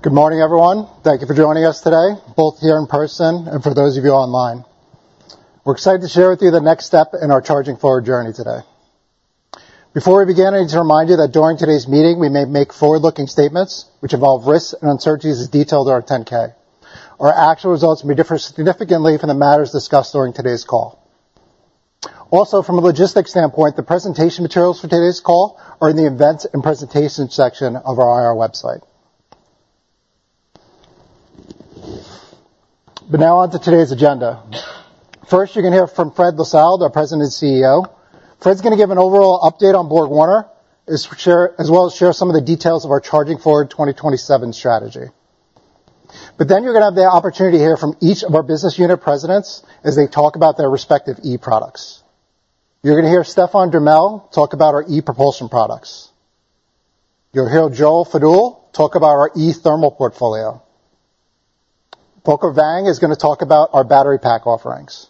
Good morning, everyone. Thank you for joining us today, both here in person and for those of you online. We're excited to share with you the next step in our Charging Forward journey today. Before we begin, I need to remind you that during today's meeting, we may make forward-looking statements which involve risks and uncertainties as detailed in our 10-K. Our actual results may differ significantly from the matters discussed during today's call. Also, from a logistics standpoint, the presentation materials for today's call are in the Events and Presentation section of our IR website. Now on to today's agenda. First, you're going to hear from Frédéric Lissalde, our President and CEO. Fréd's going to give an overall update on BorgWarner, as well as share some of the details of our Charging Forward 2027 strategy. You're going to have the opportunity to hear from each of our business unit presidents as they talk about their respective e-products. You're going to hear Stefan Demmerle talk about our ePropulsion products. You'll hear Joe Fadool talk about our e-thermal portfolio. Volker Weng is going to talk about our battery pack offerings.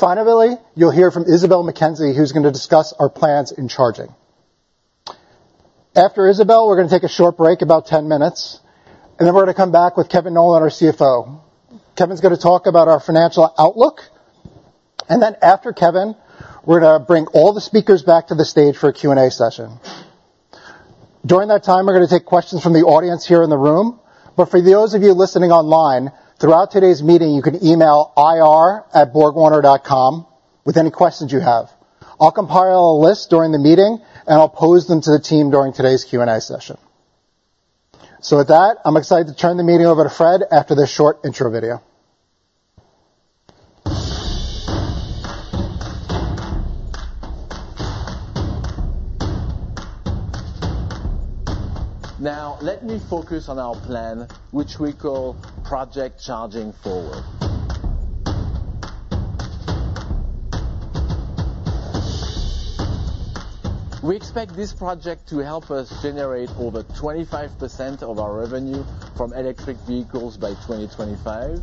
Finally, you'll hear from Isabelle McKenzie, who's going to discuss our plans in charging. After Isabelle, we're going to take a short break, about 10 minutes, then we're going to come back with Kevin Nowlan, our CFO. Kevin's going to talk about our financial outlook, then after Kevin, we're going to bring all the speakers back to the stage for a Q&A session. During that time, we're going to take questions from the audience here in the room, for those of you listening online, throughout today's meeting, you can email ir@borgwarner.com with any questions you have. I'll compile a list during the meeting, and I'll pose them to the team during today's Q&A session. With that, I'm excited to turn the meeting over to Fréd after this short intro video. Now, let me focus on our plan, which we call Project Charging Forward. We expect this project to help us generate over 25% of our revenue from electric vehicles by 2025.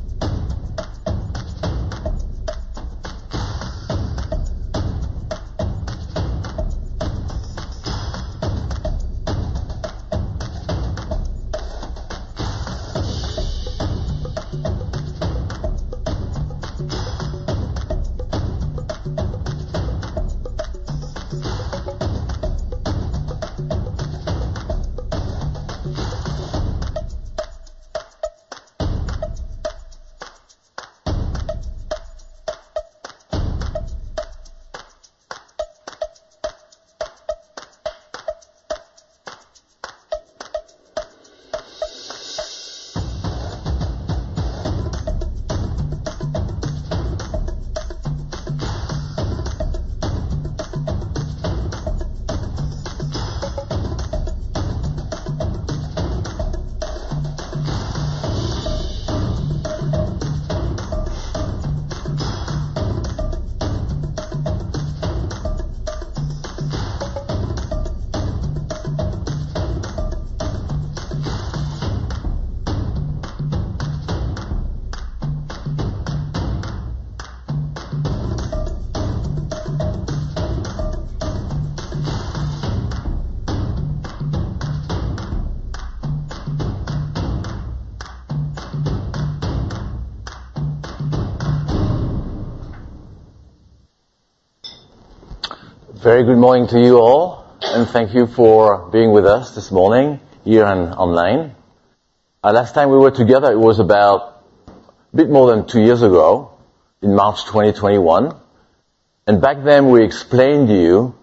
Very good morning to you all, thank you for being with us this morning, here and online. Last time we were together, it was about a bit more than two years ago, in March 2021. Back then, we explained to you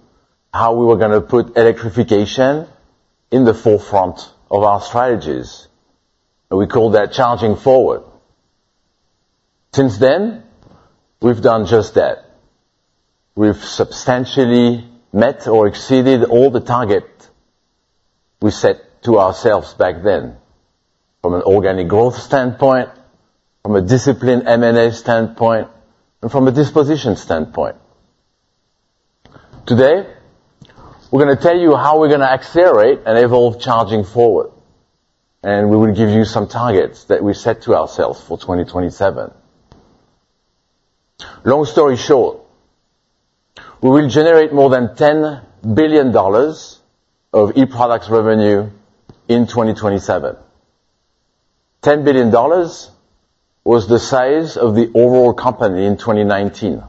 how we were going to put electrification in the forefront of our strategies, we call that Charging Forward. Since then, we've done just that. We've substantially met or exceeded all the target we set to ourselves back then, from an organic growth standpoint, from a disciplined M&A standpoint, from a disposition standpoint. Today, we're going to tell you how we're going to accelerate and evolve Charging Forward, and we will give you some targets that we've set to ourselves for 2027. Long story short, we will generate more than $10 billion of e-products revenue in 2027. $10 billion was the size of the overall company in 2019.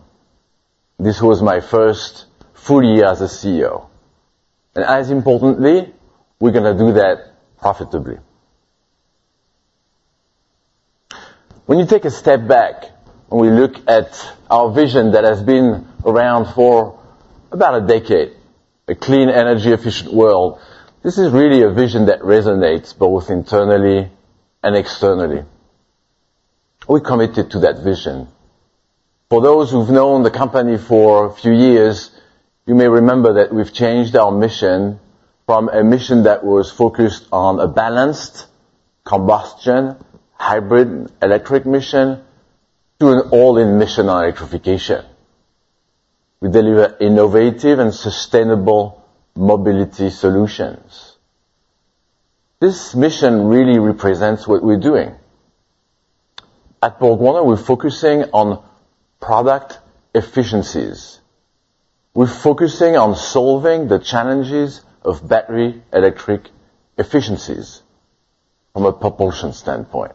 This was my first full year as a CEO. As importantly, we're going to do that profitably. When you take a step back and we look at our vision that has been around for about a decade, a clean, energy-efficient world, this is really a vision that resonates both internally and externally. We're committed to that vision. For those who've known the company for a few years, you may remember that we've changed our mission from a mission that was focused on a balanced combustion, hybrid electric mission, to an all-in mission on electrification. We deliver innovative and sustainable mobility solutions. This mission really represents what we're doing. At BorgWarner, we're focusing on product efficiencies. We're focusing on solving the challenges of battery electric efficiencies from a propulsion standpoint.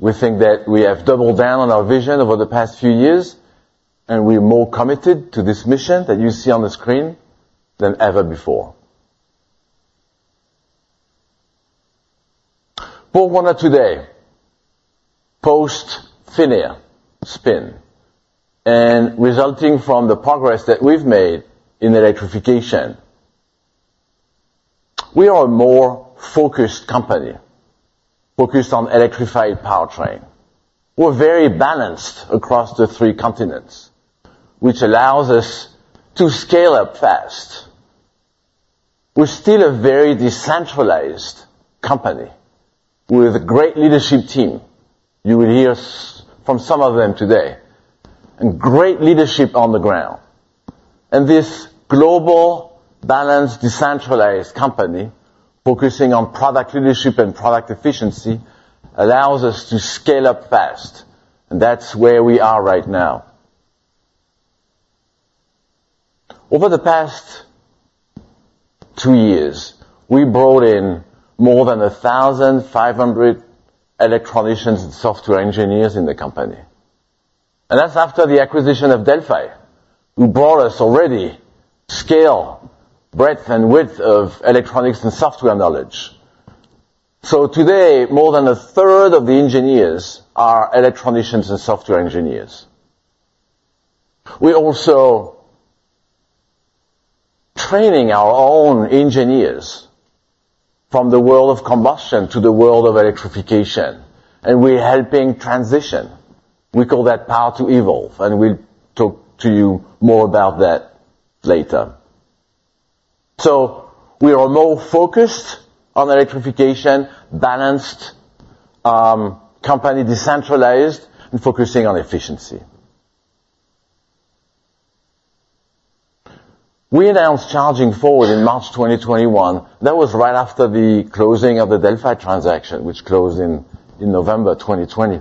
We think that we have doubled down on our vision over the past few years, and we're more committed to this mission that you see on the screen than ever before. BorgWarner today, post PHINIA spin, and resulting from the progress that we've made in electrification, we are a more focused company, focused on electrified powertrain. We're very balanced across the three continents, which allows us to scale up fast. We're still a very decentralized company with a great leadership team. You will hear from some of them today, and great leadership on the ground. This global, balanced, decentralized company, focusing on product leadership and product efficiency, allows us to scale up fast, and that's where we are right now. Over the past two years, we brought in more than 1,500 electronics and software engineers in the company, and that's after the acquisition of Delphi, who brought us already scale, breadth, and width of electronics and software knowledge. Today, more than a third of the engineers are electronics and software engineers. We're also training our own engineers from the world of combustion to the world of electrification, and we're helping transition. We call that Power to Evolve, and we'll talk to you more about that later. We are more focused on electrification, balanced, company decentralized and focusing on efficiency. We announced Charging Forward in March 2021. That was right after the closing of the Delphi transaction, which closed in November 2020.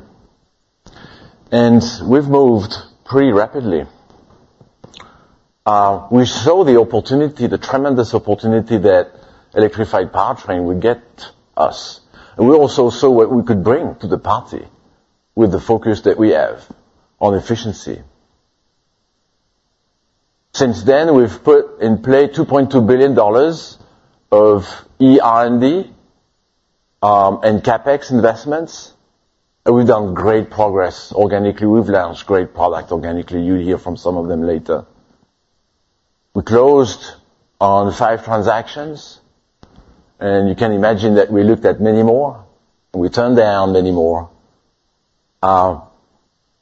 We've moved pretty rapidly. We saw the opportunity, the tremendous opportunity, that electrified powertrain would get us, and we also saw what we could bring to the party with the focus that we have on efficiency. Since then, we've put in play $2.2 billion of eR&D and CapEx investments, and we've done great progress organically. We've launched great product organically. You'll hear from some of them later. We closed on five transactions, and you can imagine that we looked at many more, and we turned down many more.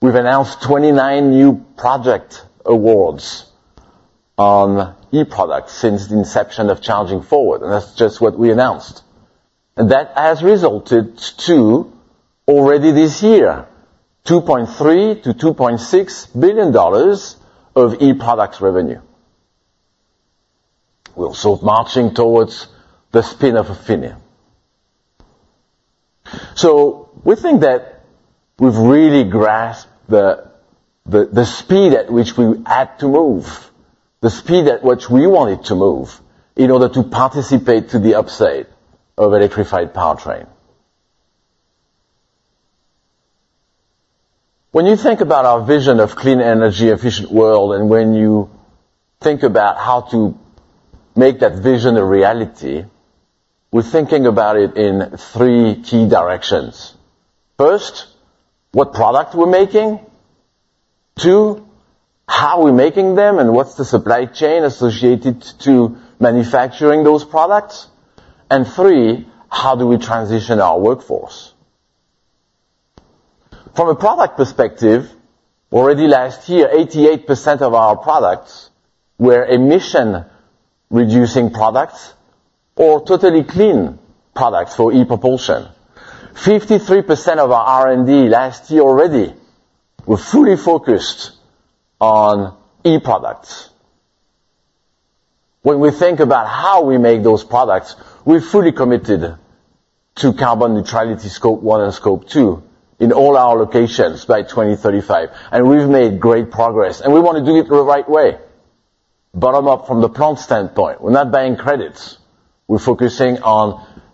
We've announced 29 new project awards on e-products since the inception of Charging Forward. That's just what we announced. That has resulted to, already this year, $2.3 billion-$2.6 billion of e-products revenue. We're also marching towards the spin of PHINIA. We think that we've really grasped the speed at which we had to move, the speed at which we wanted to move in order to participate to the upside of electrified powertrain. When you think about our vision of clean energy, efficient world, and when you think about how to make that vision a reality, we're thinking about it in three key directions. First, what product we're making. Two, how we're making them, and what's the supply chain associated to manufacturing those products. Three, how do we transition our workforce? From a product perspective, already last year, 88% of our products were emission-reducing products or totally clean products for ePropulsion. 53% of our R&D last year already were fully focused on e-products. When we think about how we make those products, we're fully committed to carbon neutrality, Scope 1 and Scope 2, in all our locations by 2035, and we've made great progress, and we want to do it the right way. Bottom up, from the plant standpoint, we're not buying credits. We're focusing on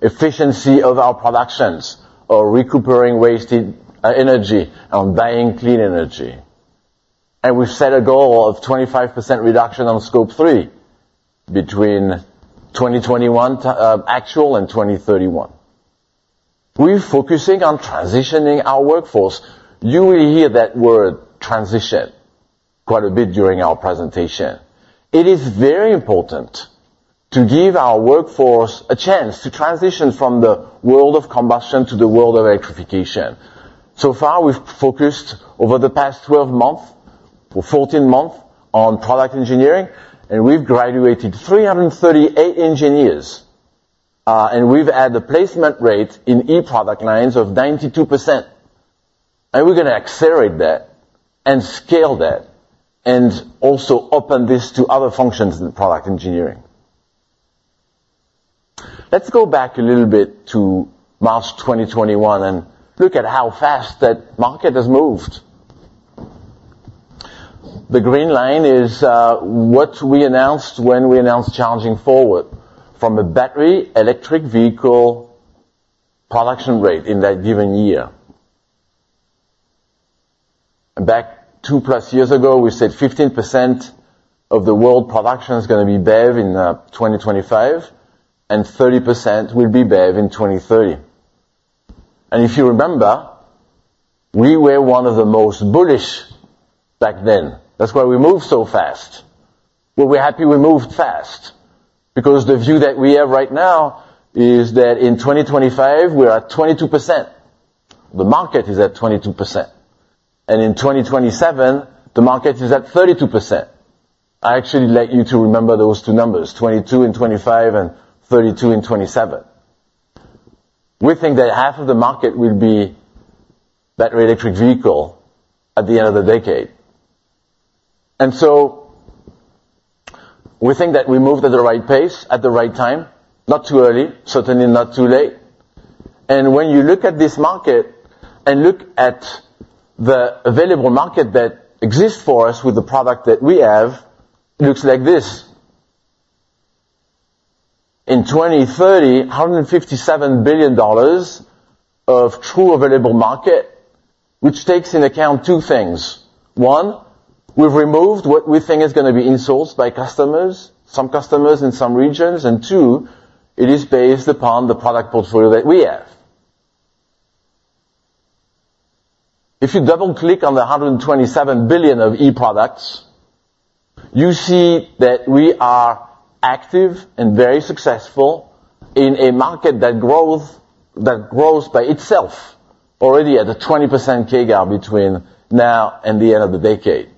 efficiency of our productions or recuperating wasted energy, on buying clean energy. We've set a goal of 25% reduction on Scope 3 between 2021 actual and 2031. We're focusing on transitioning our workforce. You will hear that word, transition, quite a bit during our presentation. It is very important to give our workforce a chance to transition from the world of combustion to the world of electrification. We've focused over the past 12 months or 14 months on product engineering, and we've graduated 338 engineers. We've had a placement rate in e-product lines of 92%, and we're gonna accelerate that and scale that, and also open this to other functions in product engineering. Let's go back a little bit to March 2021, and look at how fast that market has moved. The green line is what we announced when we announced Charging Forward from a battery electric vehicle production rate in that given year. Back two-plus years ago, we said 15% of the world production is gonna be BEV in 2025, and 30% will be BEV in 2030. If you remember, we were one of the most bullish back then. That's why we moved so fast. We're happy we moved fast, because the view that we have right now is that in 2025, we are at 22%. The market is at 22%, and in 2027, the market is at 32%. I actually like you to remember those two numbers, 22% and 25%, and 32% and 27%. We think that half of the market will be battery electric vehicle at the end of the decade. We think that we moved at the right pace, at the right time. Not too early, certainly not too late. When you look at this market and look at the available market that exists for us with the product that we have, it looks like this. In 2030, $157 billion of true available market, which takes in account two things. One, we've removed what we think is going to be insourced by customers, some customers in some regions. Two, it is based upon the product portfolio that we have. If you double-click on the $127 billion of e-products, you see that we are active and very successful in a market that grows by itself, already at a 20% CAGR between now and the end of the decade.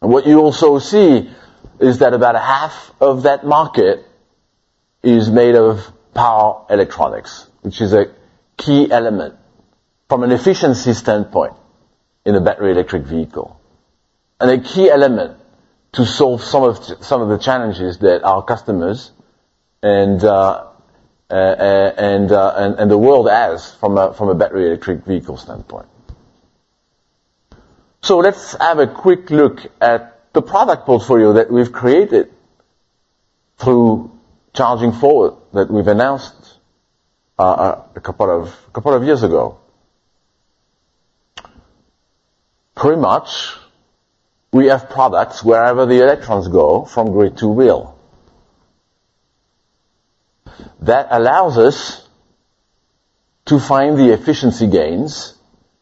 What you also see is that about a half of that market is made of power electronics, which is a key element from an efficiency standpoint in a battery electric vehicle, and a key element to solve some of the challenges that our customers and the world has from a battery electric vehicle standpoint. Let's have a quick look at the product portfolio that we've created through Charging Forward, that we've announced a couple of years ago. Pretty much, we have products wherever the electrons go, from grid to wheel. That allows us to find the efficiency gains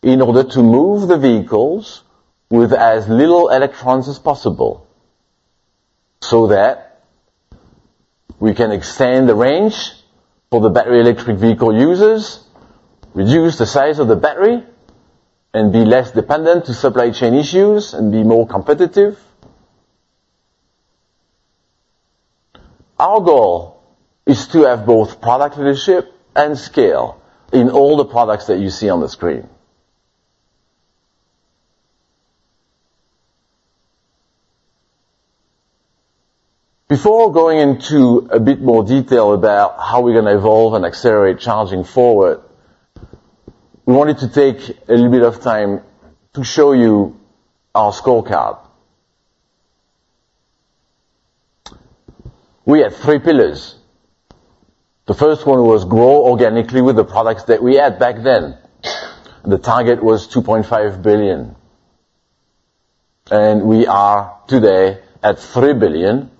in order to move the vehicles with as little electrons as possible, so that we can extend the range for the battery electric vehicle users, reduce the size of the battery, and be less dependent to supply chain issues and be more competitive. Our goal is to have both product leadership and scale in all the products that you see on the screen. Before going into a bit more detail about how we're gonna evolve and accelerate Charging Forward, we wanted to take a little bit of time to show you our scorecard. We had three pillars. The first one was grow organically with the products that we had back then. The target was $2.5 billion, and we are today at $3 billion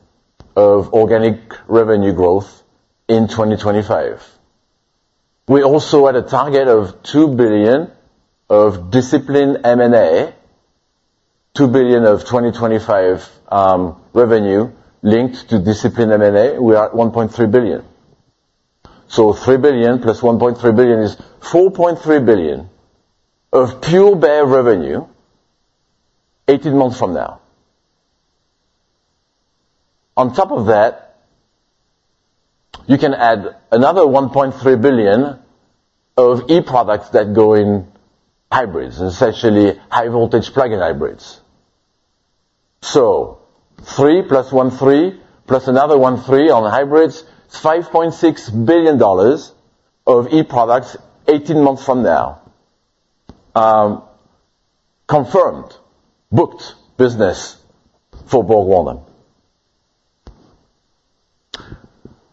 of organic revenue growth in 2025. We also had a target of $2 billion of disciplined M&A, $2 billion of 2025, revenue linked to disciplined M&A. We are at $1.3 billion. $3 billion + $1.3 billion is $4.3 billion of pure BEV revenue 18 months from now. On top of that, you can add another $1.3 billion of e-products that go in hybrids, essentially high-voltage plug-in hybrids. $3 billion + $1.3 billion, plus another $1.3 billion on hybrids, is $5.6 billion of e-products 18 months from now, confirmed, booked business for BorgWarner.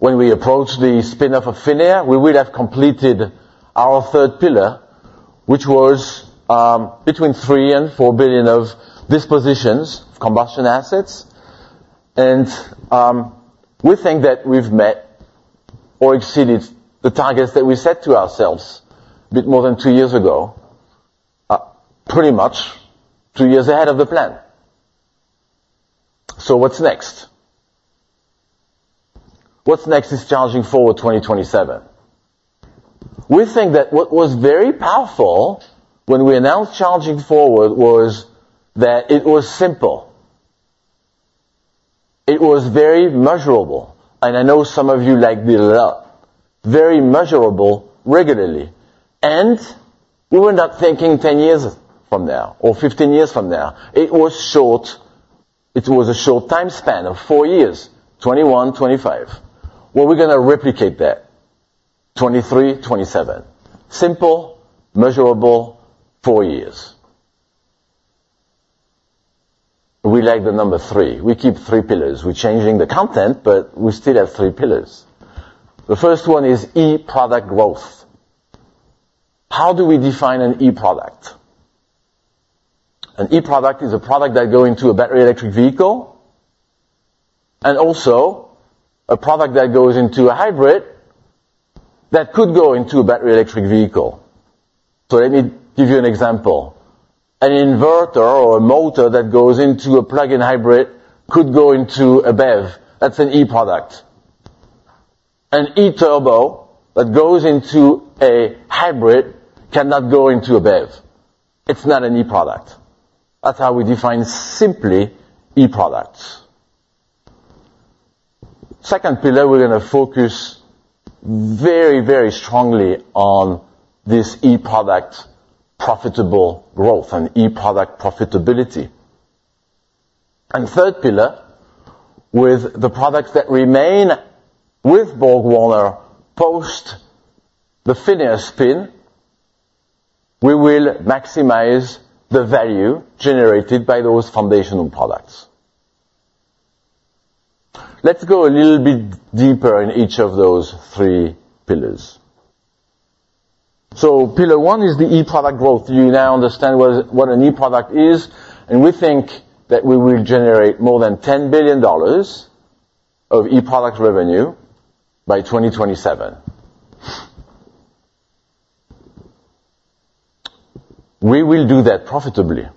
When we approach the spin-off of PHINIA, we will have completed our third pillar, which was, between $3 billion-$4 billion of dispositions, combustion assets. We think that we've met or exceeded the targets that we set to ourselves a bit more than two years ago, pretty much two years ahead of the plan. What's next? What's next is Charging Forward 2027. We think that what was very powerful when we announced Charging Forward was that it was simple. It was very measurable, and I know some of you like this a lot. Very measurable regularly. We were not thinking 10 years from now or 15 years from there. It was short, it was a short time span of four years, 2021, 2025. We're gonna replicate that, 2023, 2027. Simple, measurable, four years. We like the number three. We keep three pillars. We're changing the content, but we still have three pillars. The first one is e-product growth. How do we define an e-product? An e-product is a product that goes into a battery electric vehicle, and also a product that goes into a hybrid, that could go into a battery electric vehicle. Let me give you an example. An inverter or a motor that goes into a plug-in hybrid could go into a BEV. That's an e-product. An e-turbo that goes into a hybrid cannot go into a BEV. It's not an e-product. That's how we define simply e-products. Second pillar, we're going to focus very, very strongly on this e-product profitable growth and e-product profitability. Third pillar, with the products that remain with BorgWarner post the PHINIA spin, we will maximize the value generated by those foundational products. Let's go a little bit deeper in each of those three pillars. Pillar one is the e-product growth. You now understand what an e-product is. We think that we will generate more than $10 billion of e-product revenue by 2027. We will do that profitably.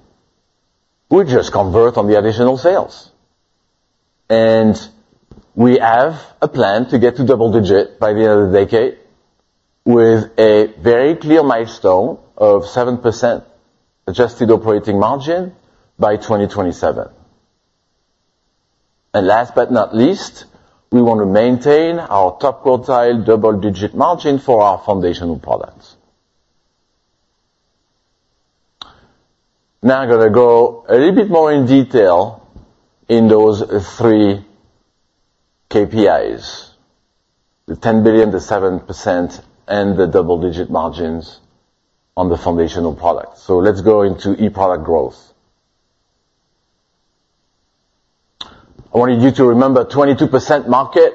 We just convert on the additional sales. We have a plan to get to double-digit by the end of the decade, with a very clear milestone of 7% adjusted operating margin by 2027. Last but not least, we want to maintain our top quartile double-digit margin for our foundational products. Now, I'm gonna go a little bit more in detail in those three KPIs. The $10 billion, the 7%, and the double-digit margins on the foundational products. Let's go into e-product growth. I wanted you to remember 22% market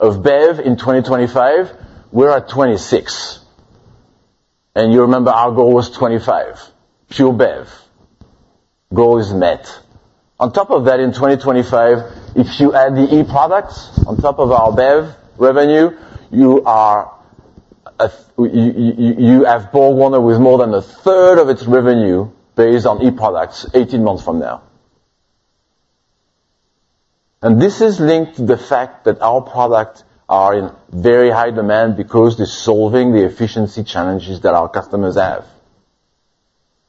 of BEV in 2025. We're at 26. You remember our goal was 25, pure BEV. Goal is met. In 2025, if you add the e-products on top of our BEV revenue, you have BorgWarner with more than a third of its revenue based on e-products 18 months from now. This is linked to the fact that our product are in very high demand because they're solving the efficiency challenges that our customers have.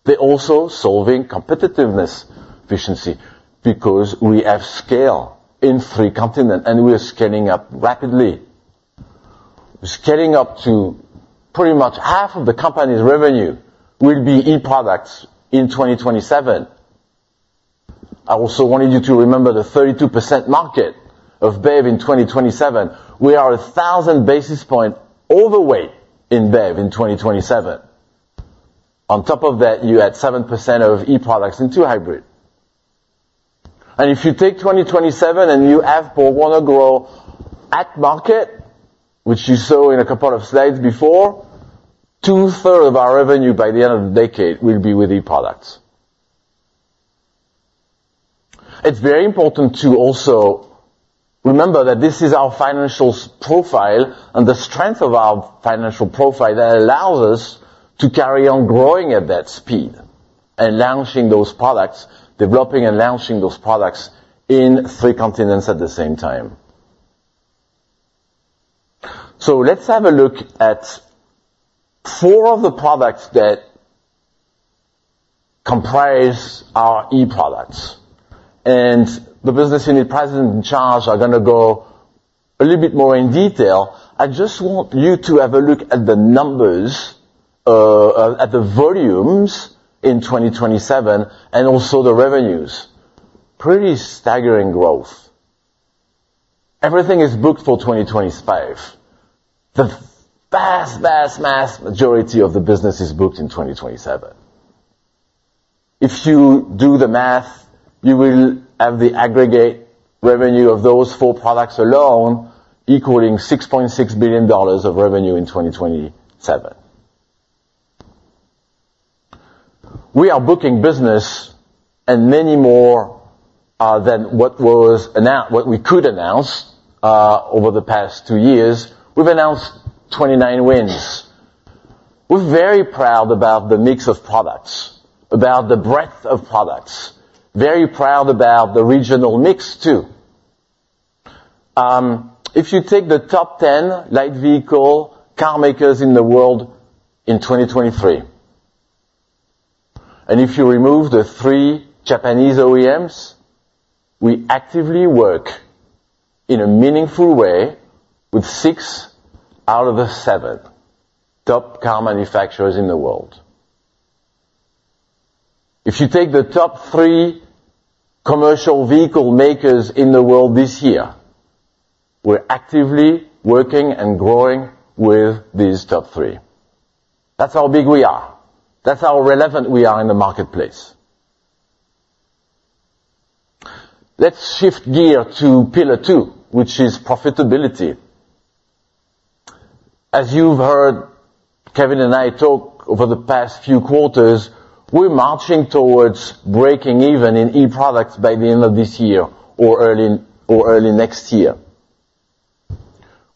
They're also solving competitiveness efficiency, because we have scale in three continent, and we are scaling up rapidly. Scaling up to pretty much half of the company's revenue will be e-products in 2027. I also wanted you to remember the 32% market of BEV in 2027. We are 1,000 basis point overweight in BEV in 2027. You add 7% of e-products into hybrid. If you take 2027 and you have BorgWarner grow at market, which you saw in a couple of slides before, two-third of our revenue by the end of the decade will be with e-products. It's very important to also remember that this is our financial profile and the strength of our financial profile that allows us to carry on growing at that speed and launching those products, developing and launching those products in three continents at the same time. Let's have a look at four of the products that comprise our e-products, and the business unit president in charge are gonna go a little bit more in detail. I just want you to have a look at the numbers, at the volumes in 2027 and also the revenues. Pretty staggering growth. Everything is booked for 2025. The vast, vast majority of the business is booked in 2027. If you do the math, you will have the aggregate revenue of those four products alone equaling $6.6 billion of revenue in 2027. We are booking business and many more than what we could announce over the past two years, we've announced 29 wins. We're very proud about the mix of products, about the breadth of products, very proud about the regional mix, too. If you take the top 10 light vehicle carmakers in the world in 2023, if you remove the three Japanese OEMs, we actively work in a meaningful way with six out of the seven top car manufacturers in the world. If you take the top three commercial vehicle makers in the world this year, we're actively working and growing with these top three. That's how big we are. That's how relevant we are in the marketplace. Let's shift gear to pillar two, which is profitability. As you've heard Kevin and I talk over the past few quarters, we're marching towards breaking even in e-products by the end of this year or early next year.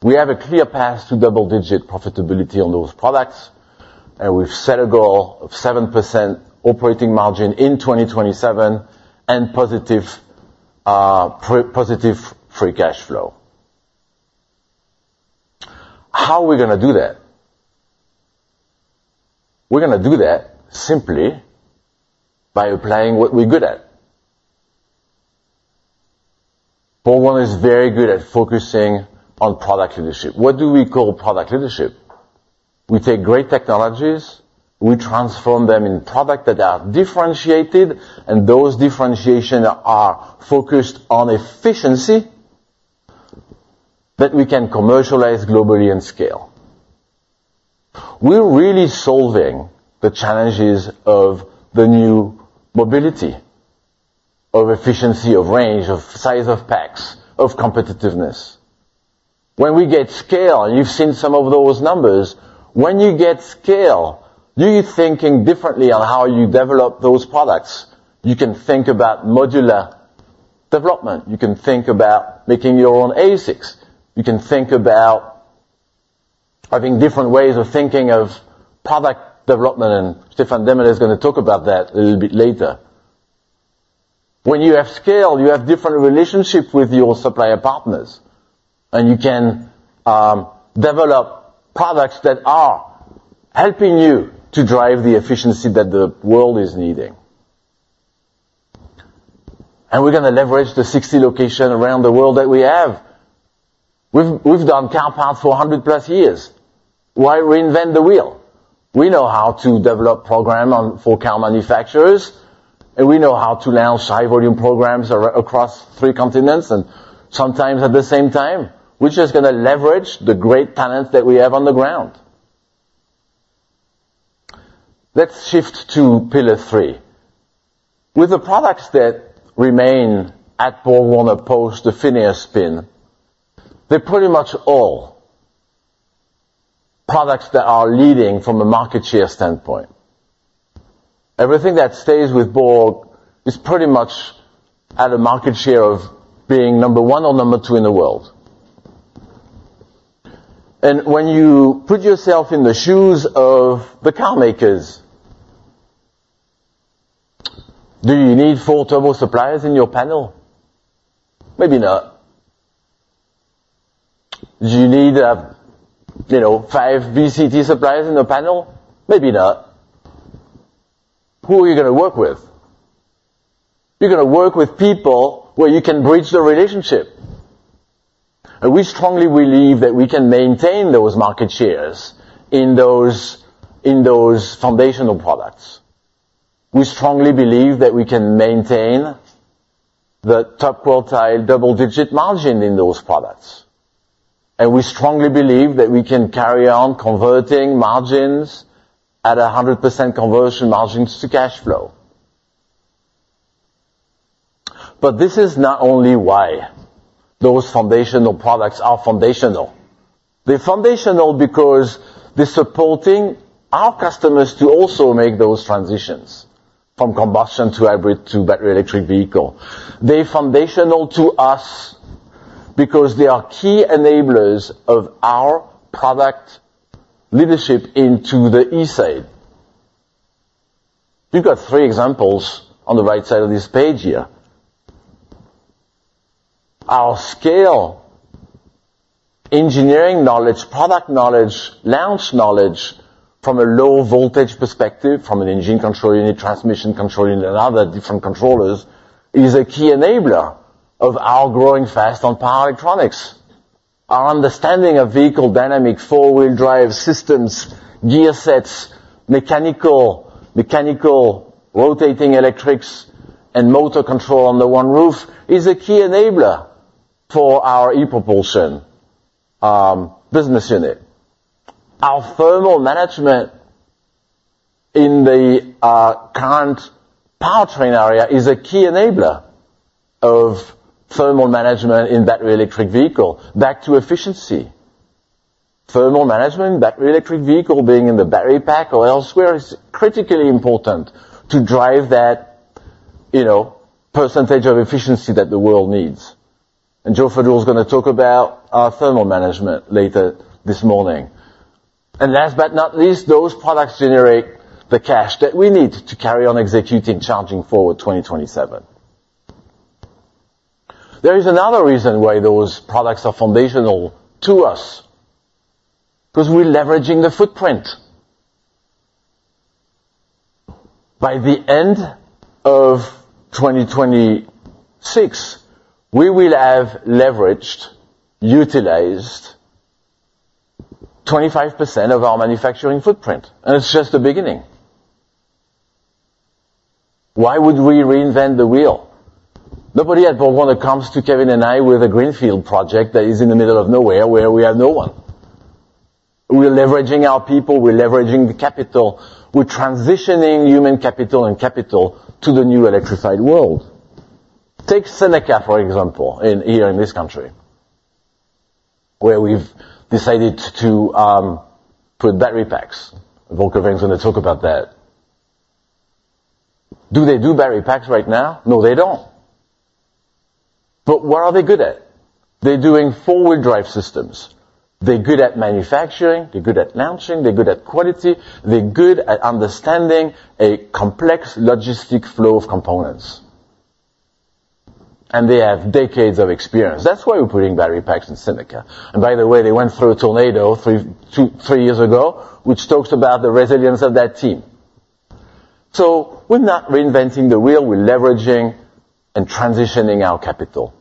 We have a clear path to double-digit profitability on those products, and we've set a goal of 7% operating margin in 2027, and positive free cash flow. How are we gonna do that? We're gonna do that simply by applying what we're good at. BorgWarner is very good at focusing on product leadership. What do we call product leadership? We take great technologies, we transform them in product that are differentiated. Those differentiation are focused on efficiency that we can commercialize globally and scale. We're really solving the challenges of the new mobility, of efficiency, of range, of size, of packs, of competitiveness. When we get scale, and you've seen some of those numbers, when you get scale, you're thinking differently on how you develop those products. You can think about modular development. You can think about making your own ASICs. You can think about having different ways of thinking of product development. Stefan Demmerle is gonna talk about that a little bit later. When you have scale, you have different relationships with your supplier partners. You can develop products that are helping you to drive the efficiency that the world is needing. We're gonna leverage the 60 locations around the world that we have. We've done car parts for 100+ years. Why reinvent the wheel? We know how to develop program for car manufacturers, and we know how to launch high-volume programs across three continents, and sometimes at the same time, we're just gonna leverage the great talent that we have on the ground. Let's shift to pillar three. With the products that remain at BorgWarner post the PHINIA spin, they're pretty much all products that are leading from a market share standpoint. Everything that stays with Borg is pretty much at a market share of being number one or number two in the world. When you put yourself in the shoes of the car makers, do you need four turbo suppliers in your panel? Maybe not. Do you need, you know, five VCT suppliers in the panel? Maybe not. Who are you gonna work with? You're gonna work with people where you can bridge the relationship. We strongly believe that we can maintain those market shares in those foundational products. We strongly believe that we can maintain the top quartile double-digit margin in those products. We strongly believe that we can carry on converting margins at 100% conversion margins to cash flow. This is not only why those foundational products are foundational. They're foundational because they're supporting our customers to also make those transitions from combustion, to hybrid, to battery electric vehicle. They're foundational to us because they are key enablers of our product leadership into the E side. You've got 3 examples on the right side of this page here. Our scale, engineering knowledge, product knowledge, launch knowledge from a low voltage perspective, from an engine control unit, transmission control unit, and other different controllers, is a key enabler of our growing fast on power electronics. Our understanding of vehicle dynamic, four-wheel drive systems, gear sets, mechanical rotating electrics, and motor control under one roof, is a key enabler for our ePropulsion business unit. Our thermal management in the current powertrain area is a key enabler of thermal management in battery electric vehicle. Back to efficiency. Thermal management in battery electric vehicle, being in the battery pack or elsewhere, is critically important to drive that, you know, percentage of efficiency that the world needs. Joe Fadool is gonna talk about our thermal management later this morning. Last but not least, those products generate the cash that we need to carry on executing Charging Forward 2027. There is another reason why those products are foundational to us: because we're leveraging the footprint. By the end of 2026, we will have leveraged, utilized 25% of our manufacturing footprint, and it's just the beginning. Why would we reinvent the wheel? Nobody at BorgWarner comes to Kevin and I with a greenfield project that is in the middle of nowhere, where we have no one. We're leveraging our people, we're leveraging the capital, we're transitioning human capital and capital to the new electrified world. Take Seneca, for example, here in this country, where we've decided to put battery packs. Volker Weng is going to talk about that. Do they do battery packs right now? No, they don't. What are they good at? They're doing four-wheel drive systems. They're good at manufacturing, they're good at launching, they're good at quality, they're good at understanding a complex logistic flow of components. They have decades of experience. That's why we're putting battery packs in Seneca. By the way, they went through a tornado three, two, three years ago, which talks about the resilience of that team. We're not reinventing the wheel, we're leveraging and transitioning our capital.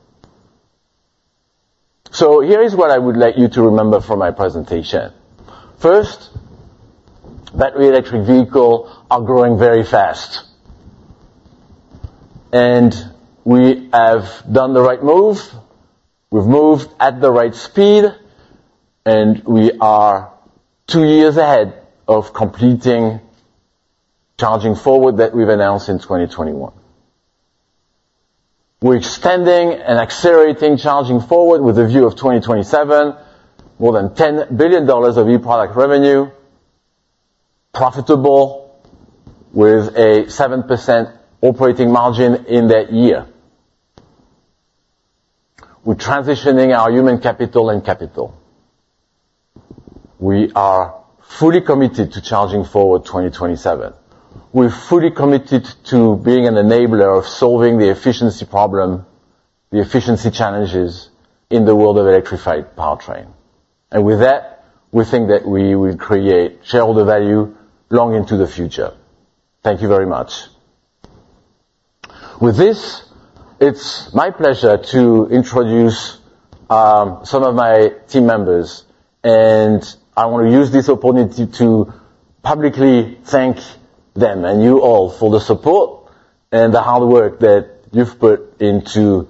Here is what I would like you to remember from my presentation. First, battery electric vehicle are growing very fast, and we have done the right move. We've moved at the right speed, and we are two years ahead of completing Charging Forward that we've announced in 2021. We're extending and accelerating Charging Forward with a view of 2027, more than $10 billion of e-product revenue, profitable, with a 7% operating margin in that year. We're transitioning our human capital and capital. We are fully committed to Charging Forward 2027. We're fully committed to being an enabler of solving the efficiency problem, the efficiency challenges in the world of electrified powertrain. With that, we think that we will create shareholder value long into the future. Thank you very much. With this, it's my pleasure to introduce some of my team members, and I want to use this opportunity to publicly thank them and you all for the support and the hard work that you've put into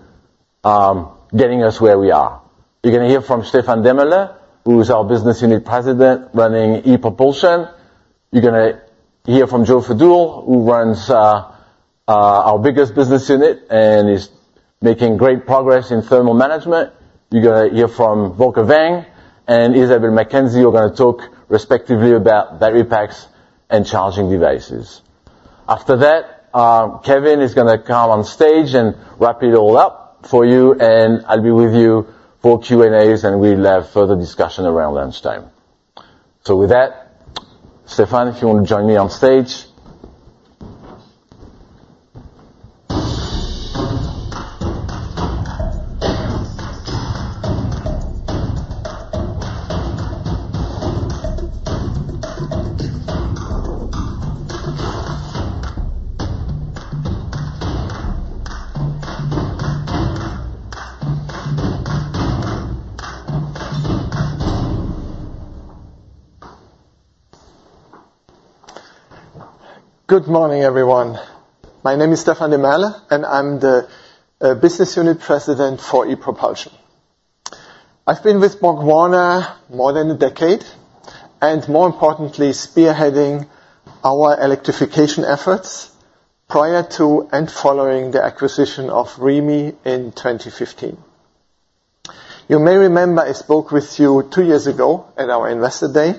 getting us where we are. You're going to hear from Stefan Demmerle, who is our Business Unit President running ePropulsion. You're gonna hear from Joe Fadool, who runs our biggest business unit and is making great progress in thermal management. You're gonna hear from Volker Weng and Isabelle McKenzie, who are gonna talk respectively about battery packs and charging devices. After that, Kevin is gonna come on stage and wrap it all up for you, and I'll be with you for Q&As, and we'll have further discussion around lunchtime. With that, Stefan, if you want to join me on stage. Good morning, everyone. My name is Stefan Demmerle, and I'm the Business Unit President for ePropulsion. I've been with BorgWarner more than a decade, and more importantly, spearheading our electrification efforts prior to and following the acquisition of Remy in 2015. You may remember I spoke with you two years ago at our Investor Day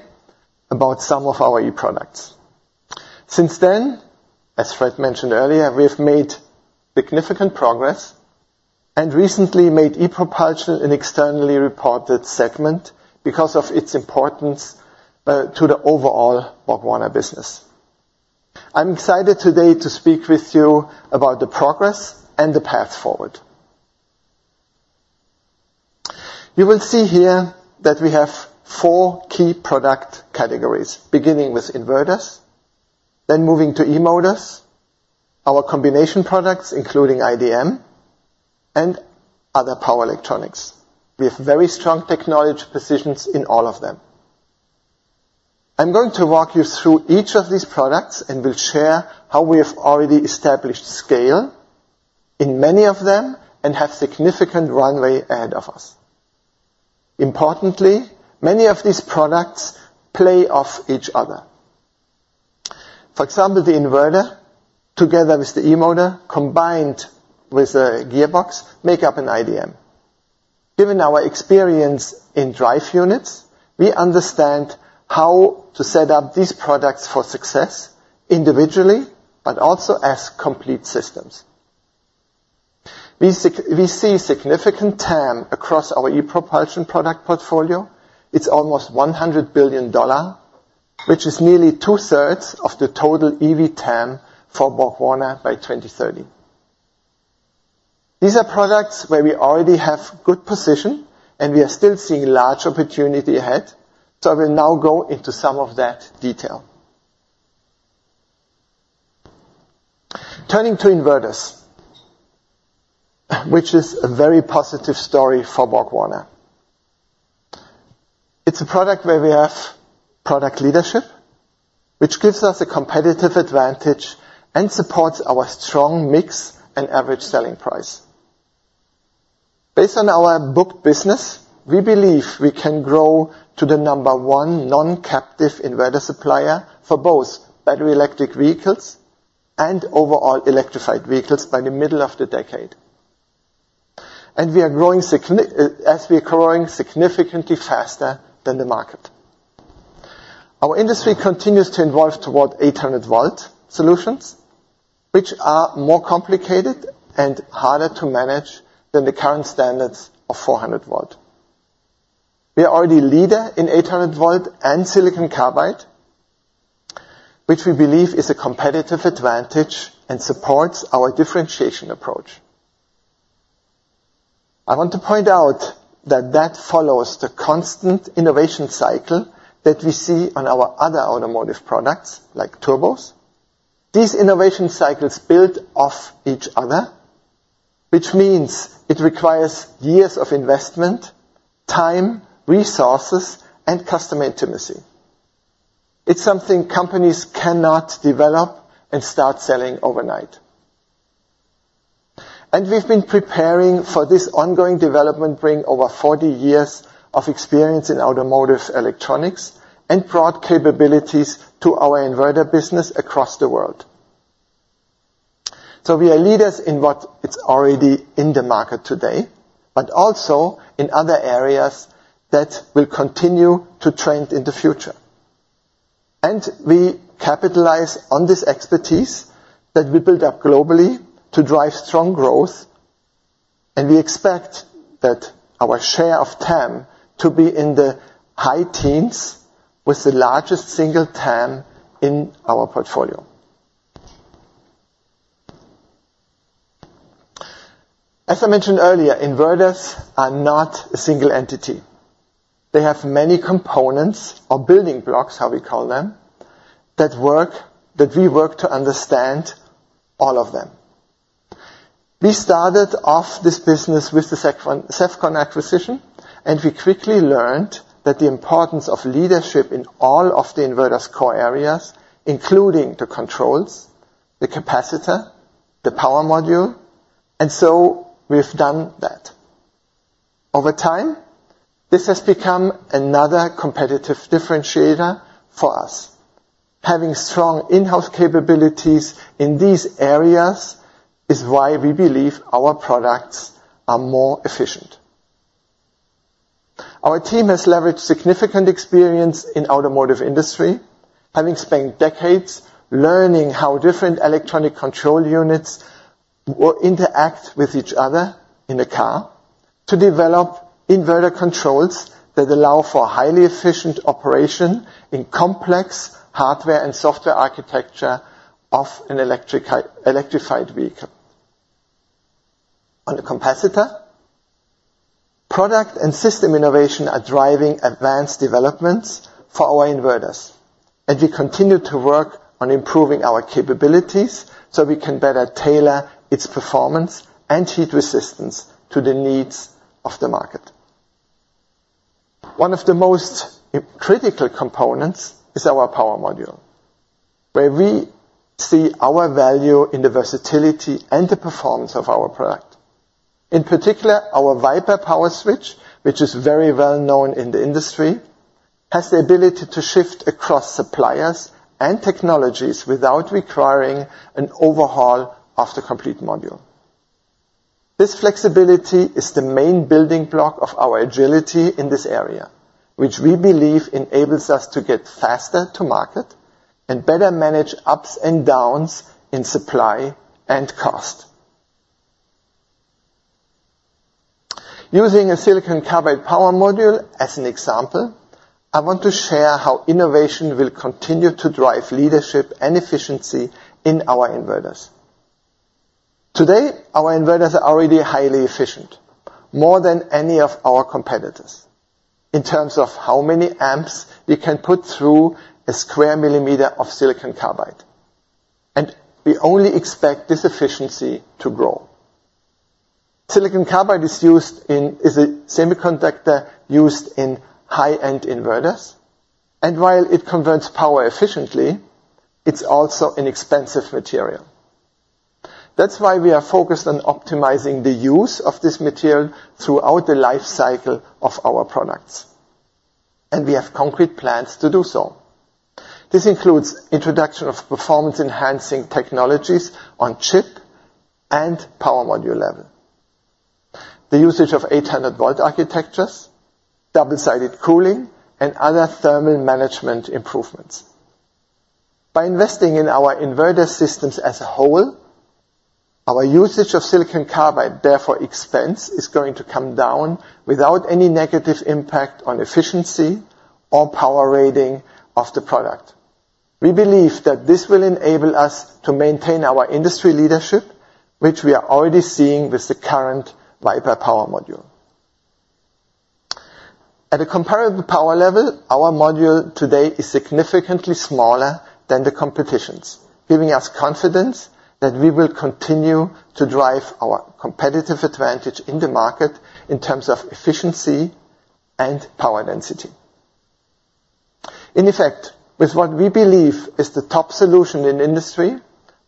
about some of our e-products. Since then, as Fréd mentioned earlier, we have made significant progress and recently made ePropulsion an externally reported segment because of its importance to the overall BorgWarner business. I'm excited today to speak with you about the progress and the path forward. You will see here that we have four key product categories, beginning with inverters, then moving to eMotors, our combination products, including IDM and other power electronics, with very strong technology positions in all of them. I'm going to walk you through each of these products, and we'll share how we have already established scale in many of them and have significant runway ahead of us. Importantly, many of these products play off each other. For example, the inverter, together with the eMotor, combined with a gearbox, make up an IDM. Given our experience in drive units, we understand how to set up these products for success individually but also as complete systems. We see significant TAM across our ePropulsion product portfolio. It's almost $100 billion, which is nearly two-thirds of the total EV TAM for BorgWarner by 2030. These are products where we already have good position, and we are still seeing large opportunity ahead, so I will now go into some of that detail. Turning to inverters, which is a very positive story for BorgWarner. It's a product where we have product leadership, which gives us a competitive advantage and supports our strong mix and average selling price. Based on our booked business, we believe we can grow to the number one non-captive inverter supplier for both battery electric vehicles and overall electrified vehicles by the middle of the decade. We are growing significantly faster than the market. Our industry continues to evolve toward 800 V solutions, which are more complicated and harder to manage than the current standards of 400 V. We are already leader in 800 V and silicon carbide, which we believe is a competitive advantage and supports our differentiation approach. I want to point out that that follows the constant innovation cycle that we see on our other automotive products, like turbos. These innovation cycles build off each other, which means it requires years of investment, time, resources, and customer intimacy. It's something companies cannot develop and start selling overnight. We've been preparing for this ongoing development, bringing over 40 years of experience in automotive electronics and broad capabilities to our inverter business across the world. We are leaders in what it's already in the market today, but also in other areas that will continue to trend in the future. We capitalize on this expertise that we build up globally to drive strong growth, and we expect that our share of TAM to be in the high teens with the largest single TAM in our portfolio. As I mentioned earlier, inverters are not a single entity. They have many components or building blocks, how we call them, that we work to understand all of them. We started off this business with the Sevcon acquisition, and we quickly learned that the importance of leadership in all of the inverter's core areas, including the controls, the capacitor, the power module, and so we've done that. Over time, this has become another competitive differentiator for us. Having strong in-house capabilities in these areas is why we believe our products are more efficient. Our team has leveraged significant experience in automotive industry, having spent decades learning how different electronic control units will interact with each other in a car to develop inverter controls that allow for highly efficient operation in complex hardware and software architecture of an electrified vehicle. On the capacitor, product and system innovation are driving advanced developments for our inverters, and we continue to work on improving our capabilities, so we can better tailor its performance and heat resistance to the needs of the market. One of the most critical components is our power module, where we see our value in the versatility and the performance of our product. In particular, our Viper power switch, which is very well known in the industry, has the ability to shift across suppliers and technologies without requiring an overhaul of the complete module. This flexibility is the main building block of our agility in this area, which we believe enables us to get faster to market and better manage ups and downs in supply and cost. Using a silicon carbide power module as an example, I want to share how innovation will continue to drive leadership and efficiency in our inverters. Today, our inverters are already highly efficient, more than any of our competitors, in terms of how many amps we can put through a square millimeter of silicon carbide, and we only expect this efficiency to grow. Silicon carbide is a semiconductor used in high-end inverters, and while it converts power efficiently, it's also an expensive material. That's why we are focused on optimizing the use of this material throughout the life cycle of our products, and we have concrete plans to do so. This includes introduction of performance-enhancing technologies on chip and power module level, the usage of 800 V architectures, double-sided cooling, and other thermal management improvements. By investing in our inverter systems as a whole, our usage of silicon carbide, therefore expense, is going to come down without any negative impact on efficiency or power rating of the product. We believe that this will enable us to maintain our industry leadership, which we are already seeing with the current Viper power module. At a comparable power level, our module today is significantly smaller than the competition's, giving us confidence that we will continue to drive our competitive advantage in the market in terms of efficiency and power density. In effect, with what we believe is the top solution in industry,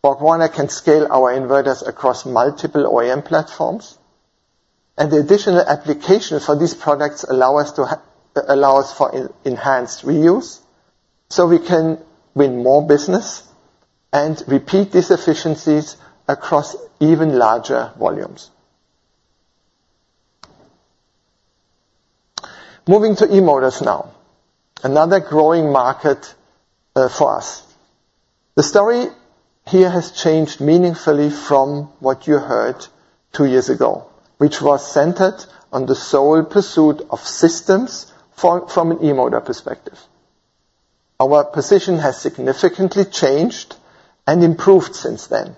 BorgWarner can scale our inverters across multiple OEM platforms, and the additional applications for these products allow us for e-enhanced reuse, so we can win more business and repeat these efficiencies across even larger volumes. Moving to e-motors now, another growing market for us. The story here has changed meaningfully from what you heard two years ago, which was centered on the sole pursuit of systems from an e-motor perspective. Our position has significantly changed and improved since then,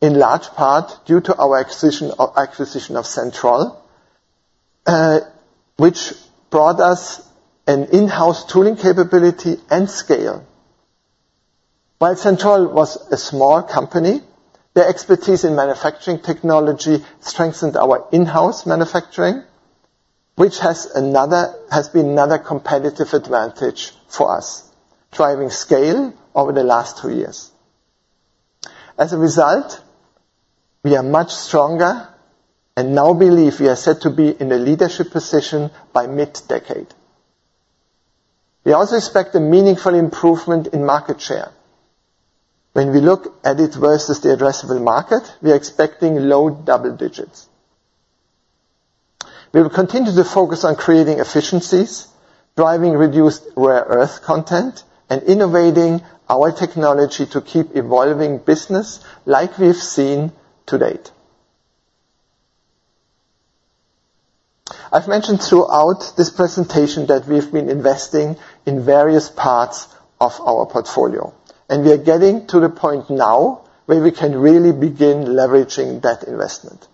in large part due to our acquisition of Santroll, which brought us an in-house tooling capability and scale. While Santroll was a small company, their expertise in manufacturing technology strengthened our in-house manufacturing, which has been another competitive advantage for us, driving scale over the last two years. As a result, we are much stronger and now believe we are set to be in a leadership position by mid-decade. We also expect a meaningful improvement in market share. When we look at it versus the addressable market, we are expecting low double digits. We will continue to focus on creating efficiencies, driving reduced rare earth content, and innovating our technology to keep evolving business like we've seen to date. I've mentioned throughout this presentation that we've been investing in various parts of our portfolio, we are getting to the point now where we can really begin leveraging that investment.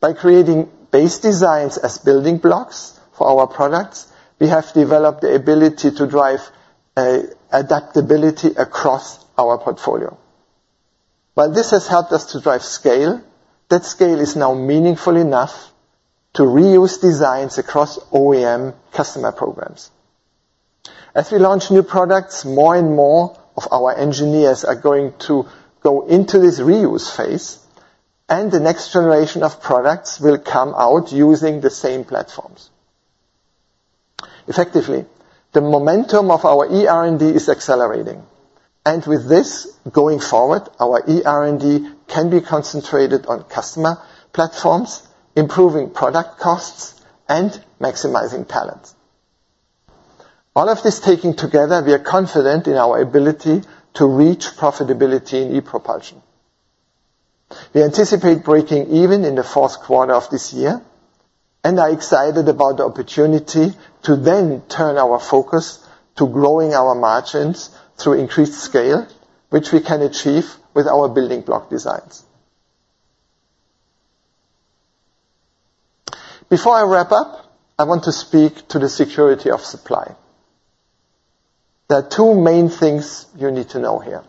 By creating base designs as building blocks for our products, we have developed the ability to drive adaptability across our portfolio. While this has helped us to drive scale, that scale is now meaningful enough to reuse designs across OEM customer programs. As we launch new products, more and more of our engineers are going to go into this reuse phase, and the next generation of products will come out using the same platforms. Effectively, the momentum of our eR&D is accelerating. With this, going forward, our eR&D can be concentrated on customer platforms, improving product costs, and maximizing talent. All of this taken together, we are confident in our ability to reach profitability in e-propulsion. We anticipate breaking even in the fourth quarter of this year. We are excited about the opportunity to then turn our focus to growing our margins through increased scale, which we can achieve with our building block designs. Before I wrap up, I want to speak to the security of supply. There are two main things you need to know here.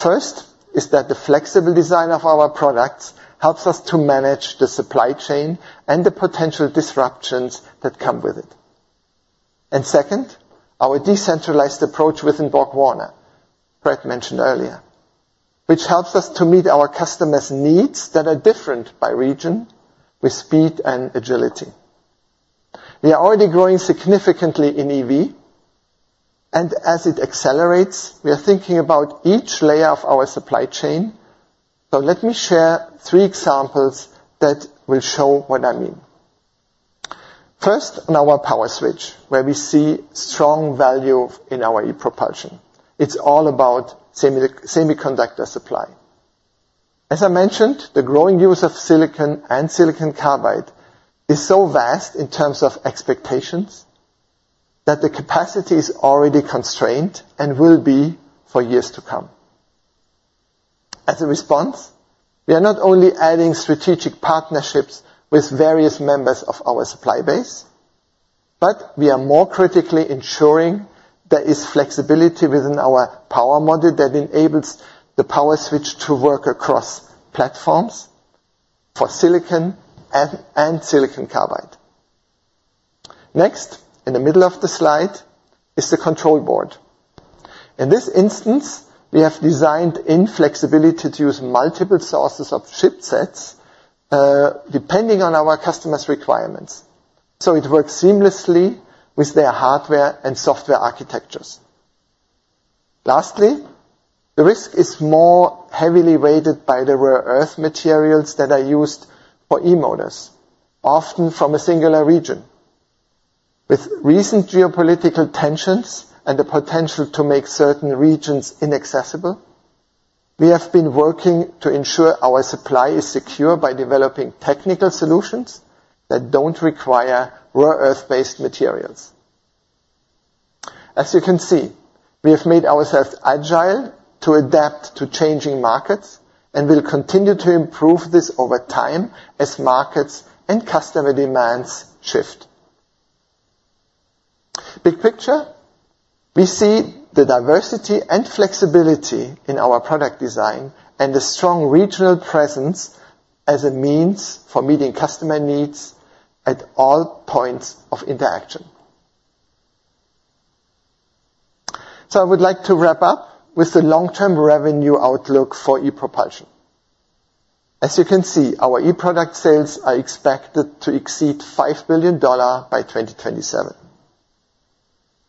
First, is that the flexible design of our products helps us to manage the supply chain and the potential disruptions that come with it. Second, our decentralized approach within BorgWarner, Brett mentioned earlier, which helps us to meet our customers' needs that are different by region, with speed and agility. We are already growing significantly in EV, and as it accelerates, we are thinking about each layer of our supply chain. Let me share three examples that will show what I mean. First, on our power switch, where we see strong value in our ePropulsion. It's all about semiconductor supply. As I mentioned, the growing use of silicon and silicon carbide is so vast in terms of expectations, that the capacity is already constrained and will be for years to come. We are not only adding strategic partnerships with various members of our supply base, but we are more critically ensuring there is flexibility within our power module that enables the power switch to work across platforms for silicon and silicon carbide. In the middle of the slide is the control board. In this instance, we have designed in flexibility to use multiple sources of chipsets, depending on our customers' requirements, it works seamlessly with their hardware and software architectures. The risk is more heavily weighted by the rare earth materials that are used for eMotors, often from a singular region. With recent geopolitical tensions and the potential to make certain regions inaccessible, we have been working to ensure our supply is secure by developing technical solutions that don't require rare earth-based materials. As you can see, we have made ourselves agile to adapt to changing markets, and we'll continue to improve this over time as markets and customer demands shift. Big picture, we see the diversity and flexibility in our product design and a strong regional presence as a means for meeting customer needs at all points of interaction. I would like to wrap up with the long-term revenue outlook for ePropulsion. As you can see, our e-product sales are expected to exceed $5 billion by 2027.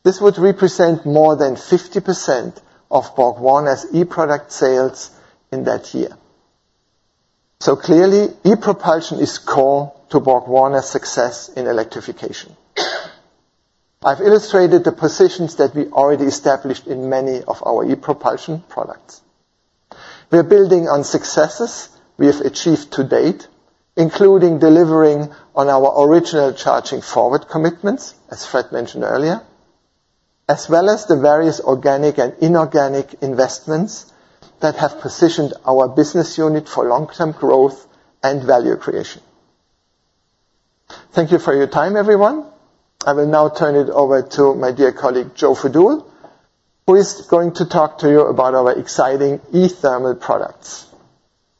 This would represent more than 50% of BorgWarner's e-product sales in that year. Clearly, ePropulsion is core to BorgWarner's success in electrification. I've illustrated the positions that we already established in many of our ePropulsion products. We're building on successes we have achieved to date, including delivering on our original Charging Forward commitments, as Fréd mentioned earlier, as well as the various organic and inorganic investments that have positioned our business unit for long-term growth and value creation. Thank you for your time, everyone. I will now turn it over to my dear colleague, Joe Fadool, who is going to talk to you about our exciting eThermal products.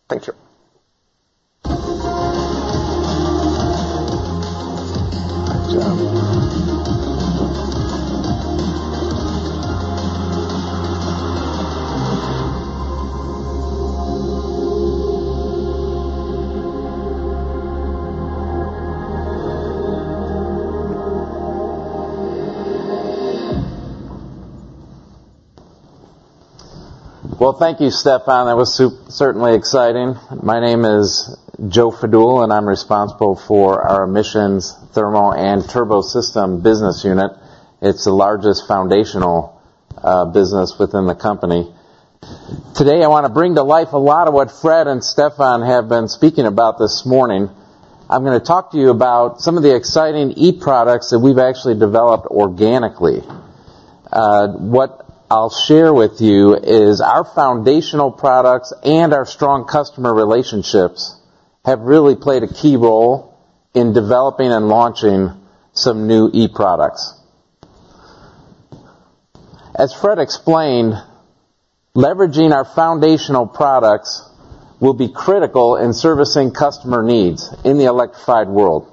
Thank you. Thank you, Stefan. That was certainly exciting. My name is Joe Fadool, and I'm responsible for our Emissions, Thermal, and Turbo Systems business unit. It's the largest foundational business within the company. Today, I want to bring to life a lot of what Fréd and Stefan have been speaking about this morning. I'm going to talk to you about some of the exciting e-products that we've actually developed organically. What I'll share with you is our foundational products and our strong customer relationships have really played a key role in developing and launching some new e-products. As Fréd explained, leveraging our foundational products will be critical in servicing customer needs in the electrified world,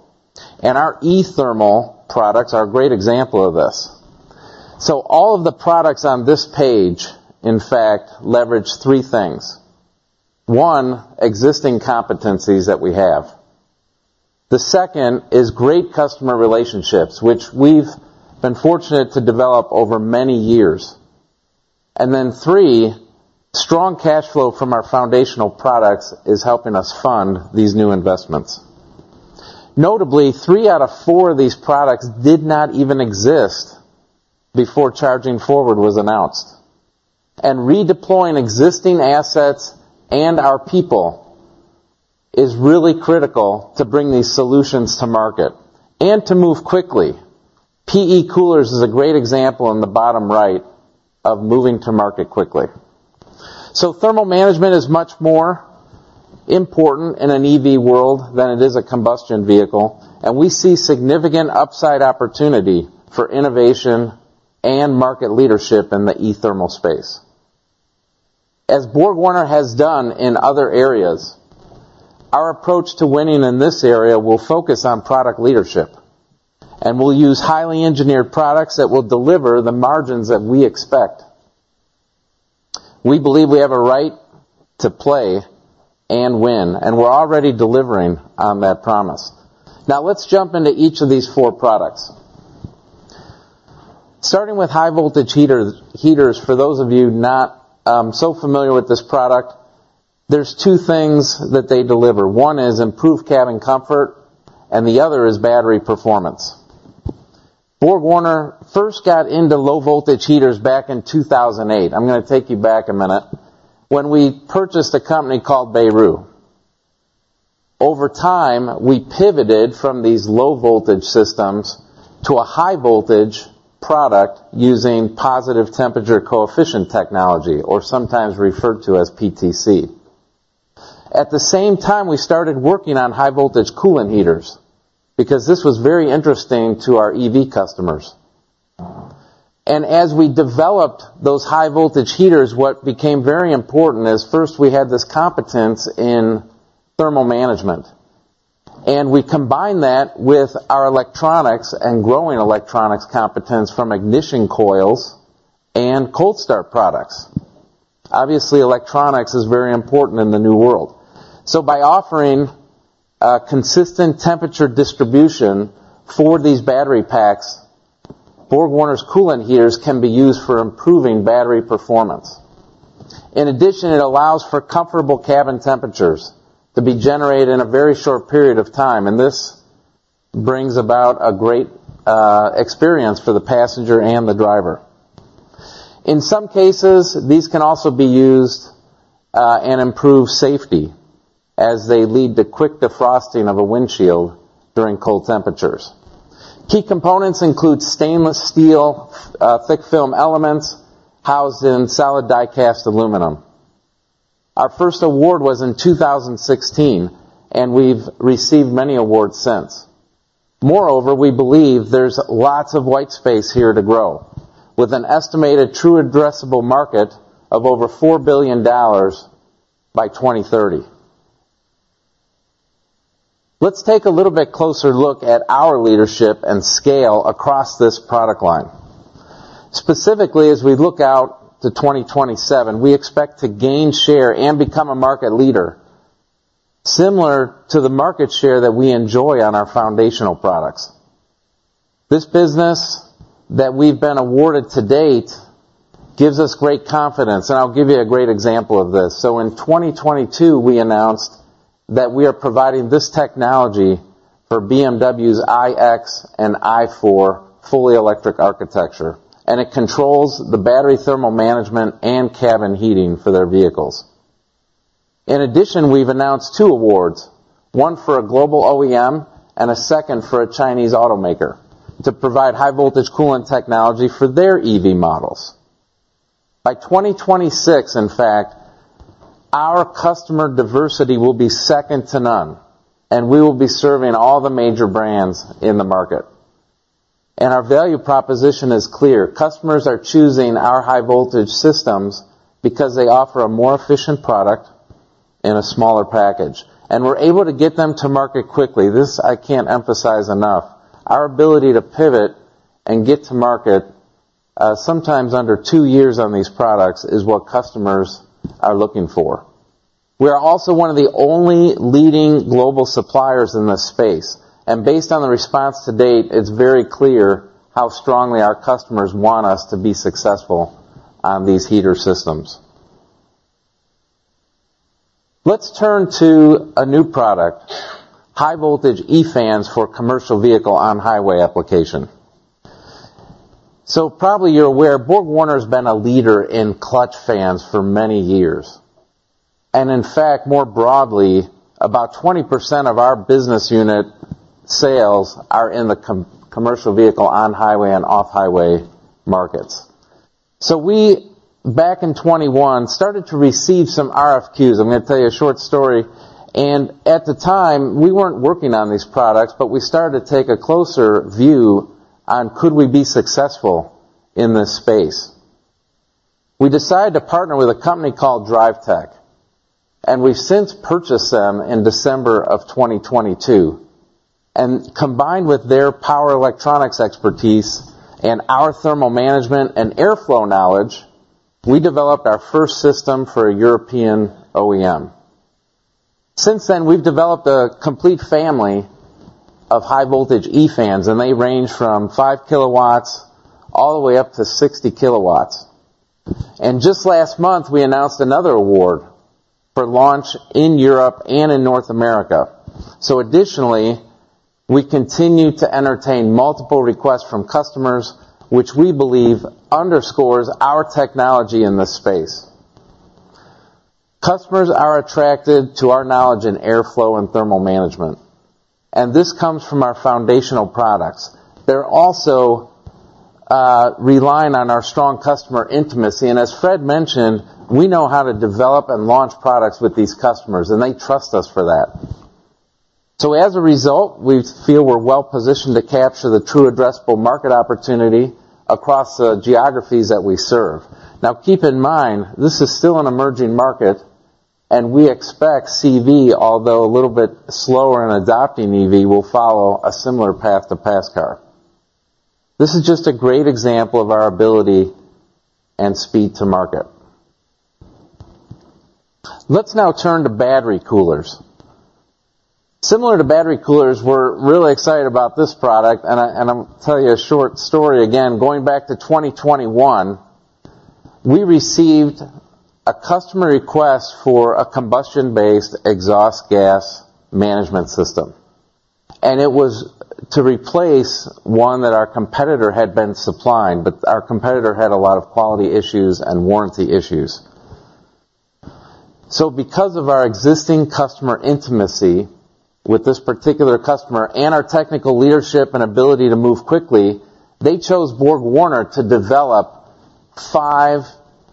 and our eThermal products are a great example of this. All of the products on this page, in fact, leverage three things. One, existing competencies that we have. The second is great customer relationships, which we've been fortunate to develop over many years. Then three, strong cash flow from our foundational products is helping us fund these new investments. Notably, three out of four of these products did not even exist before Charging Forward was announced. Redeploying existing assets and our people is really critical to bring these solutions to market and to move quickly. PE coolers is a great example in the bottom right of moving to market quickly. Thermal management is much more important in an EV world than it is a combustion vehicle, and we see significant upside opportunity for innovation and market leadership in the eThermal space. As BorgWarner has done in other areas, our approach to winning in this area will focus on product leadership, and we'll use highly engineered products that will deliver the margins that we expect. We believe we have a right to play and win, and we're already delivering on that promise. Let's jump into each of these four products. Starting with high voltage heaters, for those of you not so familiar with this product, there's two things that they deliver. One is improved cabin comfort, and the other is battery performance. BorgWarner first got into low-voltage heaters back in 2008, I'm going to take you back a minute, when we purchased a company called Beru. Over time, we pivoted from these low-voltage systems to a high-voltage product using positive temperature coefficient technology, or sometimes referred to as PTC. At the same time, we started working on high-voltage coolant heaters because this was very interesting to our EV customers. As we developed those high-voltage heaters, what became very important is, first, we had this competence in thermal management, and we combined that with our electronics and growing electronics competence from ignition coils and cold start products. Obviously, electronics is very important in the new world. By offering a consistent temperature distribution for these battery packs, BorgWarner's coolant heaters can be used for improving battery performance. In addition, it allows for comfortable cabin temperatures to be generated in a very short period of time, and this brings about a great experience for the passenger and the driver. In some cases, these can also be used and improve safety as they lead to quick defrosting of a windshield during cold temperatures. Key components include stainless steel, thick film elements housed in solid die-cast aluminum. Our first award was in 2016. We've received many awards since. Moreover, we believe there's lots of white space here to grow, with an estimated true addressable market of over $4 billion by 2030. Let's take a little bit closer look at our leadership and scale across this product line. Specifically, as we look out to 2027, we expect to gain share and become a market leader, similar to the market share that we enjoy on our foundational products. This business that we've been awarded to date gives us great confidence. I'll give you a great example of this. In 2022, we announced that we are providing this technology for BMW's iX and i4 fully electric architecture. It controls the battery thermal management and cabin heating for their vehicles. In addition, we've announced two awards, one for a global OEM and a second for a Chinese automaker, to provide high voltage coolant technology for their EV models. By 2026, in fact, our customer diversity will be second to none, and we will be serving all the major brands in the market. Our value proposition is clear. Customers are choosing our high voltage systems because they offer a more efficient product in a smaller package, and we're able to get them to market quickly. This I can't emphasize enough. Our ability to pivot and get to market, sometimes under two years on these products, is what customers are looking for. We are also one of the only leading global suppliers in this space, and based on the response to date, it's very clear how strongly our customers want us to be successful on these heater systems. Let's turn to a new product, high voltage E-fans for commercial vehicle on-highway application. Probably you're aware, BorgWarner's been a leader in clutch fans for many years. In fact, more broadly, about 20% of our business unit sales are in the commercial vehicle on-highway and off-highway markets. We, back in 2021, started to receive some RFQs. I'm gonna tell you a short story. At the time, we weren't working on these products. We started to take a closer view on could we be successful in this space? We decided to partner with a company called Drivetek. We've since purchased them in December of 2022. Combined with their power electronics expertise and our thermal management and airflow knowledge, we developed our first system for a European OEM. Since then, we've developed a complete family of high voltage e-fans, and they range from 5 kW all the way up to 60 kW. Just last month, we announced another award for launch in Europe and in North America. Additionally, we continue to entertain multiple requests from customers, which we believe underscores our technology in this space. Customers are attracted to our knowledge in airflow and thermal management, and this comes from our foundational products. They're also relying on our strong customer intimacy, and as Fréd mentioned, we know how to develop and launch products with these customers, and they trust us for that. As a result, we feel we're well positioned to capture the true addressable market opportunity across the geographies that we serve. Now, keep in mind, this is still an emerging market, and we expect CV, although a little bit slower in adopting EV, will follow a similar path to pass car. This is just a great example of our ability and speed to market. Let's now turn to battery coolers. Similar to battery coolers, we're really excited about this product, and I'm gonna tell you a short story again. Going back to 2021, we received a customer request for a combustion-based exhaust gas management system, it was to replace one that our competitor had been supplying, but our competitor had a lot of quality issues and warranty issues. Because of our existing customer intimacy with this particular customer and our technical leadership and ability to move quickly, they chose BorgWarner to develop five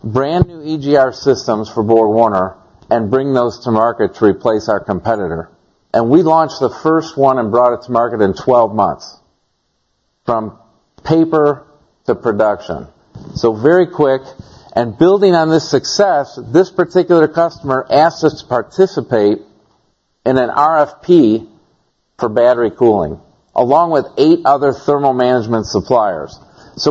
brand-new EGR systems for BorgWarner and bring those to market to replace our competitor. We launched the first one and brought it to market in 12 months, from paper to production. Very quick, and building on this success, this particular customer asked us to participate in an RFP for battery cooling, along with eight other thermal management suppliers.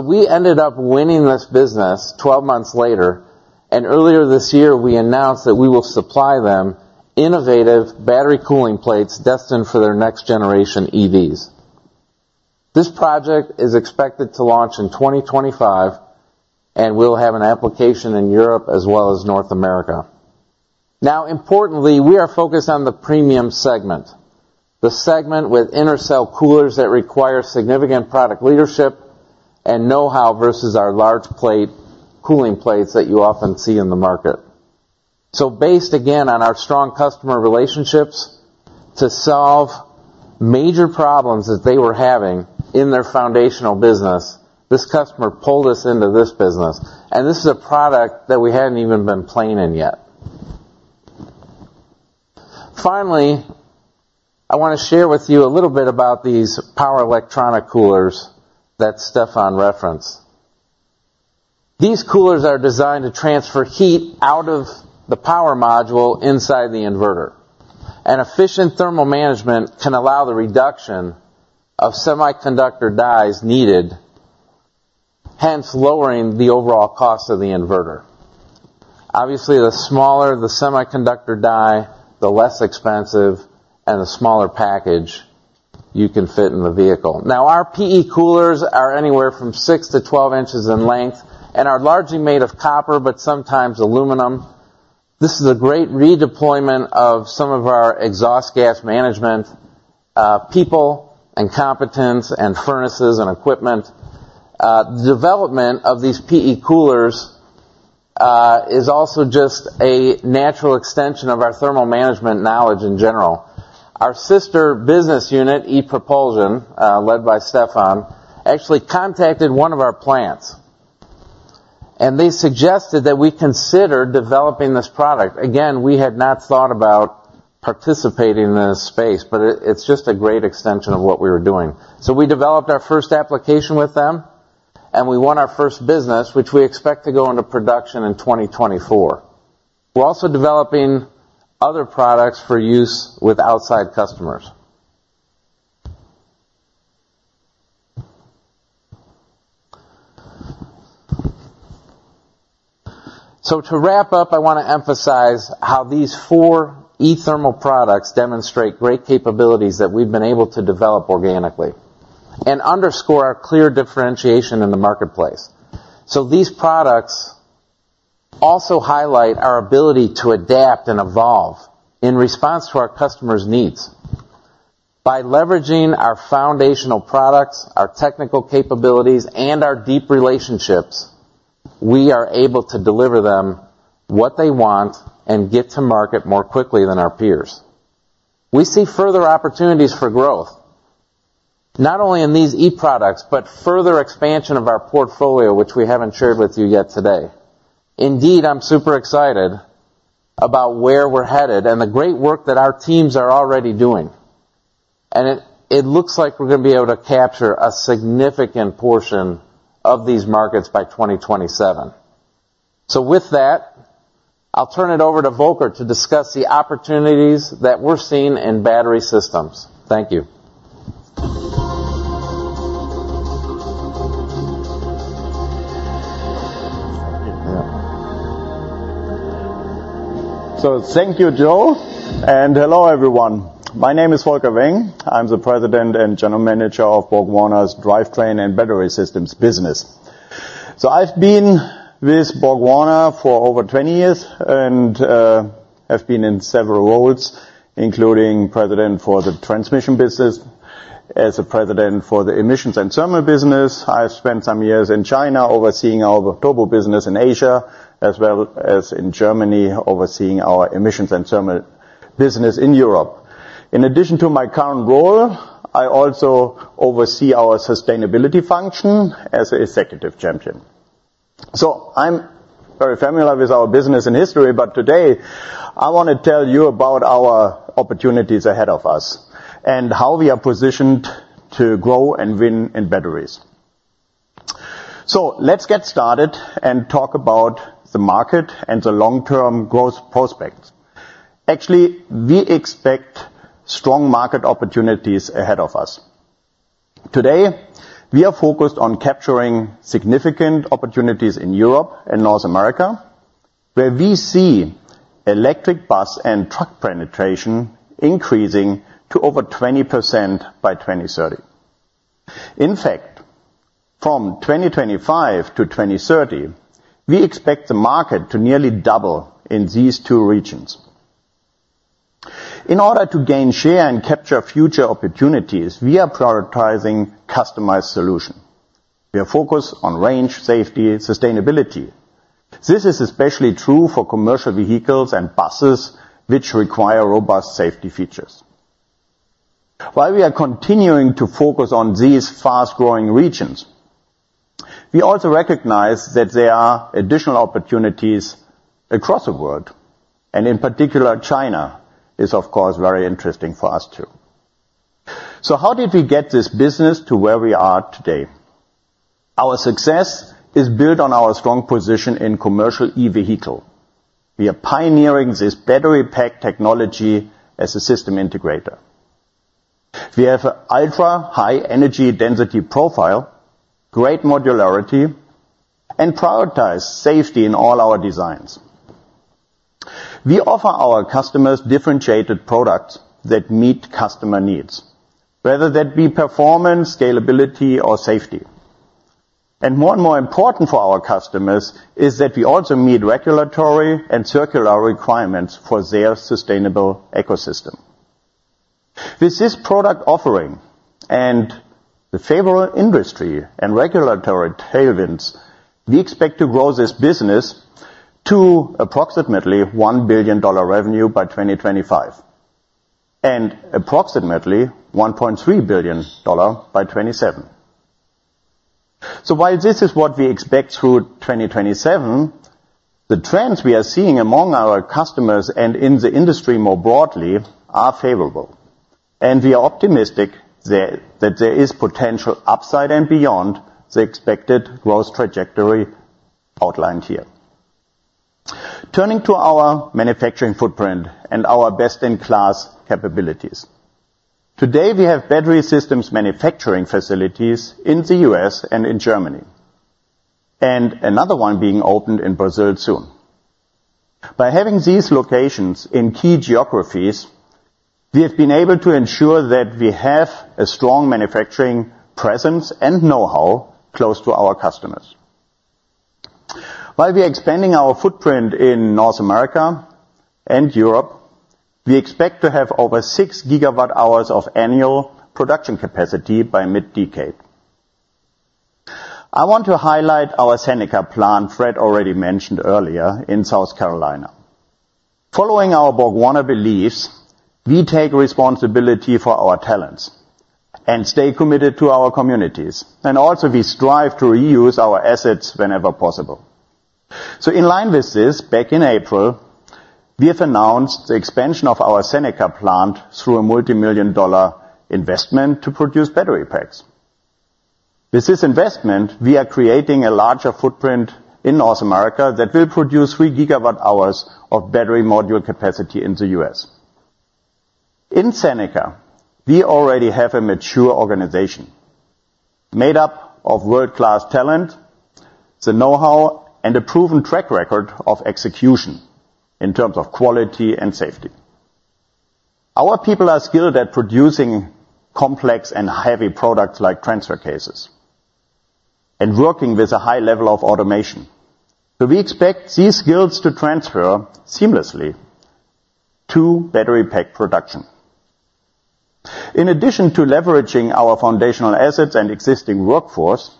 We ended up winning this business 12 months later, and earlier this year, we announced that we will supply them innovative battery cooling plates destined for their next generation EVs. This project is expected to launch in 2025, and we'll have an application in Europe as well as North America. Importantly, we are focused on the premium segment, the segment with intercell coolers that require significant product leadership and know-how versus our large plate, cooling plates that you often see in the market. Based, again, on our strong customer relationships, to solve major problems that they were having in their foundational business, this customer pulled us into this business, and this is a product that we hadn't even been planning yet. Finally, I wanna share with you a little bit about these power electronics coolers that Stefan referenced. These coolers are designed to transfer heat out of the power module inside the inverter. An efficient thermal management can allow the reduction of semiconductor dies needed, hence lowering the overall cost of the inverter. Obviously, the smaller the semiconductor die, the less expensive and the smaller package you can fit in the vehicle. Our PE coolers are anywhere from 6 in to 12 in in length and are largely made of copper, but sometimes aluminum. This is a great redeployment of some of our exhaust gas management people, and competence, and furnaces, and equipment. The development of these PE coolers is also just a natural extension of our thermal management knowledge in general. Our sister business unit, ePropulsion, led by Stefan, actually contacted one of our plants, and they suggested that we consider developing this product. Again, we had not thought about participating in this space, but it's just a great extension of what we were doing. We developed our first application with them, and we won our first business, which we expect to go into production in 2024. We're also developing other products for use with outside customers. To wrap up, I wanna emphasize how these four eThermal products demonstrate great capabilities that we've been able to develop organically, and underscore our clear differentiation in the marketplace. These products also highlight our ability to adapt and evolve in response to our customers' needs. By leveraging our foundational products, our technical capabilities, and our deep relationships, we are able to deliver them what they want and get to market more quickly than our peers. We see further opportunities for growth, not only in these e-products, but further expansion of our portfolio, which we haven't shared with you yet today. Indeed, I'm super excited about where we're headed and the great work that our teams are already doing, and it looks like we're gonna be able to capture a significant portion of these markets by 2027. With that, I'll turn it over to Volker to discuss the opportunities that we're seeing in battery systems. Thank you. Thank you, Joe, and hello, everyone. My name is Volker Weng. I'm the President and General Manager of BorgWarner's Drivetrain and Battery Systems business. I've been with BorgWarner for over 20 years, and I've been in several roles, including president for the Transmission business. As a president for the Emissions and Thermal business, I spent some years in China, overseeing our Turbo business in Asia, as well as in Germany, overseeing our Emissions and Thermal business in Europe. In addition to my current role, I also oversee our sustainability function as an executive champion. I'm very familiar with our business and history, but today I wanna tell you about our opportunities ahead of us, and how we are positioned to grow and win in batteries. Let's get started and talk about the market and the long-term growth prospects. Actually, we expect strong market opportunities ahead of us. Today, we are focused on capturing significant opportunities in Europe and North America, where we see electric bus and truck penetration increasing to over 20% by 2030. In fact, from 2025-2030, we expect the market to nearly double in these two regions. In order to gain share and capture future opportunities, we are prioritizing customized solution. We are focused on range, safety, and sustainability. This is especially true for commercial vehicles and buses, which require robust safety features. While we are continuing to focus on these fast-growing regions, we also recognize that there are additional opportunities across the world, and in particular, China is, of course, very interesting for us, too. How did we get this business to where we are today? Our success is built on our strong position in commercial e-vehicle. We are pioneering this battery pack technology as a system integrator. We have an ultra-high energy density profile, great modularity, and prioritize safety in all our designs. We offer our customers differentiated products that meet customer needs, whether that be performance, scalability, or safety. More and more important for our customers, is that we also meet regulatory and circular requirements for their sustainable ecosystem. With this product offering and the favorable industry and regulatory tailwinds, we expect to grow this business to approximately $1 billion revenue by 2025, and approximately $1.3 billion by 2027. While this is what we expect through 2027, the trends we are seeing among our customers and in the industry more broadly, are favorable, and we are optimistic that there is potential upside and beyond the expected growth trajectory outlined here. Turning to our manufacturing footprint and our best-in-class capabilities. Today, we have battery systems manufacturing facilities in the U.S. and in Germany, another one being opened in Brazil soon. By having these locations in key geographies, we have been able to ensure that we have a strong manufacturing presence and know-how close to our customers. While we are expanding our footprint in North America and Europe, we expect to have over 6 GW hours of annual production capacity by mid-decade. I want to highlight our Seneca plant, Fréd already mentioned earlier, in South Carolina. Following our BorgWarner beliefs, we take responsibility for our talents and stay committed to our communities, also we strive to reuse our assets whenever possible. In line with this, back in April, we have announced the expansion of our Seneca plant through a multimillion-dollar investment to produce battery packs. With this investment, we are creating a larger footprint in North America that will produce 3 GW hours of battery module capacity in the U.S. In Seneca, we already have a mature organization, made up of world-class talent, the know-how, and a proven track record of execution in terms of quality and safety. Our people are skilled at producing complex and heavy products like transfer cases and working with a high level of automation, so we expect these skills to transfer seamlessly to battery pack production. In addition to leveraging our foundational assets and existing workforce,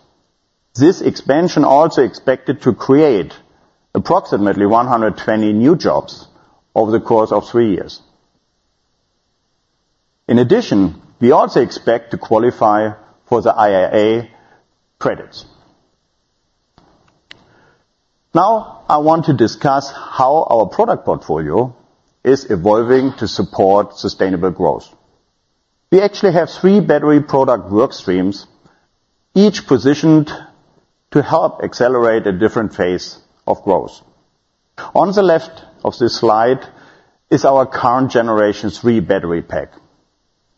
this expansion also expected to create approximately 120 new jobs over the course of three years. In addition, we also expect to qualify for the IRA credits. I want to discuss how our product portfolio is evolving to support sustainable growth. We actually have three battery product work streams, each positioned to help accelerate a different phase of growth. On the left of this slide is our current Generation Three battery pack.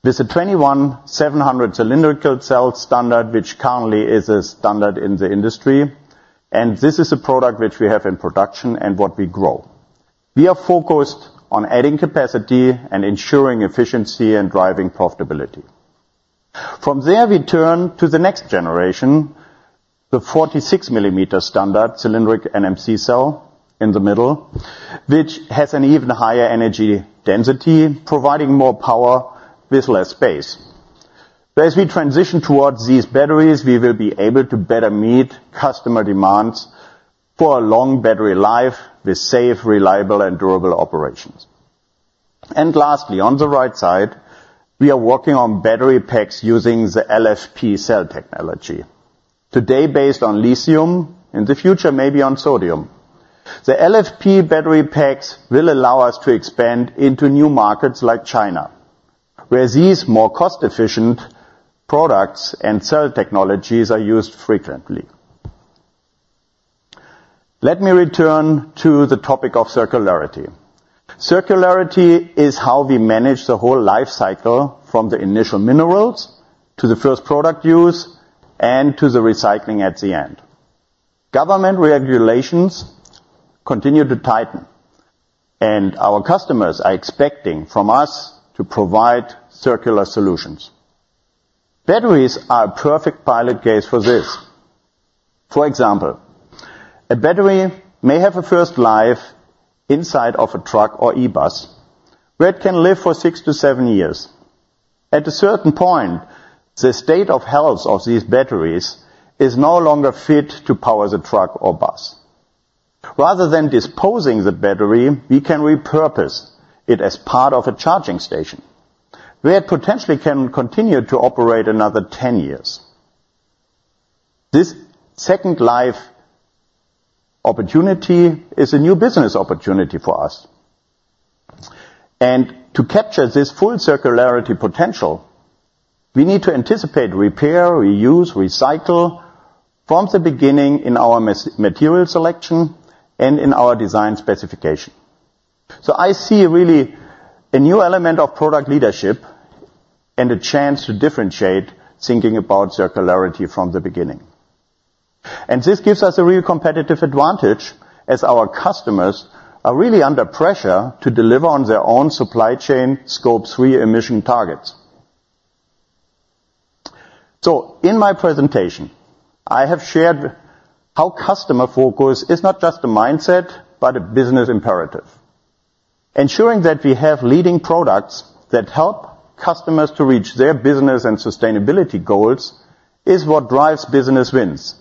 With a 21700 cylindrical cell standard, which currently is a standard in the industry, this is a product which we have in production and what we grow. We are focused on adding capacity and ensuring efficiency and driving profitability. From there, we turn to the next generation, the 46 mm standard cylindric NMC cell in the middle, which has an even higher energy density, providing more power with less space. As we transition towards these batteries, we will be able to better meet customer demands for a long battery life with safe, reliable, and durable operations. Lastly, on the right side, we are working on battery packs using the LFP cell technology. Today, based on lithium, in the future, maybe on sodium. The LFP battery packs will allow us to expand into new markets like China, where these more cost-efficient products and cell technologies are used frequently. Let me return to the topic of circularity. Circularity is how we manage the whole life cycle from the initial minerals to the first product use, and to the recycling at the end. Government regulations continue to tighten, and our customers are expecting from us to provide circular solutions. Batteries are a perfect pilot case for this. For example, a battery may have a first life inside of a truck or e-bus, where it can live for six to seven years. At a certain point, the state of health of these batteries is no longer fit to power the truck or bus. Rather than disposing the battery, we can repurpose it as part of a charging station, where it potentially can continue to operate another 10 years. This second life opportunity is a new business opportunity for us. To capture this full circularity potential, we need to anticipate, repair, reuse, recycle from the beginning in our material selection and in our design specification. I see really a new element of product leadership and a chance to differentiate thinking about circularity from the beginning. This gives us a real competitive advantage, as our customers are really under pressure to deliver on their own supply chain Scope 3 emission targets. In my presentation, I have shared how customer focus is not just a mindset, but a business imperative. Ensuring that we have leading products that help customers to reach their business and sustainability goals is what drives business wins.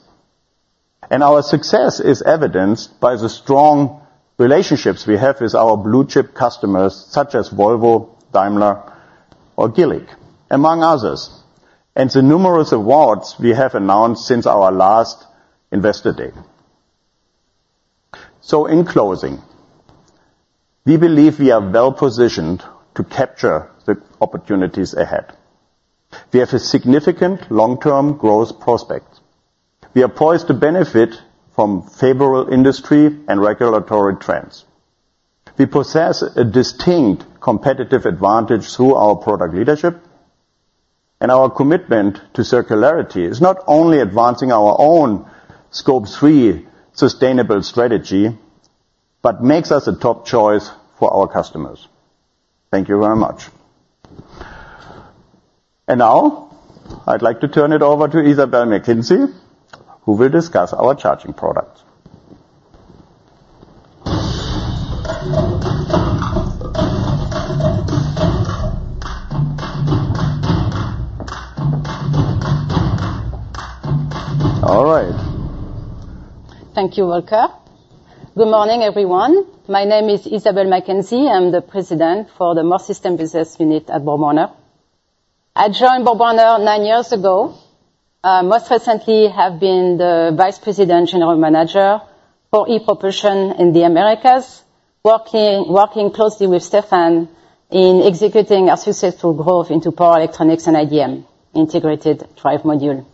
Our success is evidenced by the strong relationships we have with our blue-chip customers, such as Volvo, Daimler, or GILLIG, among others, and the numerous awards we have announced since our last Investor Day. In closing, we believe we are well-positioned to capture the opportunities ahead. We have a significant long-term growth prospect. We are poised to benefit from favorable industry and regulatory trends. We possess a distinct competitive advantage through our product leadership, and our commitment to circularity is not only advancing our own Scope 3 sustainable strategy, but makes us a top choice for our customers. Thank you very much. Now I'd like to turn it over to Isabelle McKenzie, who will discuss our charging products. All right. Thank you, Volker. Good morning, everyone. My name is Isabelle McKenzie. I'm the president for the Morse Systems business unit at BorgWarner. I joined BorgWarner nine years ago, most recently have been the vice president, general manager for ePropulsion in the Americas, working closely with Stefan in executing our successful growth into power electronics and IDM, integrated drive module.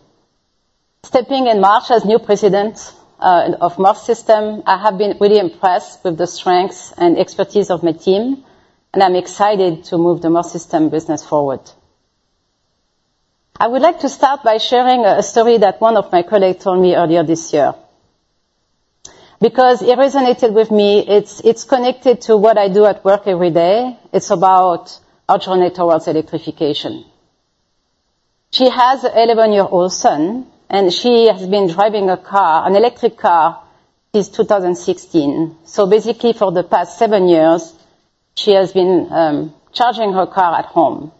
Stepping in March as new president of Morse Systems, I have been really impressed with the strengths and expertise of my team, and I'm excited to move the Morse Systems business forward. I would like to start by sharing a story that one of my colleagues told me earlier this year, because it resonated with me. It's connected to what I do at work every day. It's about our journey towards electrification. She has an 11-year-old son. She has been driving a car, an electric car, since 2016. Basically, for the past seven years, she has been charging her car at home.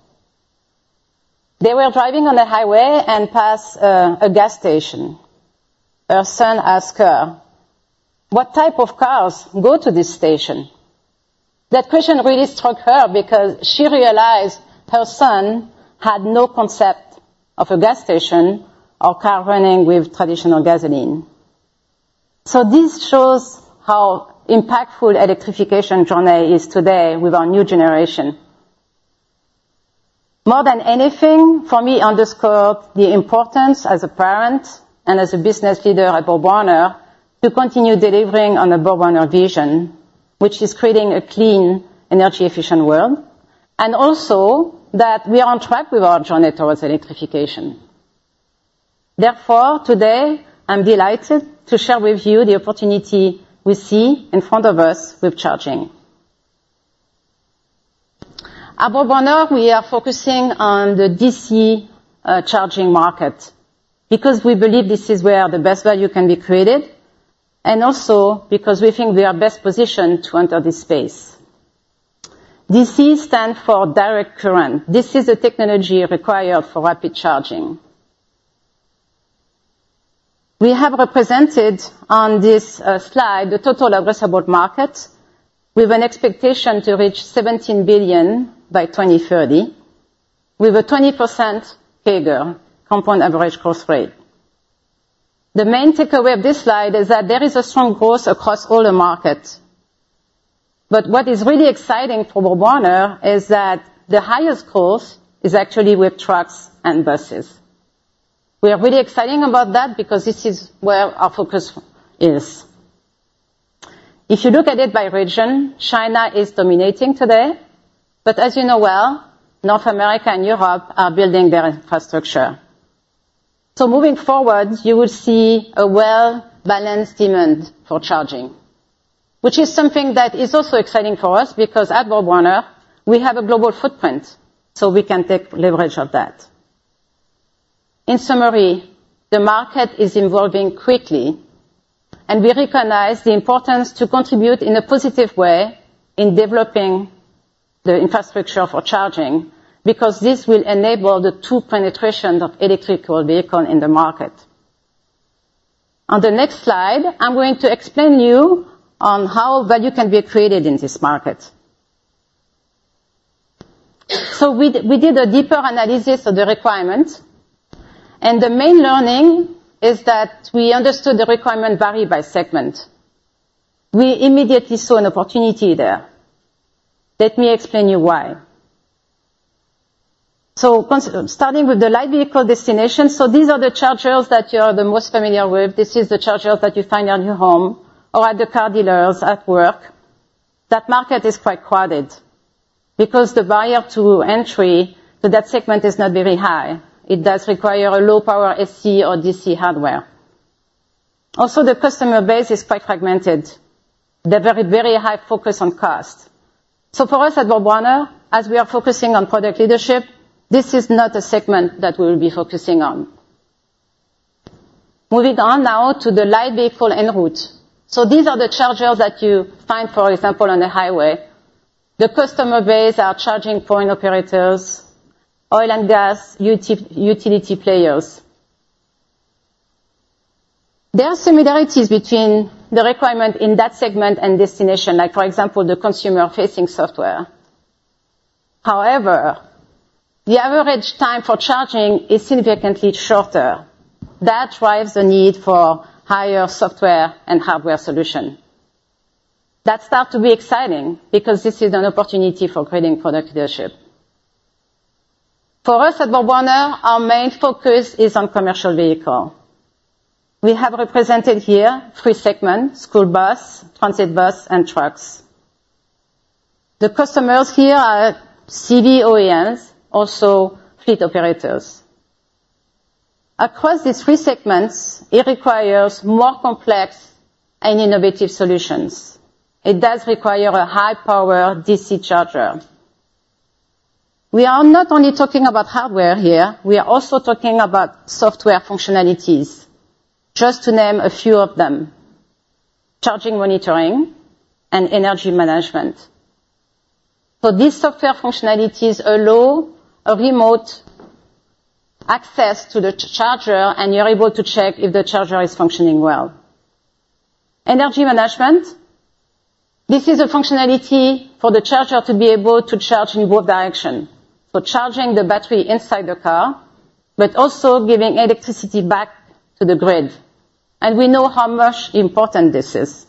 They were driving on the highway and passed a gas station. Her son asked her: "What type of cars go to this station?" That question really struck her because she realized her son had no concept of a gas station or car running with traditional gasoline. This shows how impactful electrification journey is today with our new generation. More than anything, for me, underscored the importance, as a parent and as a business leader at BorgWarner, to continue delivering on the BorgWarner vision, which is creating a clean, energy-efficient world, and also that we are on track with our journey towards electrification. Today, I'm delighted to share with you the opportunity we see in front of us with charging. At BorgWarner, we are focusing on the DC charging market because we believe this is where the best value can be created, and also because we think we are best positioned to enter this space. DC stands for direct current. This is the technology required for rapid charging. We have represented on this slide the total addressable market with an an expectation to reach $17 billion by 2030, with a 20% CAGR, compound average growth rate. The main takeaway of this slide is that there is a strong growth across all the markets, but what is really exciting for BorgWarner is that the highest growth is actually with trucks and buses. We are really exciting about that because this is where our focus is. You look at it by region, China is dominating today, but as you know well, North America and Europe are building their infrastructure. Moving forward, you will see a well-balanced demand for charging, which is something that is also exciting for us because at BorgWarner, we have a global footprint, so we can take leverage of that. In summary, the market is evolving quickly, and we recognize the importance to contribute in a positive way in developing the infrastructure for charging, because this will enable the true penetration of electrical vehicle in the market. On the next slide, I'm going to explain you on how value can be created in this market. We did a deeper analysis of the requirements, and the main learning is that we understood the requirement vary by segment. We immediately saw an opportunity there. Let me explain you why. Starting with the light vehicle destination. These are the chargers that you are the most familiar with. This is the chargers that you find at your home or at the car dealers, at work. That market is quite crowded because the barrier to entry to that segment is not very high. It does require a low power AC or DC hardware. Also, the customer base is quite fragmented. They're very, very high focus on cost. For us at BorgWarner, as we are focusing on product leadership, this is not a segment that we will be focusing on. Moving on now to the light vehicle en route. These are the chargers that you find, for example, on a highway. The customer base are charging point operators, oil and gas, utility players. There are similarities between the requirement in that segment and destination, like for example, the consumer-facing software. However, the average time for charging is significantly shorter. That drives the need for higher software and hardware solution. That start to be exciting because this is an opportunity for creating product leadership. For us at BorgWarner, our main focus is on commercial vehicle. We have represented here three segments: school bus, transit bus, and trucks. The customers here are CV OEMs, also fleet operators. Across these three segments, it requires more complex and innovative solutions. It does require a high power DC charger. We are not only talking about hardware here, we are also talking about software functionalities. Just to name a few of them: charging, monitoring, and energy management. These software functionalities allow a remote access to the charger. You're able to check if the charger is functioning well. Energy management, this is a functionality for the charger to be able to charge in both direction, for charging the battery inside the car, but also giving electricity back to the grid. We know how much important this is.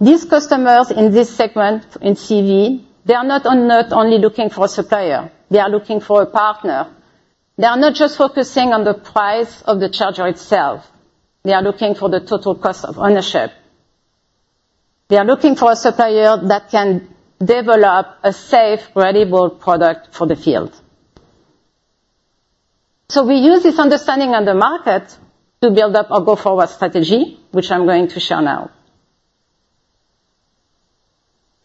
These customers in this segment, in CV, they are not only looking for a supplier, they are looking for a partner. They are not just focusing on the price of the charger itself, they are looking for the total cost of ownership. They are looking for a supplier that can develop a safe, reliable product for the field. We use this understanding of the market to build up a go-forward strategy, which I'm going to show now.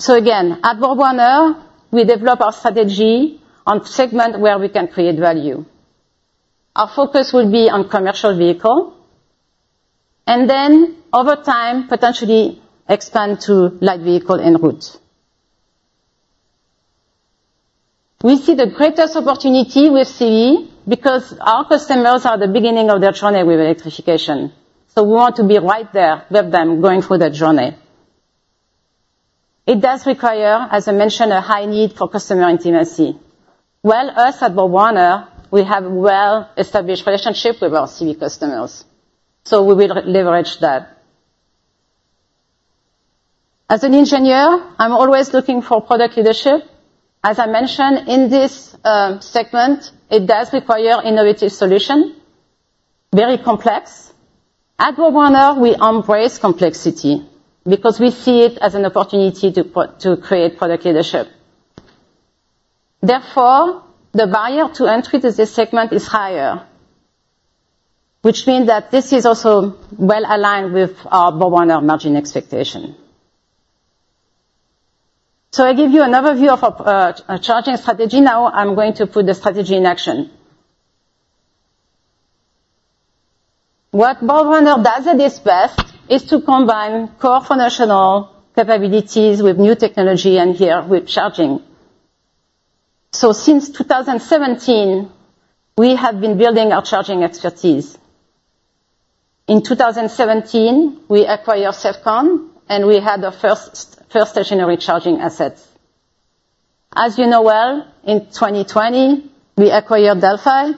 Again, at BorgWarner, we develop our strategy on segment where we can create value. Our focus will be on commercial vehicle, and then over time, potentially expand to light vehicle en route. We see the greatest opportunity with CE because our customers are the beginning of their journey with electrification. We want to be right there with them, going through that journey. It does require, as I mentioned, a high need for customer intimacy. Well, us at BorgWarner, we have well-established relationship with our CE customers. We will leverage that. As an engineer, I'm always looking for product leadership. As I mentioned, in this segment, it does require innovative solution, very complex. At BorgWarner, we embrace complexity because we see it as an opportunity to create product leadership. Therefore, the barrier to entry to this segment is higher, which means that this is also well aligned with our BorgWarner margin expectation. I give you another view of our charging strategy. Now I'm going to put the strategy in action. What BorgWarner does at its best is to combine core functional capabilities with new technology, and here, with charging. Since 2017, we have been building our charging expertise. In 2017, we acquired Sevcon, and we had our first stationary charging asset. As you know well, in 2020, we acquired Delphi,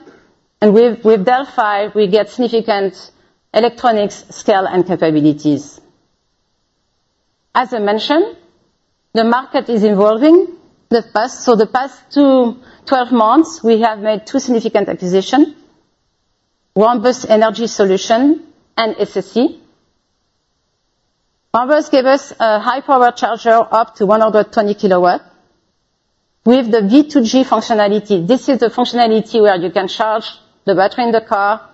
and with Delphi, we get significant electronics scale and capabilities. As I mentioned, the market is evolving. The past 2 twelve months, we have made 2 significant acquisition, Rhombus Energy Solutions and SSE. Rhombus gave us a high power charger, up to 120 kW. The V2G functionality, this is a functionality where you can charge the battery in the car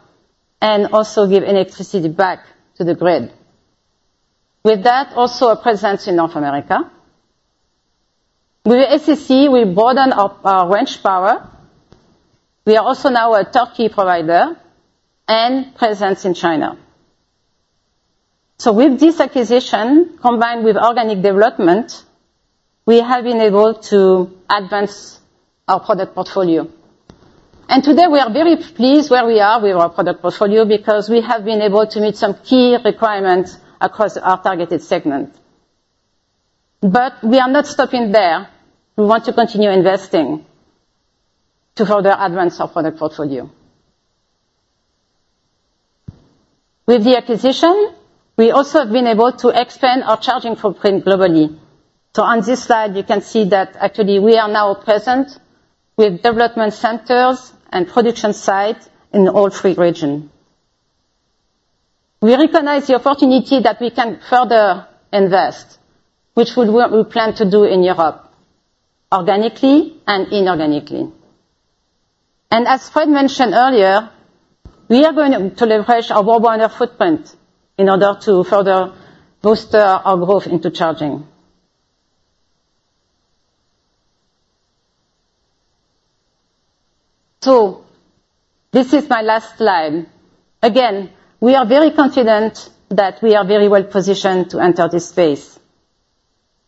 and also give electricity back to the grid. That, also a presence in North America. SSE, we broaden our range power. We are also now a turnkey provider and presence in China. With this acquisition, combined with organic development, we have been able to advance our product portfolio. Today, we are very pleased where we are with our product portfolio because we have been able to meet some key requirements across our targeted segment. We are not stopping there. We want to continue investing to further advance our product portfolio. The acquisition, we also have been able to expand our charging footprint globally. On this slide, you can see that actually we are now present with development centers and production site in all three regions. We recognize the opportunity that we can further invest, which would work we plan to do in Europe, organically and inorganically. As Fréd mentioned earlier, we are going to leverage our global footprint in order to further boost our growth into charging. This is my last slide. Again, we are very confident that we are very well positioned to enter this space,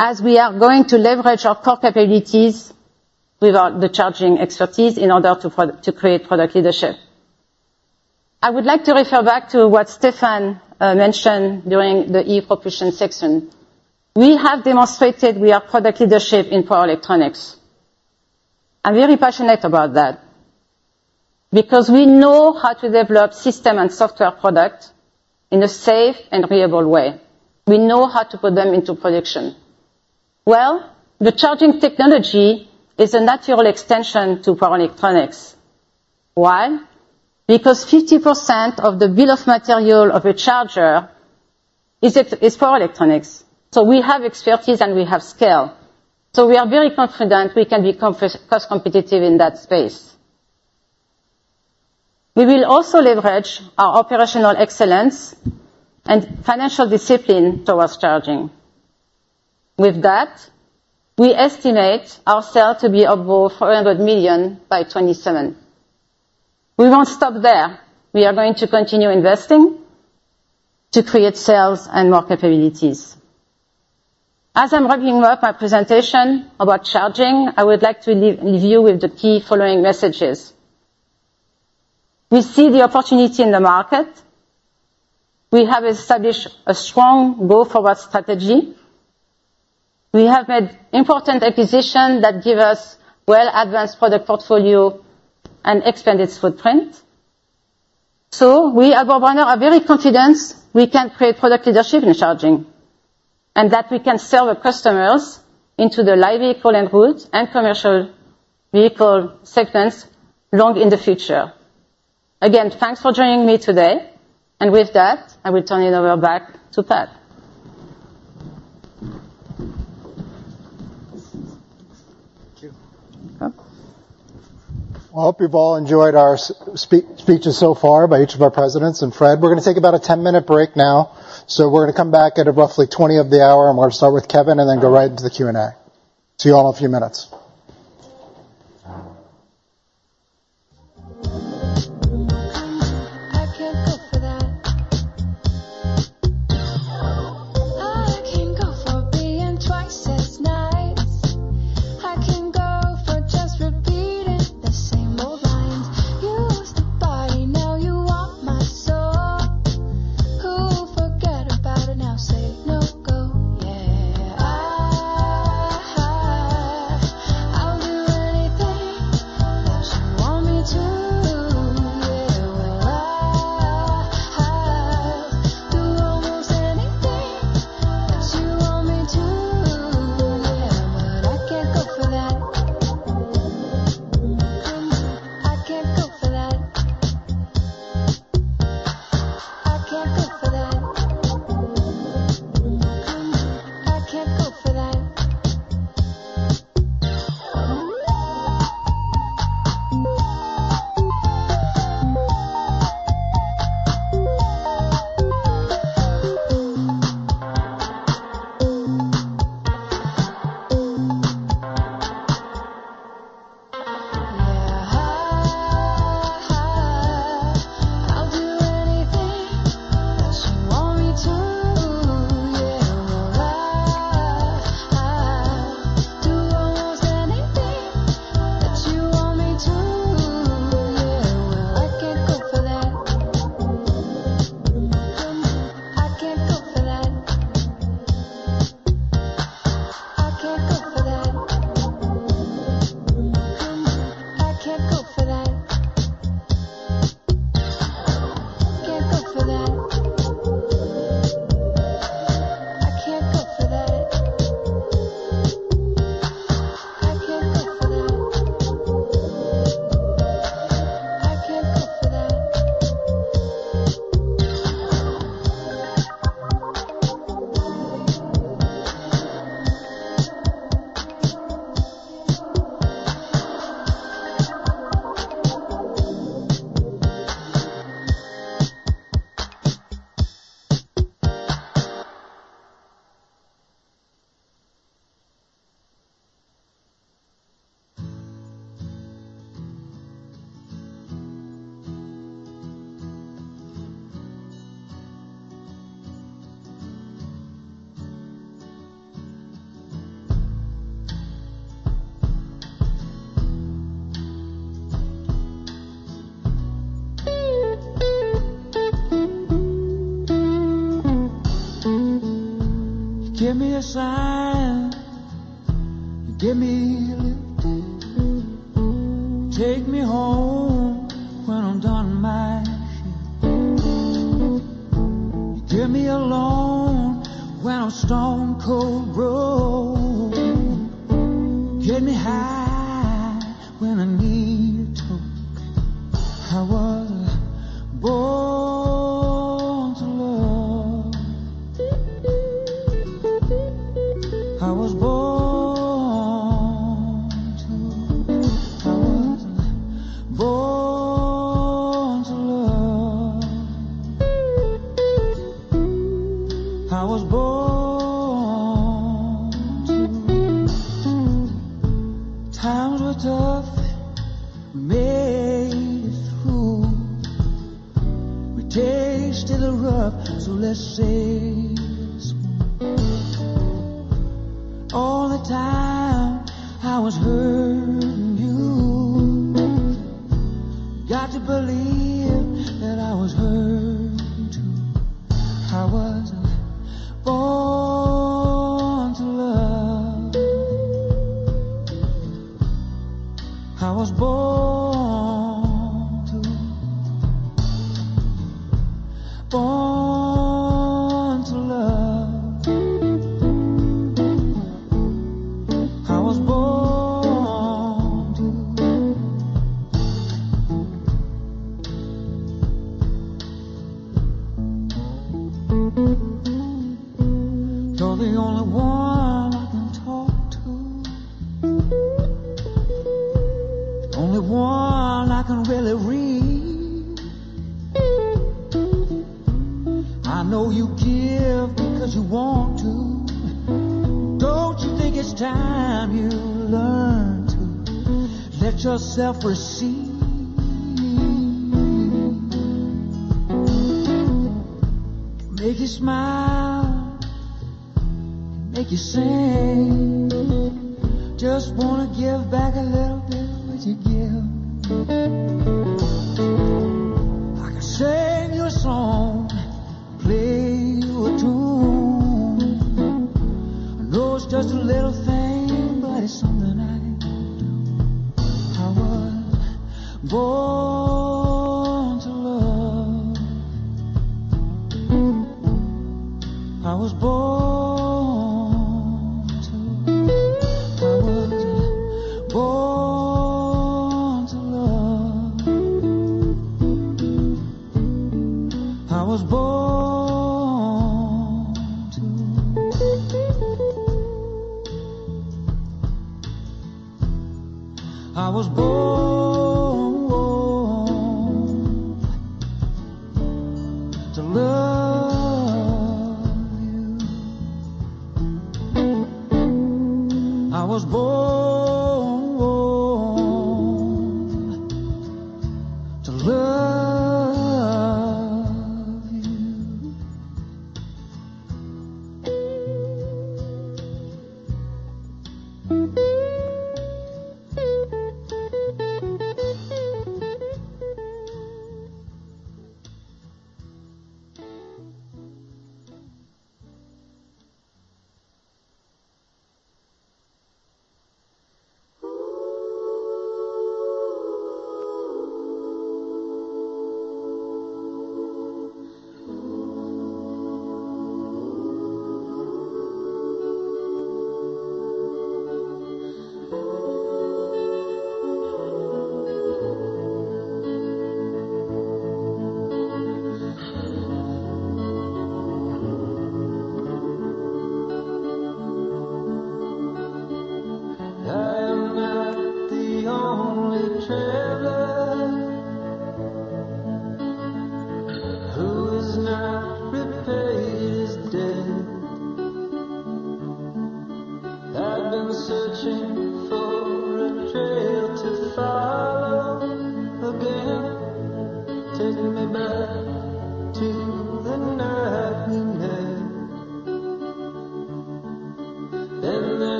as we are going to leverage our core capabilities without the charging expertise in order to create product leadership. I would like to refer back to what Stefan mentioned during the ePropulsion section. We have demonstrated we are product leadership in power electronics. I'm very passionate about that because we know how to develop system and software product in a safe and reliable way. We know how to put them into production. The charging technology is a natural extension to power electronics. Why? 50% of the bill of material of a charger is power electronics. We have expertise and we have scale, so we are very confident we can be cost competitive in that space. We will also leverage our operational excellence and financial discipline towards charging. With that, we estimate our sales to be above $400 million by 2027. We won't stop there. We are going to continue investing to create sales and more capabilities. As I'm wrapping up my presentation about charging, I would like to leave you with the key following messages: We see the opportunity in the market. We have established a strong go-forward strategy. We have made important acquisition that give us well advanced product portfolio and expanded footprint. We at BorgWarner are very confident we can create product leadership in charging, and that we can sell our customers into the light vehicle and goods and commercial vehicle segments long in the future. Again, thanks for joining me today, and with that, I will turn it over back to Pat. Thank you. I hope you've all enjoyed our speeches so far by each of our presidents and Fréd. We're gonna take about a 10-minute break now. We're gonna come back at roughly 20 of the hour. We're gonna start with Kevin, then go right into the Q&A. See you all in a few minutes.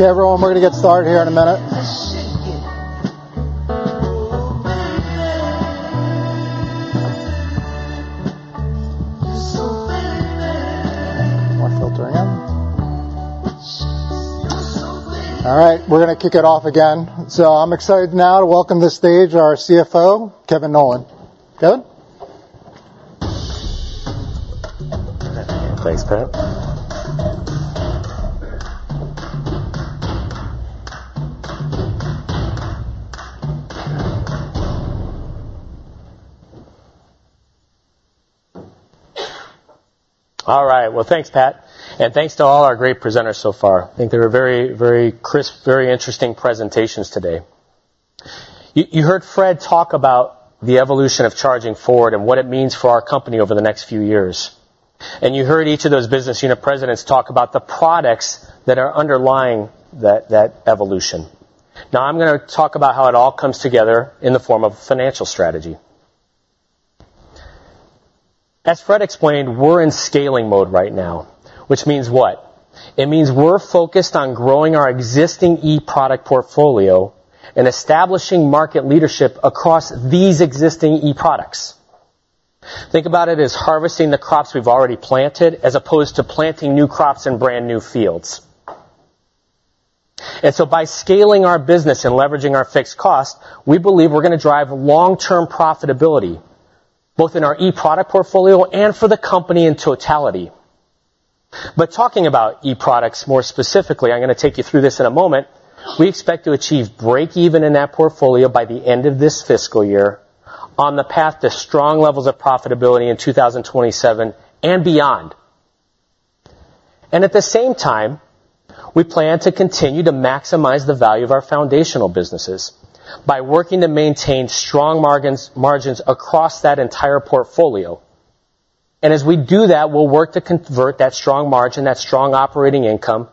Okay, everyone, we're gonna get started here in a minute. More filtering in. All right, we're gonna kick it off again. I'm excited now to welcome to the stage our CFO, Kevin Nowlan. Kevin? Thanks, Pat. All right, well, thanks, Pat, thanks to all our great presenters so far. I think they were very, very crisp, very interesting presentations today. You heard Fréd talk about the evolution of Charging Forward and what it means for our company over the next few years. You heard each of those business unit presidents talk about the products that are underlying that evolution. Now, I'm gonna talk about how it all comes together in the form of financial strategy. As Fréd explained, we're in scaling mode right now, which means what? It means we're focused on growing our existing e-product portfolio and establishing market leadership across these existing e-products. Think about it as harvesting the crops we've already planted, as opposed to planting new crops in brand-new fields. By scaling our business and leveraging our fixed costs, we believe we're gonna drive long-term profitability, both in our e-product portfolio and for the company in totality. Talking about e-products, more specifically, I'm gonna take you through this in a moment, we expect to achieve breakeven in that portfolio by the end of this fiscal year on the path to strong levels of profitability in 2027 and beyond. At the same time, we plan to continue to maximize the value of our foundational businesses by working to maintain strong margins across that entire portfolio. As we do that, we'll work to convert that strong margin, that strong operating income,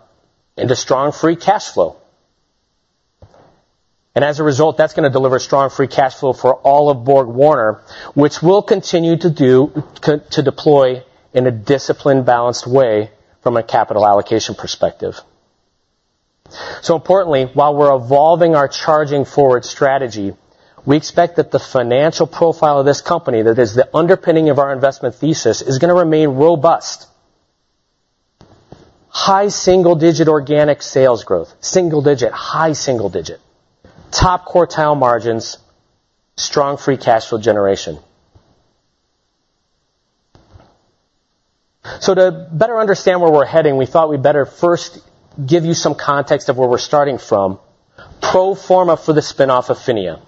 into strong free cash flow. As a result, that's gonna deliver strong free cash flow for all of BorgWarner, which we'll continue to do. to deploy in a disciplined, balanced way from a capital allocation perspective. Importantly, while we're evolving our Charging Forward strategy, we expect that the financial profile of this company, that is the underpinning of our investment thesis, is gonna remain robust. High single-digit organic sales growth. High single digit. Top-quartile margins, strong free cash flow generation. To better understand where we're heading, we thought we'd better first give you some context of where we're starting from. Pro forma for the spin-off of PHINIA.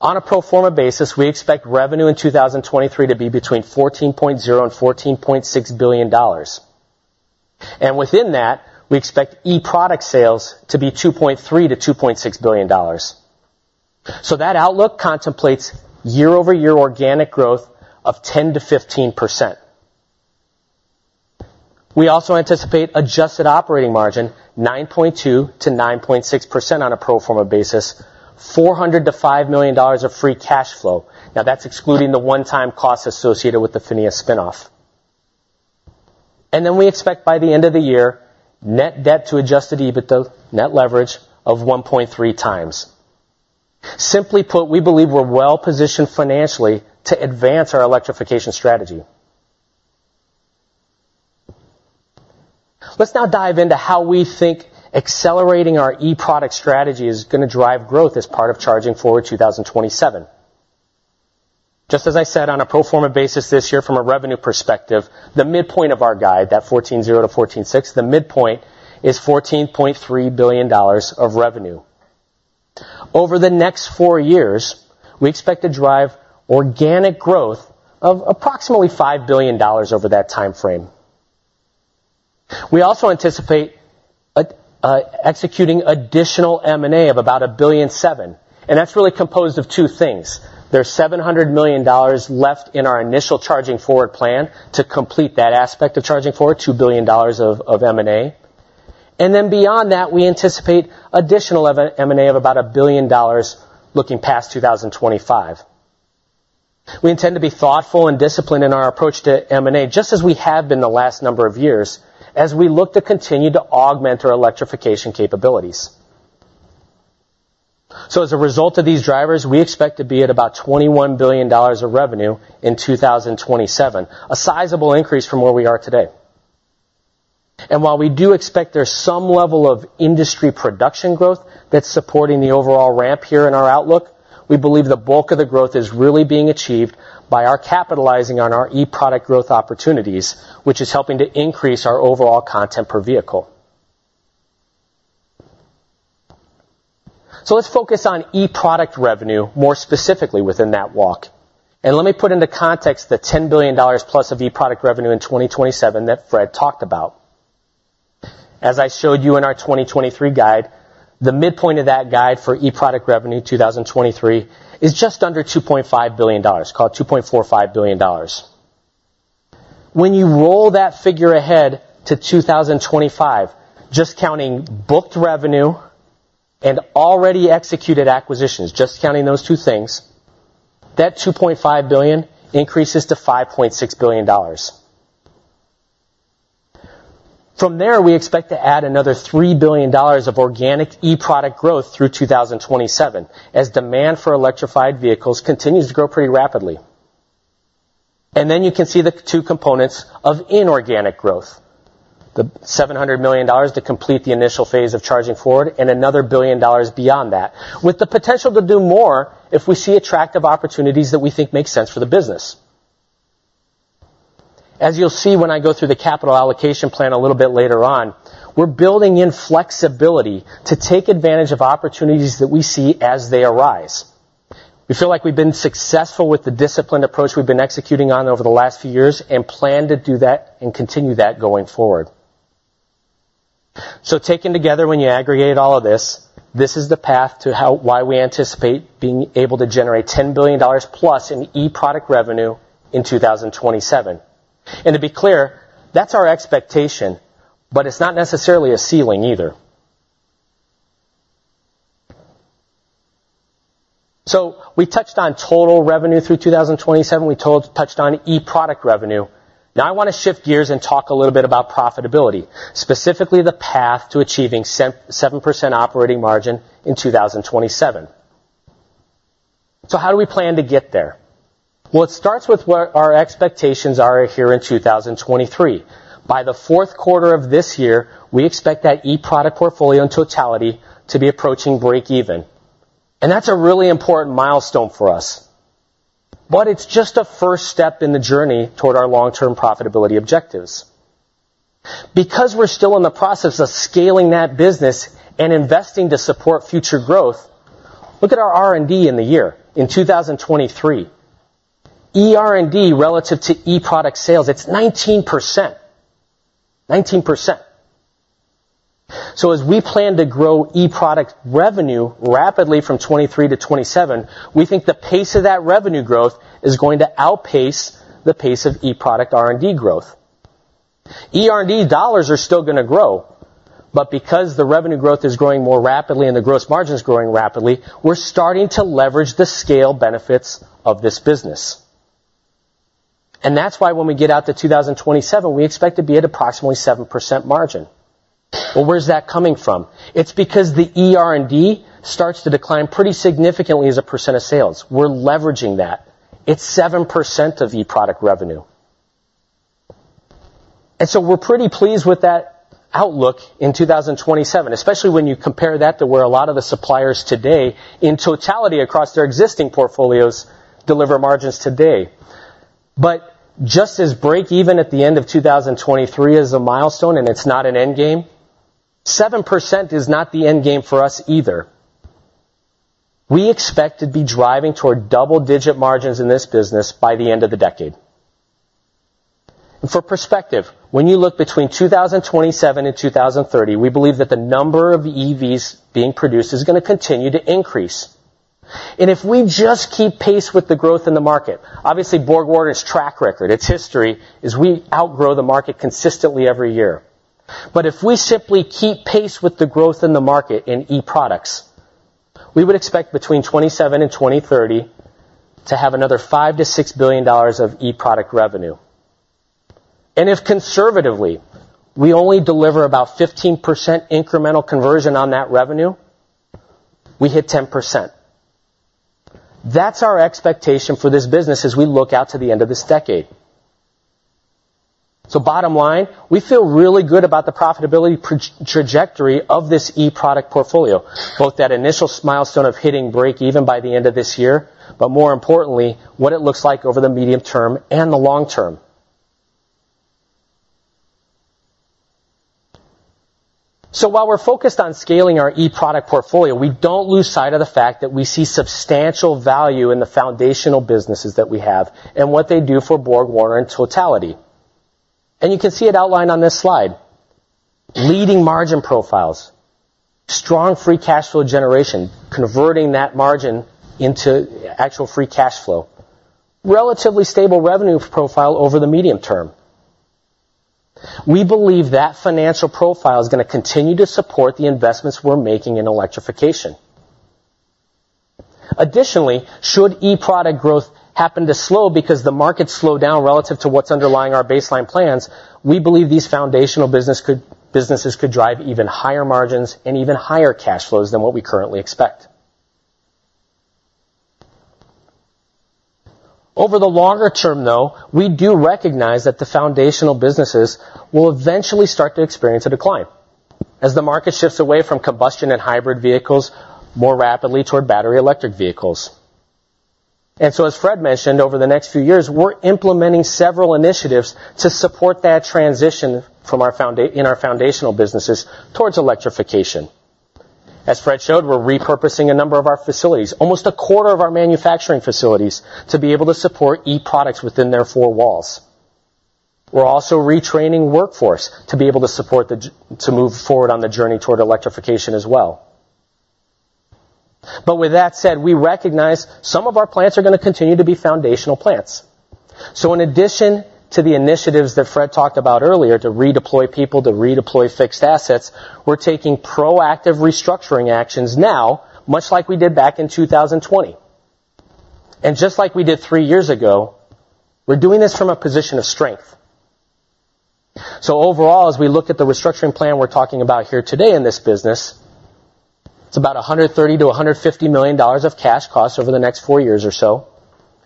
On a pro forma basis, we expect revenue in 2023 to be between $14.0 billion and $14.6 billion. Within that, we expect e-product sales to be $2.3 billion-$2.6 billion. That outlook contemplates year-over-year organic growth of 10%-15%. We also anticipate adjusted operating margin, 9.2%-9.6% on a pro forma basis, $400 million-$5 million of free cash flow. That's excluding the one-time costs associated with the PHINIA spin-off. We expect by the end of the year, net debt to Adjusted EBITDA, net leverage of 1.3x. Simply put, we believe we're well-positioned financially to advance our electrification strategy. Let's now dive into how we think accelerating our e-product strategy is gonna drive growth as part of Charging Forward 2027. Just as I said, on a pro forma basis this year from a revenue perspective, the midpoint of our guide, that $14.0 billion-$14.6 billion, the midpoint is $14.3 billion of revenue. Over the next four years, we expect to drive organic growth of approximately $5 billion over that time frame. We also anticipate executing additional M&A of about $1.7 billion, and that's really composed of two things. There's $700 million left in our initial Charging Forward plan to complete that aspect of Charging Forward, $2 billion of M&A. Beyond that, we anticipate additional of M&A of about $1 billion looking past 2025. We intend to be thoughtful and disciplined in our approach to M&A, just as we have been the last number of years, as we look to continue to augment our electrification capabilities. As a result of these drivers, we expect to be at about $21 billion of revenue in 2027, a sizable increase from where we are today. While we do expect there's some level of industry production growth that's supporting the overall ramp here in our outlook, we believe the bulk of the growth is really being achieved by our capitalizing on our e-product growth opportunities, which is helping to increase our overall content per vehicle. Let's focus on e-product revenue, more specifically within that walk. Let me put into context the $10 billion+ of e-product revenue in 2027 that Fréd talked about. As I showed you in our 2023 guide, the midpoint of that guide for e-product revenue, 2023, is just under $2.5 billion, call it $2.45 billion. When you roll that figure ahead to 2025, just counting booked revenue and already executed acquisitions, just counting those two things, that $2.5 billion increases to $5.6 billion. From there, we expect to add another $3 billion of organic e-product growth through 2027, as demand for electrified vehicles continues to grow pretty rapidly. You can see the two components of inorganic growth, the $700 million to complete the initial phase of Charging Forward and another $1 billion beyond that, with the potential to do more if we see attractive opportunities that we think make sense for the business. As you'll see, when I go through the capital allocation plan a little bit later on, we're building in flexibility to take advantage of opportunities that we see as they arise. We feel like we've been successful with the disciplined approach we've been executing on over the last few years and plan to do that and continue that going forward. Taken together, when you aggregate all of this is the path to why we anticipate being able to generate $10 billion plus in e-product revenue in 2027. To be clear, that's our expectation, but it's not necessarily a ceiling either. We touched on total revenue through 2027. Touched on e-product revenue. Now I want to shift gears and talk a little bit about profitability, specifically the path to achieving 7% operating margin in 2027. How do we plan to get there? Well, it starts with what our expectations are here in 2023. By the fourth quarter of this year, we expect that e-product portfolio in totality to be approaching breakeven. That's a really important milestone for us. It's just a first step in the journey toward our long-term profitability objectives. We're still in the process of scaling that business and investing to support future growth, look at our R&D in the year, in 2023. eR&D, relative to e-product sales, it's 19%. 19%. As we plan to grow e-product revenue rapidly from 23 to 27, we think the pace of that revenue growth is going to outpace the pace of e-product R&D growth. eR&D dollars are still gonna grow, but because the revenue growth is growing more rapidly and the gross margin is growing rapidly, we're starting to leverage the scale benefits of this business. That's why when we get out to 2027, we expect to be at approximately 7% margin. Well, where's that coming from? It's because the eR&D starts to decline pretty significantly as a percent of sales. We're leveraging that. It's 7% of e-product revenue. We're pretty pleased with that outlook in 2027, especially when you compare that to where a lot of the suppliers today, in totality across their existing portfolios, deliver margins today. Just as break even at the end of 2023 is a milestone, and it's not an end game, 7% is not the end game for us either. We expect to be driving toward double-digit margins in this business by the end of the decade. For perspective, when you look between 2027 and 2030, we believe that the number of EVs being produced is gonna continue to increase. If we just keep pace with the growth in the market, obviously, BorgWarner's track record, its history, is we outgrow the market consistently every year. If we simply keep pace with the growth in the market in e-products, we would expect between 2027 and 2030 to have another $5 billion-$6 billion of e-product revenue. If conservatively, we only deliver about 15% incremental conversion on that revenue, we hit 10%. That's our expectation for this business as we look out to the end of this decade. Bottom line, we feel really good about the profitability trajectory of this e-product portfolio, both that initial milestone of hitting break even by the end of this year, but more importantly, what it looks like over the medium term and the long term. While we're focused on scaling our e-product portfolio, we don't lose sight of the fact that we see substantial value in the foundational businesses that we have and what they do for BorgWarner in totality. You can see it outlined on this slide. Leading margin profiles, strong free cash flow generation, converting that margin into actual free cash flow, relatively stable revenue profile over the medium term. We believe that financial profile is gonna continue to support the investments we're making in electrification. Additionally, should e-product growth happen to slow because the markets slow down relative to what's underlying our baseline plans, we believe these foundational businesses could drive even higher margins and even higher cash flows than what we currently expect. Over the longer term, though, we do recognize that the foundational businesses will eventually start to experience a decline as the market shifts away from combustion and hybrid vehicles more rapidly toward battery electric vehicles. As Fréd mentioned, over the next few years, we're implementing several initiatives to support that transition from our foundational businesses towards electrification. As Fréd showed, we're repurposing a number of our facilities, almost a quarter of our manufacturing facilities, to be able to support e-products within their four walls. We're also retraining workforce to be able to support to move forward on the journey toward electrification as well. With that said, we recognize some of our plants are gonna continue to be foundational plants. In addition to the initiatives that Fréd talked about earlier, to redeploy people, to redeploy fixed assets, we're taking proactive restructuring actions now, much like we did back in 2020. Just like we did three years ago, we're doing this from a position of strength. Overall, as we look at the restructuring plan we're talking about here today in this business, it's about $130 million-$150 million of cash costs over the next four years or so,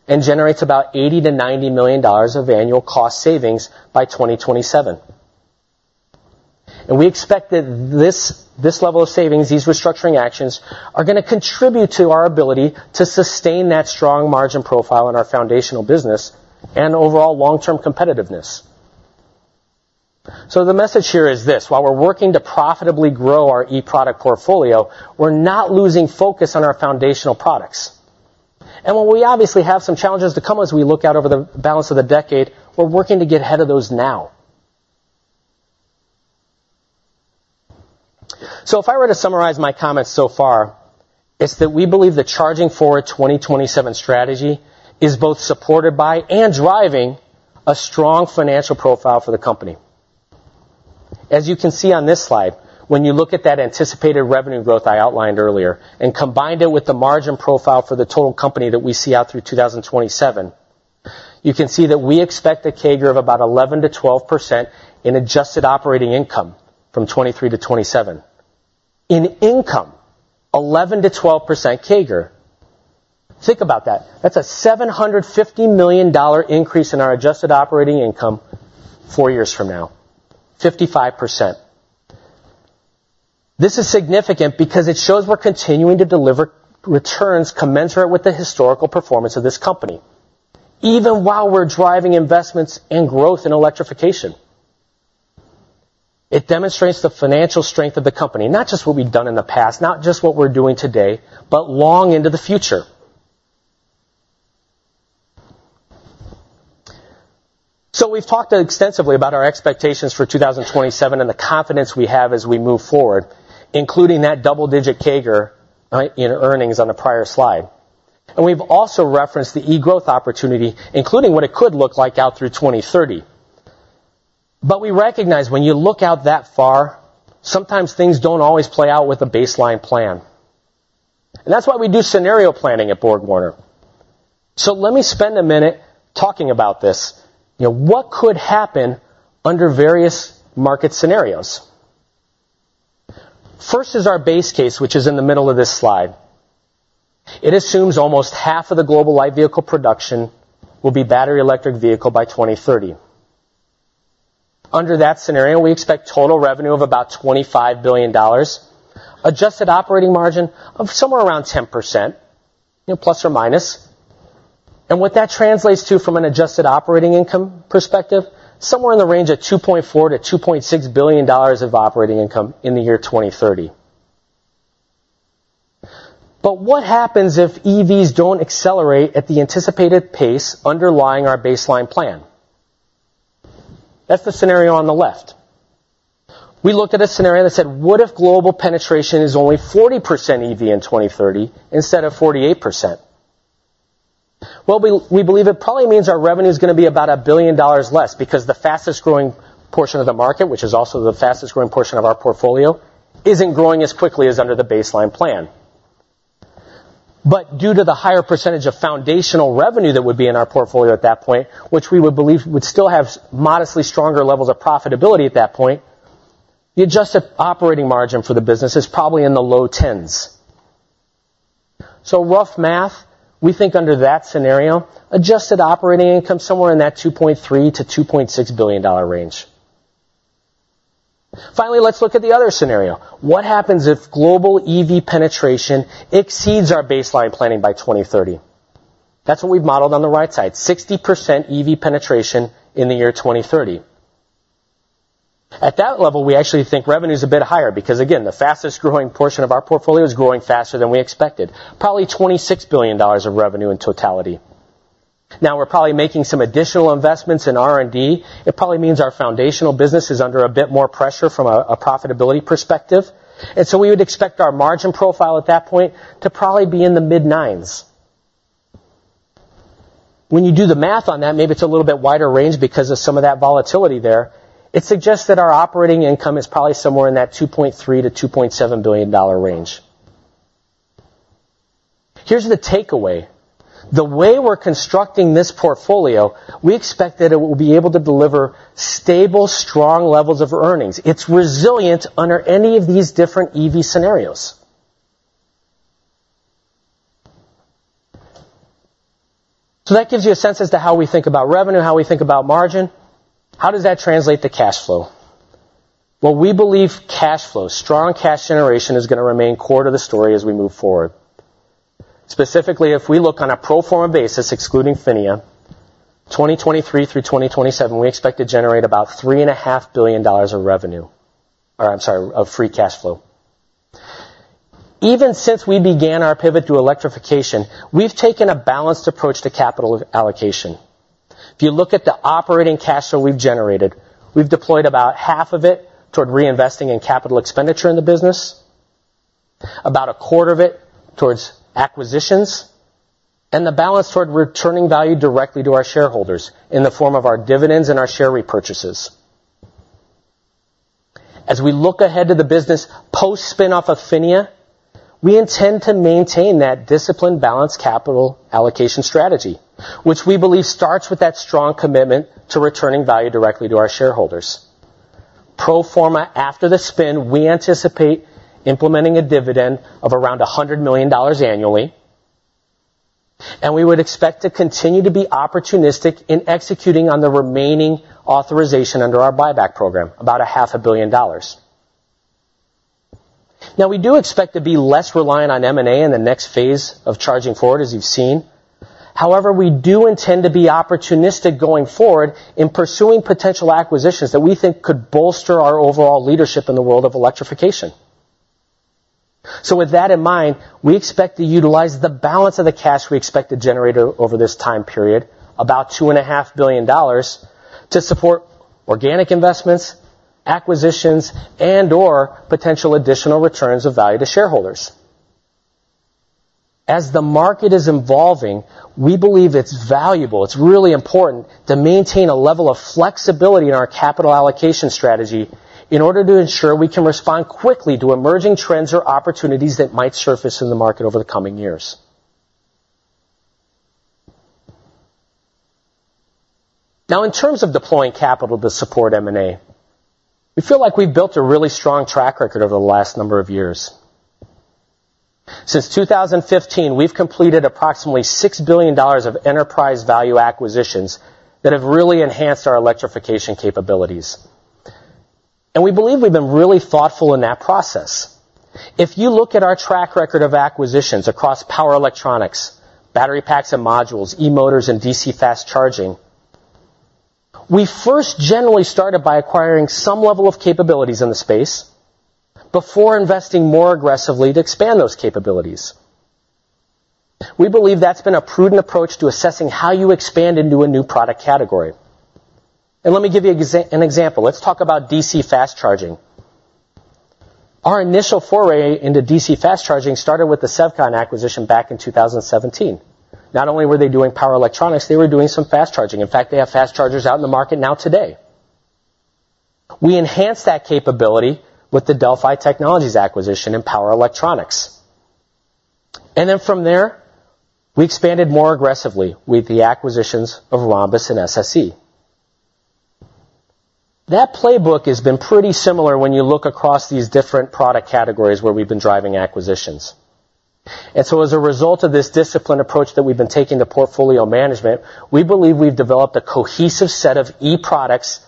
and generates about $80 million-$90 million of annual cost savings by 2027. We expect that this level of savings, these restructuring actions, are gonna contribute to our ability to sustain that strong margin profile in our foundational business and overall long-term competitiveness. The message here is this: While we're working to profitably grow our e-product portfolio, we're not losing focus on our foundational products. While we obviously have some challenges to come as we look out over the balance of the decade, we're working to get ahead of those now. If I were to summarize my comments so far, it's that we believe the Charging Forward 2027 strategy is both supported by and driving a strong financial profile for the company. As you can see on this slide, when you look at that anticipated revenue growth I outlined earlier and combined it with the margin profile for the total company that we see out through 2027, you can see that we expect a CAGR of about 11%-12% in adjusted operating income from 2023-2027. In income, 11%-12% CAGR. Think about that. That's a $750 million increase in our adjusted operating income four years from now, 55%. This is significant because it shows we're continuing to deliver returns commensurate with the historical performance of this company, even while we're driving investments and growth in electrification. It demonstrates the financial strength of the company, not just what we've done in the past, not just what we're doing today, but long into the future. We've talked extensively about our expectations for 2027 and the confidence we have as we move forward, including that double-digit CAGR in earnings on the prior slide. We've also referenced the e-growth opportunity, including what it could look like out through 2030. We recognize when you look out that far, sometimes things don't always play out with a baseline plan. That's why we do scenario planning at BorgWarner. Let me spend a minute talking about this. You know, what could happen under various market scenarios? First is our base case, which is in the middle of this slide. It assumes almost half of the global light vehicle production will be battery electric vehicle by 2030. Under that scenario, we expect total revenue of about $25 billion, adjusted operating margin of somewhere around 10%, you know, plus or minus. What that translates to from an adjusted operating income perspective, somewhere in the range of $2.4 billion-$2.6 billion of operating income in the year 2030. What happens if EVs don't accelerate at the anticipated pace underlying our baseline plan? That's the scenario on the left. We looked at a scenario that said, what if global penetration is only 40% EV in 2030 instead of 48%? We believe it probably means our revenue is gonna be about $1 billion less, because the fastest-growing portion of the market, which is also the fastest-growing portion of our portfolio, isn't growing as quickly as under the baseline plan. Due to the higher percentage of foundational revenue that would be in our portfolio at that point, which we would believe would still have modestly stronger levels of profitability at that point, the adjusted operating margin for the business is probably in the low 10s. Rough math, we think under that scenario, adjusted operating income somewhere in that $2.3 billion-$2.6 billion range. Let's look at the other scenario. What happens if global EV penetration exceeds our baseline planning by 2030? That's what we've modeled on the right side, 60% EV penetration in the year 2030. At that level, we actually think revenue's a bit higher because, again, the fastest-growing portion of our portfolio is growing faster than we expected, probably $26 billion of revenue in totality. We're probably making some additional investments in R&D. It probably means our foundational business is under a bit more pressure from a profitability perspective. We would expect our margin profile at that point to probably be in the mid-nines. When you do the math on that, maybe it's a little bit wider range because of some of that volatility there. It suggests that our operating income is probably somewhere in that $2.3 billion-$2.7 billion range. Here's the takeaway. The way we're constructing this portfolio, we expect that it will be able to deliver stable, strong levels of earnings. It's resilient under any of these different EV scenarios. That gives you a sense as to how we think about revenue, how we think about margin. How does that translate to cash flow? Well, we believe cash flow, strong cash generation, is gonna remain core to the story as we move forward. Specifically, if we look on a pro forma basis, excluding PHINIA, 2023 through 2027, we expect to generate about $3.5 billion of free cash flow. Even since we began our pivot to electrification, we've taken a balanced approach to capital allocation. If you look at the operating cash flow we've generated, we've deployed about half of it toward reinvesting in capital expenditure in the business, about a quarter of it towards acquisitions, and the balance toward returning value directly to our shareholders in the form of our dividends and our share repurchases. As we look ahead to the business post-spin off of PHINIA, we intend to maintain that disciplined, balanced capital allocation strategy, which we believe starts with that strong commitment to returning value directly to our shareholders. Pro forma, after the spin, we anticipate implementing a dividend of around $100 million annually, we would expect to continue to be opportunistic in executing on the remaining authorization under our buyback program, about a half a billion dollars. We do expect to be less reliant on M&A in the next phase of Charging Forward, as you've seen. We do intend to be opportunistic going forward in pursuing potential acquisitions that we think could bolster our overall leadership in the world of electrification. With that in mind, we expect to utilize the balance of the cash we expect to generate over this time period, about $2.5 billion, to support organic investments, acquisitions, and/or potential additional returns of value to shareholders. As the market is evolving, we believe it's valuable, it's really important to maintain a level of flexibility in our capital allocation strategy in order to ensure we can respond quickly to emerging trends or opportunities that might surface in the market over the coming years. In terms of deploying capital to support M&A, we feel like we've built a really strong track record over the last number of years. Since 2015, we've completed approximately $6 billion of enterprise value acquisitions that have really enhanced our electrification capabilities, and we believe we've been really thoughtful in that process. If you look at our track record of acquisitions across power electronics, battery packs and modules, e-motors, and DC fast charging, we first generally started by acquiring some level of capabilities in the space before investing more aggressively to expand those capabilities. We believe that's been a prudent approach to assessing how you expand into a new product category. Let me give you an example. Let's talk about DC fast charging. Our initial foray into DC fast charging started with the Sevcon acquisition back in 2017. Not only were they doing power electronics, they were doing some fast charging. In fact, they have fast chargers out in the market now today. We enhanced that capability with the Delphi Technologies acquisition in power electronics. From there, we expanded more aggressively with the acquisitions of Rhombus and SSE. That playbook has been pretty similar when you look across these different product categories where we've been driving acquisitions. As a result of this disciplined approach that we've been taking to portfolio management, we believe we've developed a cohesive set of e-products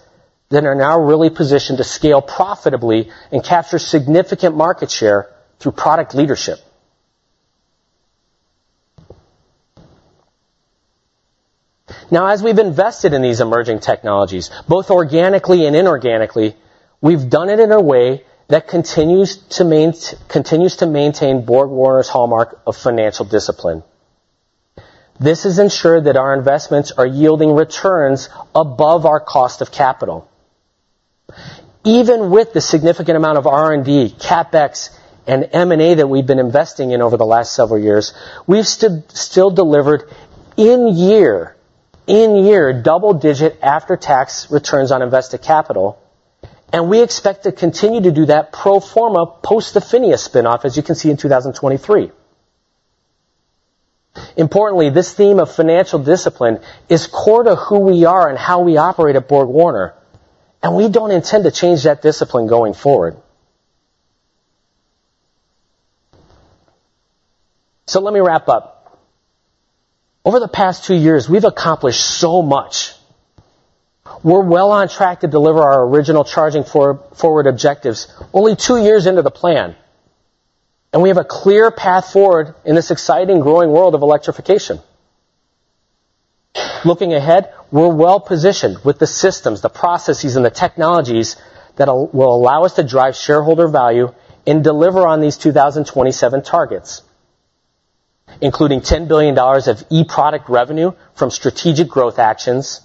that are now really positioned to scale profitably and capture significant market share through product leadership. As we've invested in these emerging technologies, both organically and inorganically, we've done it in a way that continues to maintain BorgWarner's hallmark of financial discipline. This has ensured that our investments are yielding returns above our cost of capital. Even with the significant amount of R&D, CapEx, and M&A that we've been investing in over the last several years, we've still delivered in year double-digit after-tax returns on invested capital, and we expect to continue to do that pro forma post the PHINIA spinoff, as you can see, in 2023. Importantly, this theme of financial discipline is core to who we are and how we operate at BorgWarner, and we don't intend to change that discipline going forward. Let me wrap up. Over the past two years, we've accomplished so much. We're well on track to deliver our original Charging Forward objectives only two years into the plan, and we have a clear path forward in this exciting, growing world of electrification. Looking ahead, we're well positioned with the systems, the processes, and the technologies that will allow us to drive shareholder value and deliver on these 2027 targets, including $10 billion of e-product revenue from strategic growth actions,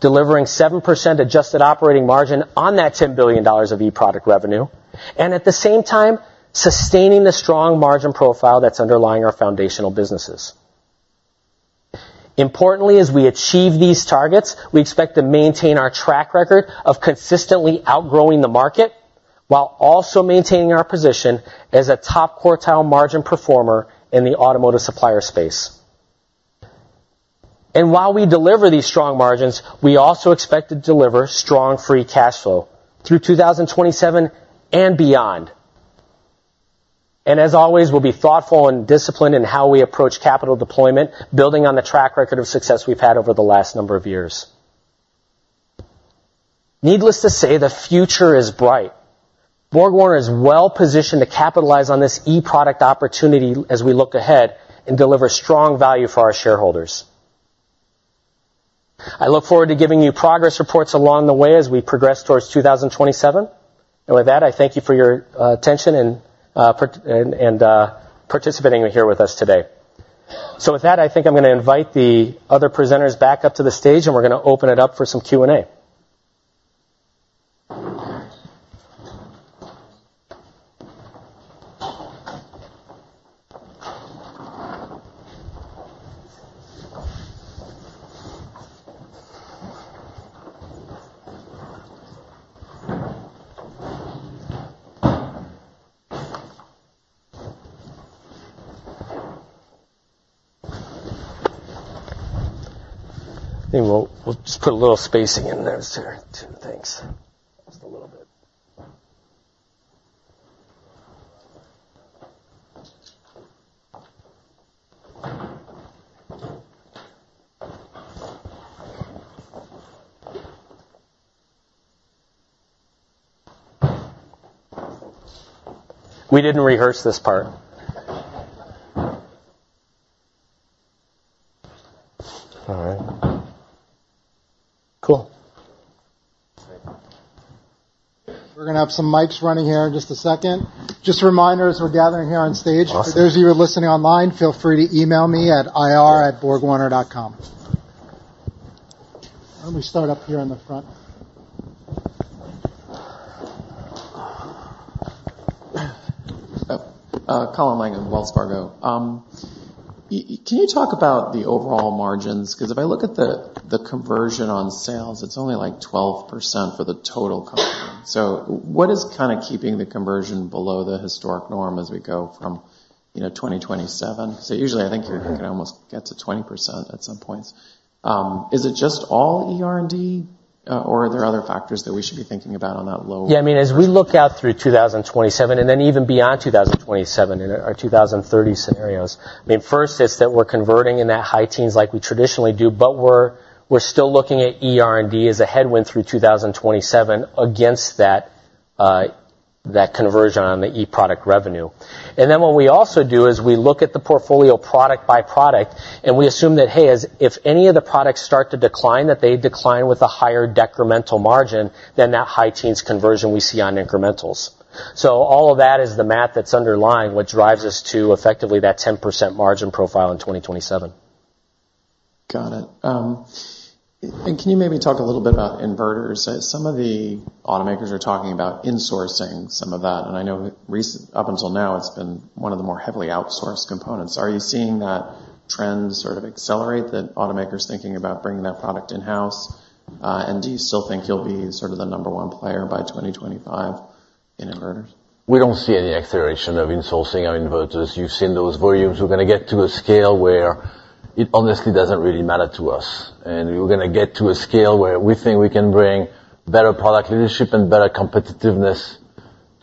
delivering 7% adjusted operating margin on that $10 billion of e-product revenue, and at the same time, sustaining the strong margin profile that's underlying our foundational businesses. Importantly, as we achieve these targets, we expect to maintain our track record of consistently outgrowing the market while also maintaining our position as a top-quartile margin performer in the automotive supplier space. While we deliver these strong margins, we also expect to deliver strong free cash flow through 2027 and beyond. As always, we'll be thoughtful and disciplined in how we approach capital deployment, building on the track record of success we've had over the last number of years. Needless to say, the future is bright. BorgWarner is well positioned to capitalize on this e-product opportunity as we look ahead and deliver strong value for our shareholders. I look forward to giving you progress reports along the way as we progress towards 2027. With that, I thank you for your attention and participating here with us today. With that, I think I'm gonna invite the other presenters back up to the stage, and we're gonna open it up for some Q&A. I think we'll just put a little spacing in there, sir, too. Thanks. Just a little bit. We didn't rehearse this part. All right. Cool. We're gonna have some mics running here in just a second. Just a reminder, as we're gathering here on stage- Awesome. For those of you who are listening online, feel free to email me at ir@borgwarner.com. Why don't we start up here in the front? Colin Langan, Wells Fargo. Can you talk about the overall margins? If I look at the conversion on sales, it's only, like, 12% for the total company. What is kind of keeping the conversion below the historic norm as we go from, you know, 2027? Usually, I think you almost get to 20% at some points. Is it just all eR&D, or are there other factors that we should be thinking about on that low? I mean, as we look out through 2027, even beyond 2027, in our 2030 scenarios, I mean, first, it's that we're converting in that high teens like we traditionally do, but we're still looking at eR&D as a headwind through 2027 against that conversion on the e-product revenue. What we also do is we look at the portfolio product by product, and we assume that, hey, as if any of the products start to decline, that they decline with a higher decremental margin than that high teens conversion we see on incrementals. All of that is the math that's underlying, which drives us to effectively that 10% margin profile in 2027. Got it. Can you maybe talk a little bit about inverters? Some of the automakers are talking about insourcing some of that, and I know up until now, it's been one of the more heavily outsourced components. Are you seeing that trend sort of accelerate, that automakers thinking about bringing that product in-house? Do you still think you'll be sort of the number one player by 2025?... in inverters? We don't see any acceleration of insourcing our inverters. You've seen those volumes. We're gonna get to a scale where it honestly doesn't really matter to us, and we're gonna get to a scale where we think we can bring better product leadership and better competitiveness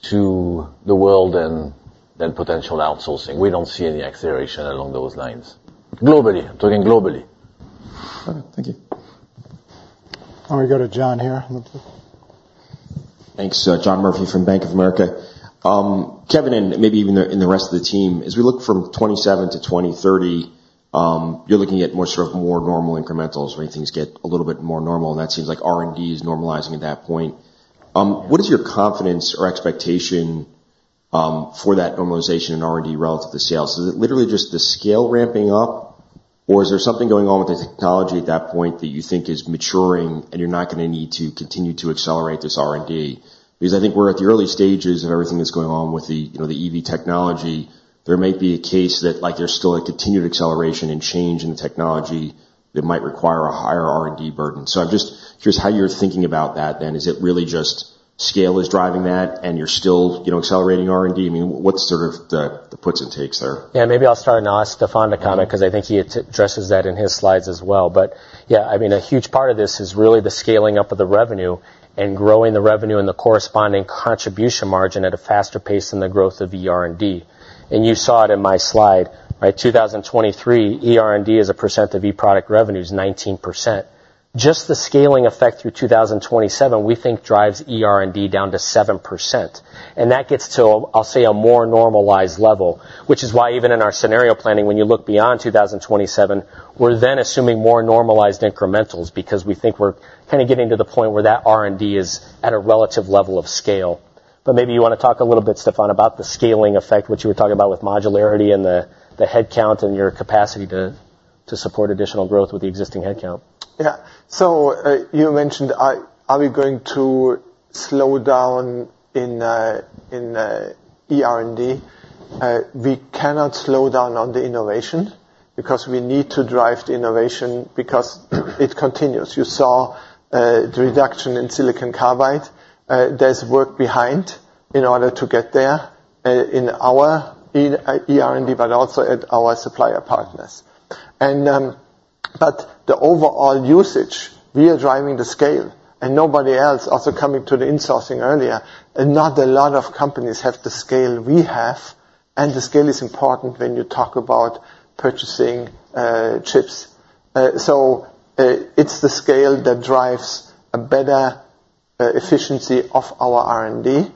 to the world than potential outsourcing. We don't see any acceleration along those lines. Globally, I'm talking globally. Okay, thank you. All right, go to John here. Thanks. John Murphy from Bank of America. Kevin, and maybe even the, and the rest of the team, as we look from 2027-2030, you're looking at more sort of more normal incrementals, where things get a little bit more normal, and that seems like R&D is normalizing at that point. What is your confidence or expectation, for that normalization in R&D relative to sales? Is it literally just the scale ramping up, or is there something going on with the technology at that point that you think is maturing, and you're not gonna need to continue to accelerate this R&D? Because I think we're at the early stages of everything that's going on with the, you know, the EV technology. There may be a case that, like, there's still a continued acceleration and change in the technology that might require a higher R&D burden. Curious how you're thinking about that, then. Is it really just scale is driving that, and you're still, you know, accelerating R&D? I mean, what's sort of the puts and takes there? Yeah, maybe I'll start, and I'll ask Stefan to comment, 'cause I think he addresses that in his slides as well. Yeah, I mean, a huge part of this is really the scaling up of the revenue and growing the revenue and the corresponding contribution margin at a faster pace than the growth of eR&D. You saw it in my slide, by 2023, eR&D, as a percent of e-product revenue, is 19%. Just the scaling effect through 2027, we think, drives eR&D down to 7%, and that gets to, I'll say, a more normalized level. Which is why, even in our scenario planning, when you look beyond 2027, we're then assuming more normalized incrementals because we think we're kinda getting to the point where that R&D is at a relative level of scale. Maybe you wanna talk a little bit, Stefan, about the scaling effect, which you were talking about with modularity and the headcount and your capacity to support additional growth with the existing headcount. Yeah. You mentioned, are we going to slow down in eR&D? We cannot slow down on the innovation because we need to drive the innovation because it continues. You saw the reduction in silicon carbide. There's work behind in order to get there, in our eR&D, but also at our supplier partners. The overall usage, we are driving the scale, and nobody else... Also, coming to the insourcing earlier, not a lot of companies have the scale we have, and the scale is important when you talk about purchasing chips. It's the scale that drives a better efficiency of our R&D,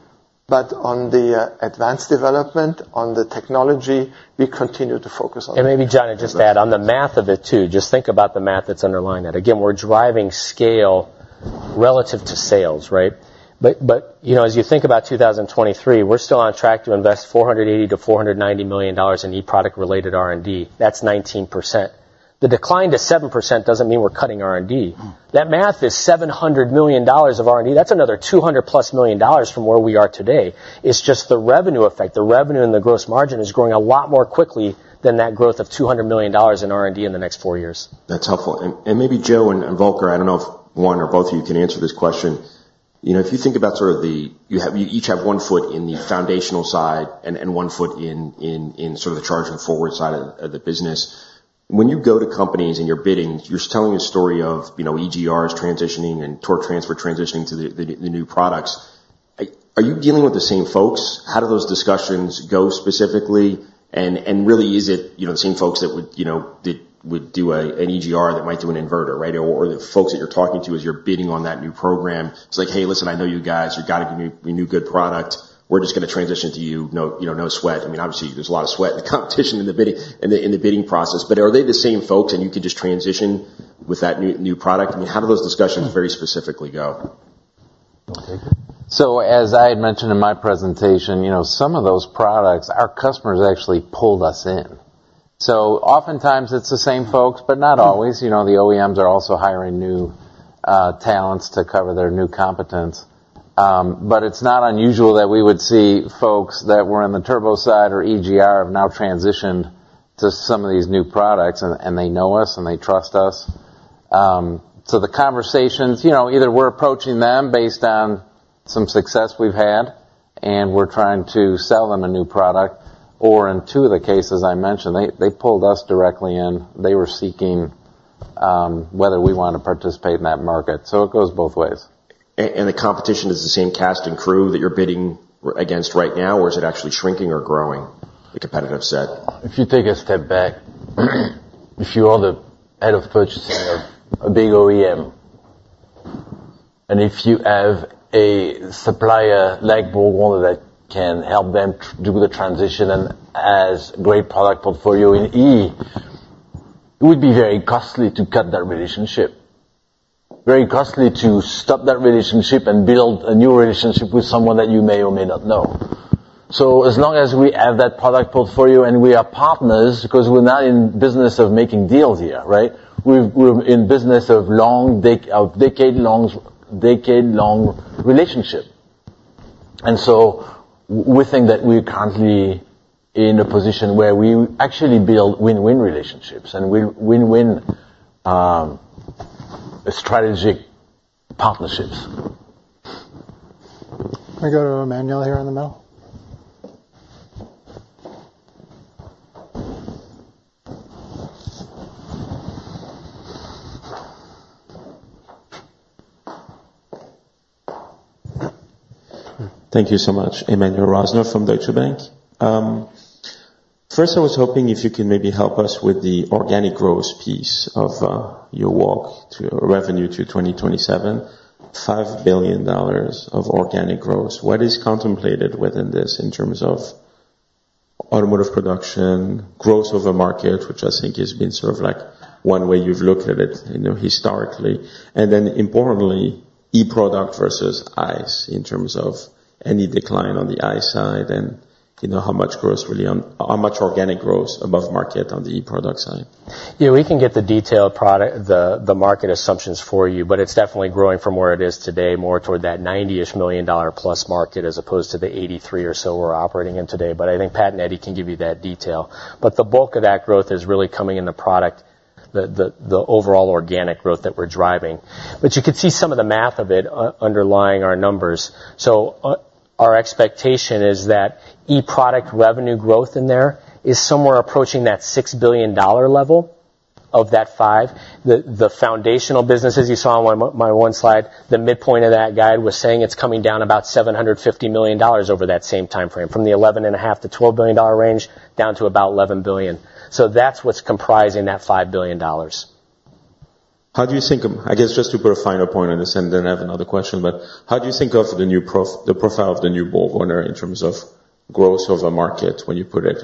but on the advanced development, on the technology, we continue to focus on- Maybe, John, I just add, on the math of it, too, just think about the math that's underlying that. Again, we're driving scale relative to sales, right? But, you know, as you think about 2023, we're still on track to invest $480 million-$490 million in e-product-related R&D. That's 19%. The decline to 7% doesn't mean we're cutting R&D. Mm-hmm. That math is $700 million of R&D. That's another $200+ million from where we are today. It's just the revenue effect. The revenue and the gross margin is growing a lot more quickly than that growth of $200 million in R&D in the next four years. That's helpful. Maybe Joe and Volker, I don't know if one or both of you can answer this question: You know, if you think about sort of you have, you each have one foot in the foundational side and one foot in sort of the Charging Forward side of the business. When you go to companies, and you're bidding, you're telling a story of, you know, EGRs transitioning and torque transfer transitioning to the new products. Are you dealing with the same folks? How do those discussions go specifically, and really, is it, you know, the same folks that would, you know, that would do an EGR that might do an inverter, right? The folks that you're talking to as you're bidding on that new program, it's like: "Hey, listen, I know you guys. You've got a new good product. We're just gonna transition to you, no, you know, no sweat." I mean, obviously, there's a lot of sweat in the competition in the bidding process, but are they the same folks, and you could just transition with that new product? I mean, how do those discussions very specifically go? As I had mentioned in my presentation, you know, some of those products, our customers actually pulled us in. Oftentimes, it's the same folks, but not always. You know, the OEMs are also hiring new talents to cover their new competence. It's not unusual that we would see folks that were on the turbo side or EGR have now transitioned to some of these new products, and they know us, and they trust us. The conversations, you know, either we're approaching them based on some success we've had, and we're trying to sell them a new product, or in two of the cases I mentioned, they pulled us directly in. They were seeking whether we want to participate in that market, so it goes both ways. The competition is the same cast and crew that you're bidding against right now, or is it actually shrinking or growing the competitive set? If you take a step back, if you are the head of purchasing of a big OEM, and if you have a supplier like BorgWarner that can help them do the transition and has great product portfolio in E, it would be very costly to cut that relationship, very costly to stop that relationship and build a new relationship with someone that you may or may not know. As long as we have that product portfolio, and we are partners, because we're not in business of making deals here, right? We're in business of long decade-long relationship. We think that we're currently in a position where we actually build win-win relationships, and we win-win,... strategic partnerships. Can we go to Emmanuel here on the middle? Thank you so much. Emmanuel Rosner from Deutsche Bank. First, I was hoping if you can maybe help us with the organic growth piece of your walk to revenue to 2027, $5 billion of organic growth. What is contemplated within this in terms of automotive production, growth of a market, which I think has been sort of like one way you've looked at it, you know, historically, and then importantly, e-product versus ICE, in terms of any decline on the ICE side, and you know, how much organic growth above market on the e-product side? Yeah, we can get the detailed product, the market assumptions for you. It's definitely growing from where it is today, more toward that $90 million+ market, as opposed to the $83 million or so we're operating in today. I think Pat and Eddie can give you that detail. The bulk of that growth is really coming in the product, the overall organic growth that we're driving. You can see some of the math of it underlying our numbers. Our expectation is that e-product revenue growth in there is somewhere approaching that $6 billion level of that $5 billion. The foundational businesses you saw on my one slide, the midpoint of that guide was saying it's coming down about $750 million over that same time frame, from the eleven and a half to $12 billion range, down to about $11 billion. That's what's comprising that $5 billion. How do you think, I guess just to put a finer point on this, I have another question. How do you think of the new profile of the new BorgWarner in terms of growth of a market when you put it,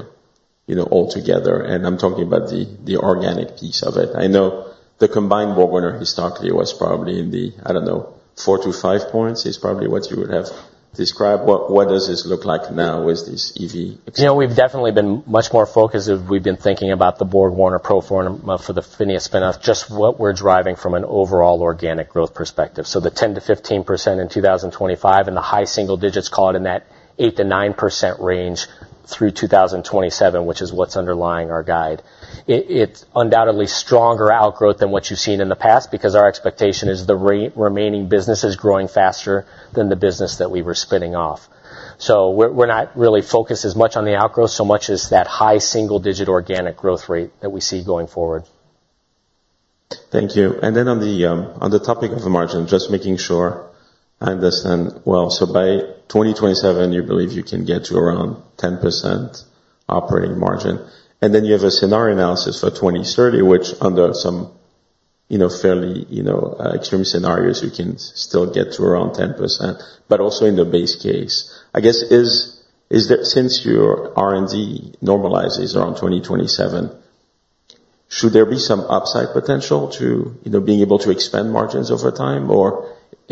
you know, all together? I'm talking about the organic piece of it. I know the combined BorgWarner historically was probably in the, I don't know, four to five points, is probably what you would have described. What does this look like now with this EV? You know, we've definitely been much more focused of we've been thinking about the BorgWarner pro forma for the PHINIA spinoff, just what we're driving from an overall organic growth perspective. The 10%-15% in 2025, and the high single digits call it in that 8%-9% range through 2027, which is what's underlying our guide. It's undoubtedly stronger outgrowth than what you've seen in the past, because our expectation is the remaining business is growing faster than the business that we were spinning off. We're not really focused as much on the outgrow, so much as that high single digit organic growth rate that we see going forward. Thank you. On the topic of the margin, just making sure I understand well. By 2027, you believe you can get to around 10% operating margin. You have a scenario analysis for 2030, which under some, you know, fairly, you know, extreme scenarios, you can still get to around 10%, but also in the base case. I guess, is that since your R&D normalizes around 2027, should there be some upside potential to, you know, being able to expand margins over time?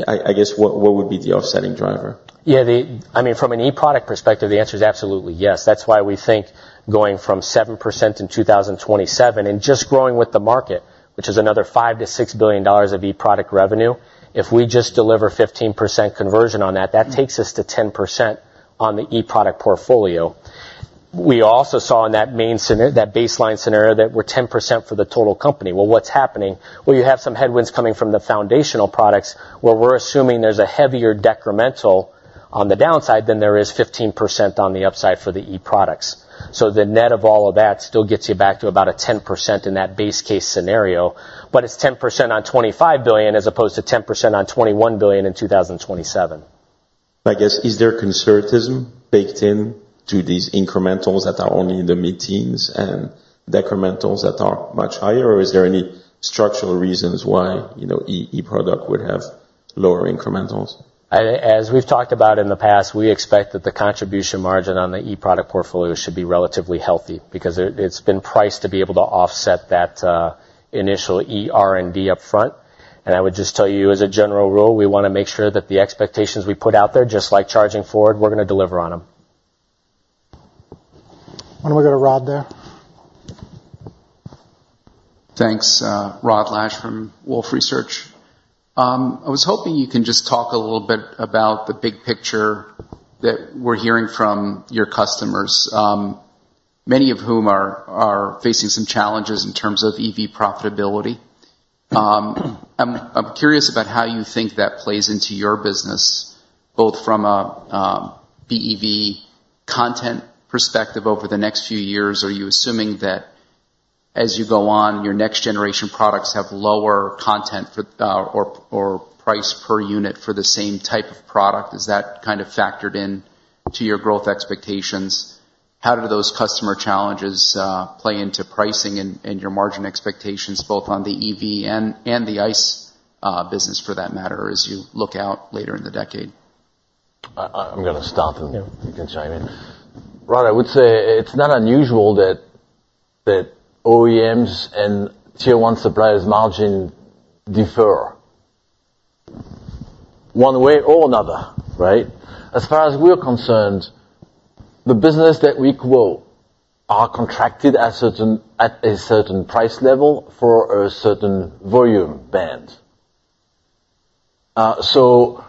I guess, what would be the offsetting driver? I mean, from an e-product perspective, the answer is absolutely yes. That's why we think going from 7% in 2027 and just growing with the market, which is another $5 billion-$6 billion of e-product revenue, if we just deliver 15% conversion on that takes us to 10% on the e-product portfolio. We also saw in that baseline scenario, that we're 10% for the total company. What's happening? You have some headwinds coming from the foundational products, where we're assuming there's a heavier decremental on the downside than there is 15% on the upside for the e-products. The net of all of that still gets you back to about a 10% in that base case scenario, but it's 10% on $25 billion, as opposed to 10% on $21 billion in 2027. I guess, is there conservatism baked in to these incrementals that are only in the mid-teens and decrementals that are much higher? Is there any structural reasons why, you know, e-product would have lower incrementals? I, as we've talked about in the past, we expect that the contribution margin on the e-product portfolio should be relatively healthy because it's been priced to be able to offset that initial E R&D upfront. I would just tell you, as a general rule, we wanna make sure that the expectations we put out there, just like Charging Forward, we're gonna deliver on them. Why don't we go to Rod there? Thanks, Rod Lache from Wolfe Research. I was hoping you can just talk a little bit about the big picture that we're hearing from your customers, many of whom are facing some challenges in terms of EV profitability. I'm curious about how you think that plays into your business, both from a BEV content perspective over the next few years. Are you assuming that as you go on, your next generation products have lower content for or price per unit for the same type of product? Is that kind of factored in to your growth expectations? How do those customer challenges play into pricing and your margin expectations, both on the EV and the ICE business, for that matter, as you look out later in the decade? I'm gonna start, and you can chime in. Rod, I would say it's not unusual that OEMs and tier one suppliers' margin differ one way or another, right? As far as we're concerned, the business that we grow are contracted at a certain price level for a certain volume band. So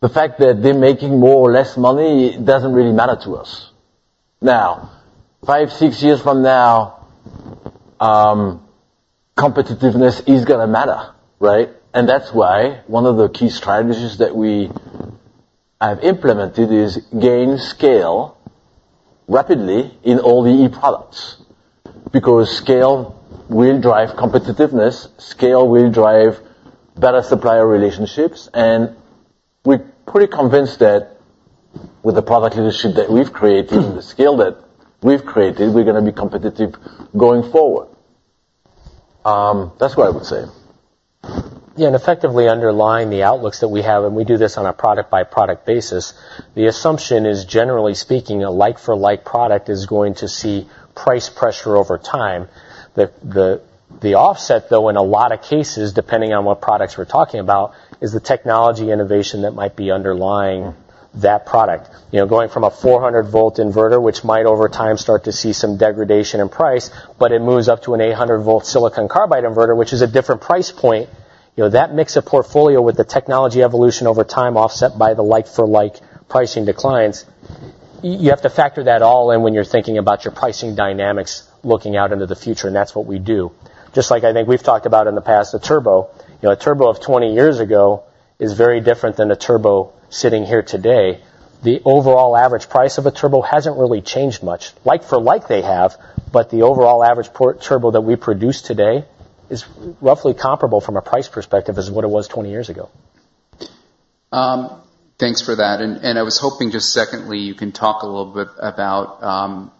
the fact that they're making more or less money doesn't really matter to us. Now, five, six years from now, competitiveness is gonna matter, right? That's why one of the key strategies that we have implemented is gain scale rapidly in all the e-products, because scale will drive competitiveness, scale will drive better supplier relationships, and we're pretty convinced that with the product leadership that we've created, and the scale that we've created, we're gonna be competitive going forward. That's what I would say. Yeah, effectively underlying the outlooks that we have, and we do this on a product-by-product basis, the assumption is, generally speaking, a like-for-like product is going to see price pressure over time. The offset, though, in a lot of cases, depending on what products we're talking about, is the technology innovation that might be underlying that product. You know, going from a 400 V inverter, which might, over time, start to see some degradation in price, but it moves up to an 800 V silicon carbide inverter, which is a different price point. You know, that makes a portfolio with the technology evolution over time, offset by the like-for-like pricing declines. You have to factor that all in when you're thinking about your pricing dynamics, looking out into the future, that's what we do. Just like I think we've talked about in the past, the turbo. You know, a turbo of 20 years ago is very different than a turbo sitting here today. The overall average price of a turbo hasn't really changed much. Like for like, they have, but the overall average port turbo that we produce today is roughly comparable from a price perspective as to what it was 20 years ago. Thanks for that. I was hoping, just secondly, you can talk a little bit about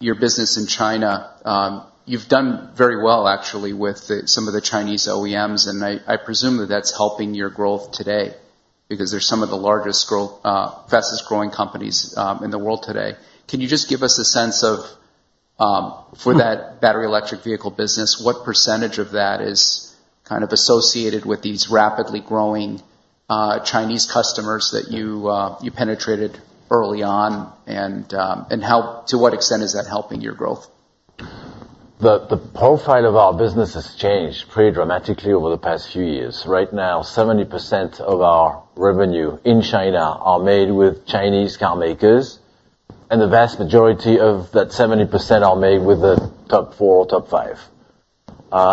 your business in China. You've done very well, actually, with some of the Chinese OEMs, and I presume that that's helping your growth today, because they're some of the largest fastest-growing companies in the world today. Can you just give us a sense of for that battery electric vehicle business, what percentage of that is kind of associated with these rapidly growing Chinese customers that you penetrated early on, and to what extent is that helping your growth? The profile of our business has changed pretty dramatically over the past few years. Right now, 70% of our revenue in China are made with Chinese car makers, and the vast majority of that 70% are made with the top four or top five.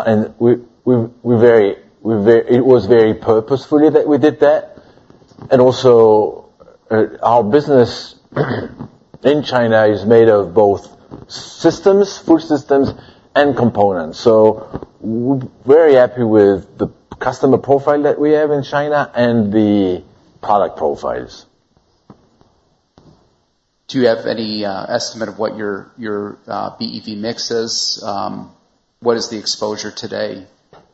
It was very purposefully that we did that. Also, our business in China is made of both systems, full systems and components. We're very happy with the customer profile that we have in China and the product profiles. Do you have any estimate of what your BEV mix is? What is the exposure today?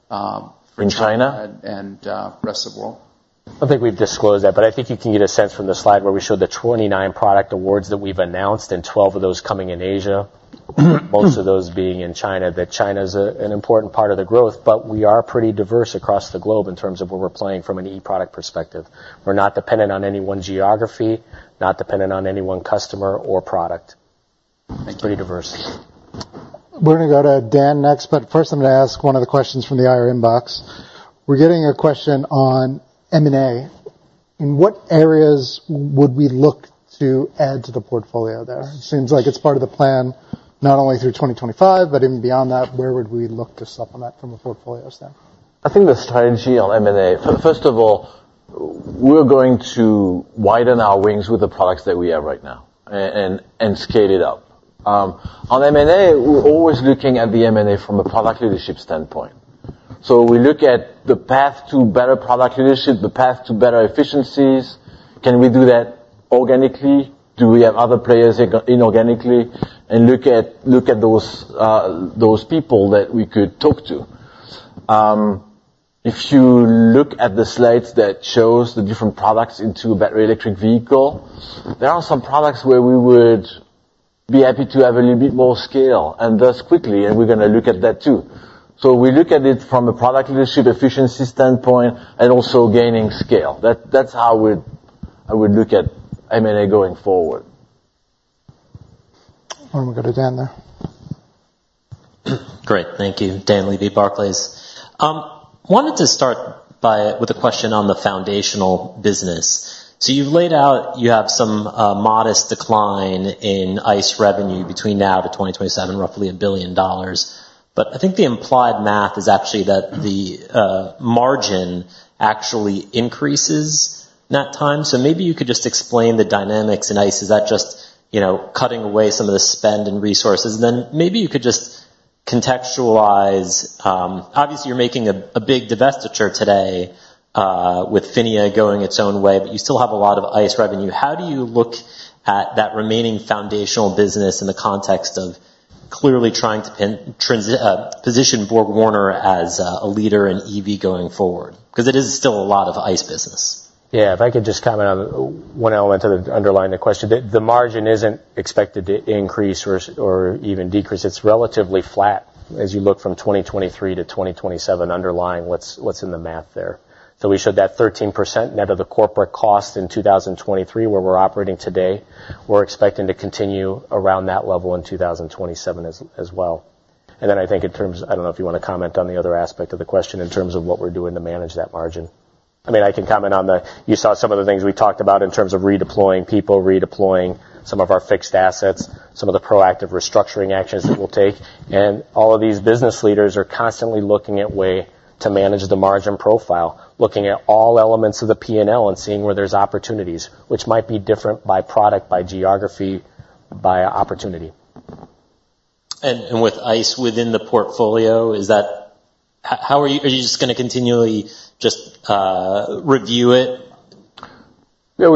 In China? Rest of the world. I don't think we've disclosed that, but I think you can get a sense from the slide where we showed the 29 product awards that we've announced, and 12 of those coming in Asia. Most of those being in China, that China's an important part of the growth, but we are pretty diverse across the globe in terms of where we're playing from an e-product perspective. We're not dependent on any one geography, not dependent on any one customer or product. It's pretty diverse. We're gonna go to Dan next, but first I'm gonna ask one of the questions from the IR inbox. We're getting a question on M&A. In what areas would we look to add to the portfolio there? It seems like it's part of the plan, not only through 2025, but even beyond that, where would we look to supplement from a portfolio standpoint? I think the strategy on M&A, first of all, we're going to widen our wings with the products that we have right now and scale it up. On M&A, we're always looking at the M&A from a product leadership standpoint. We look at the path to better product leadership, the path to better efficiencies. Can we do that organically? Do we have other players inorganically? We look at those people that we could talk to. If you look at the slides that shows the different products into a battery electric vehicle, there are some products where we would be happy to have a little bit more scale. Thus quickly, we're gonna look at that too. We look at it from a product leadership efficiency standpoint and also gaining scale. That's how I would look at M&A going forward. I'm gonna go to Dan there. Great. Thank you. Dan Levy, Barclays. Wanted to start with a question on the foundational business. You've laid out, you have some modest decline in ICE revenue between now to 2027, roughly $1 billion. I think the implied math is actually that the margin actually increases in that time. Maybe you could just explain the dynamics in ICE. Is that just, you know, cutting away some of the spend and resources? Maybe you could just contextualize. Obviously, you're making a big divestiture today with PHINIA going its own way, but you still have a lot of ICE revenue. How do you look at that remaining foundational business in the context of clearly trying to position BorgWarner as a leader in EV going forward? Because it is still a lot of ICE business. If I could just comment on one element of the underlying the question. The margin isn't expected to increase or even decrease. It's relatively flat as you look from 2023 to 2027, underlying what's in the math there. We showed that 13% net of the corporate cost in 2023, where we're operating today. We're expecting to continue around that level in 2027 as well.... Then I think I don't know if you want to comment on the other aspect of the question in terms of what we're doing to manage that margin. I mean, I can comment. You saw some of the things we talked about in terms of redeploying people, redeploying some of our fixed assets, some of the proactive restructuring actions that we'll take. All of these business leaders are constantly looking at way to manage the margin profile, looking at all elements of the P&L and seeing where there's opportunities, which might be different by product, by geography, by opportunity. With ICE within the portfolio, are you just gonna continually review it? Yeah,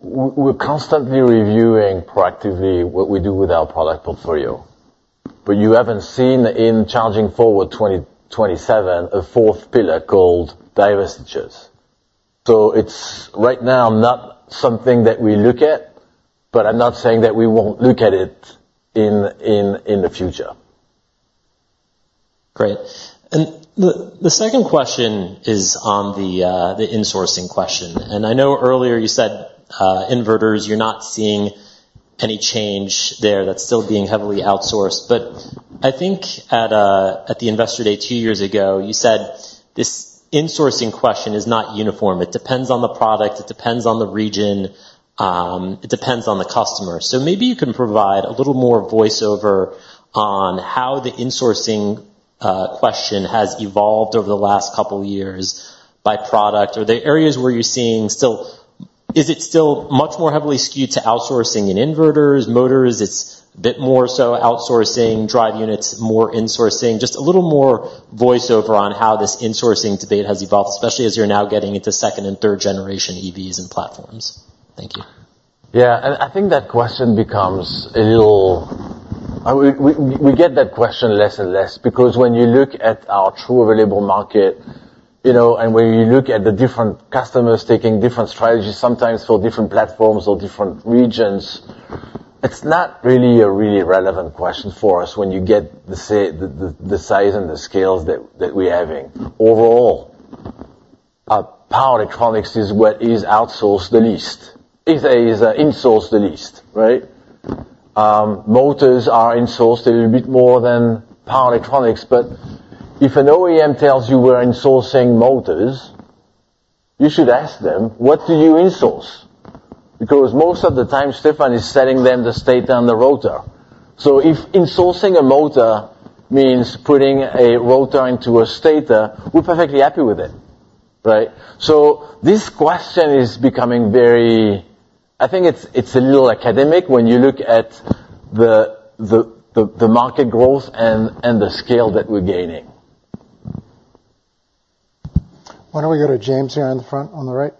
we're constantly reviewing proactively what we do with our product portfolio. You haven't seen in Charging Forward 2027, a fourth pillar called divestitures. It's right now not something that we look at, but I'm not saying that we won't look at it in the future. Great. The second question is on the insourcing question. I know earlier you said inverters, you're not seeing any change there. That's still being heavily outsourced. I think at the Investor Day, two years ago, you said this insourcing question is not uniform. It depends on the product, it depends on the region, it depends on the customer. Maybe you can provide a little more voiceover on how the insourcing question has evolved over the last couple of years by product. The areas where you're seeing, is it still much more heavily skewed to outsourcing in inverters, motors, it's a bit more so outsourcing, drive units, more insourcing? Just a little more voice-over on how this insourcing debate has evolved, especially as you're now getting into second and third generation EVs and platforms. Thank you. I think that question becomes a little, we get that question less and less, because when you look at our true available market, you know, and when you look at the different customers taking different strategies, sometimes for different platforms or different regions, it's not really a really relevant question for us when you get the size and the scales that we're having. Overall, our power electronics is what is outsourced the least. If there is an insourced the least, right? Motors are insourced a little bit more than power electronics, but if an OEM tells you we're insourcing motors, you should ask them: "What do you insource?" Most of the time, Stefan is selling them the stator and the rotor. If insourcing a motor means putting a rotor into a stator, we're perfectly happy with it, right? This question is becoming I think it's a little academic when you look at the market growth and the scale that we're gaining. Why don't we go to James here in the front on the right?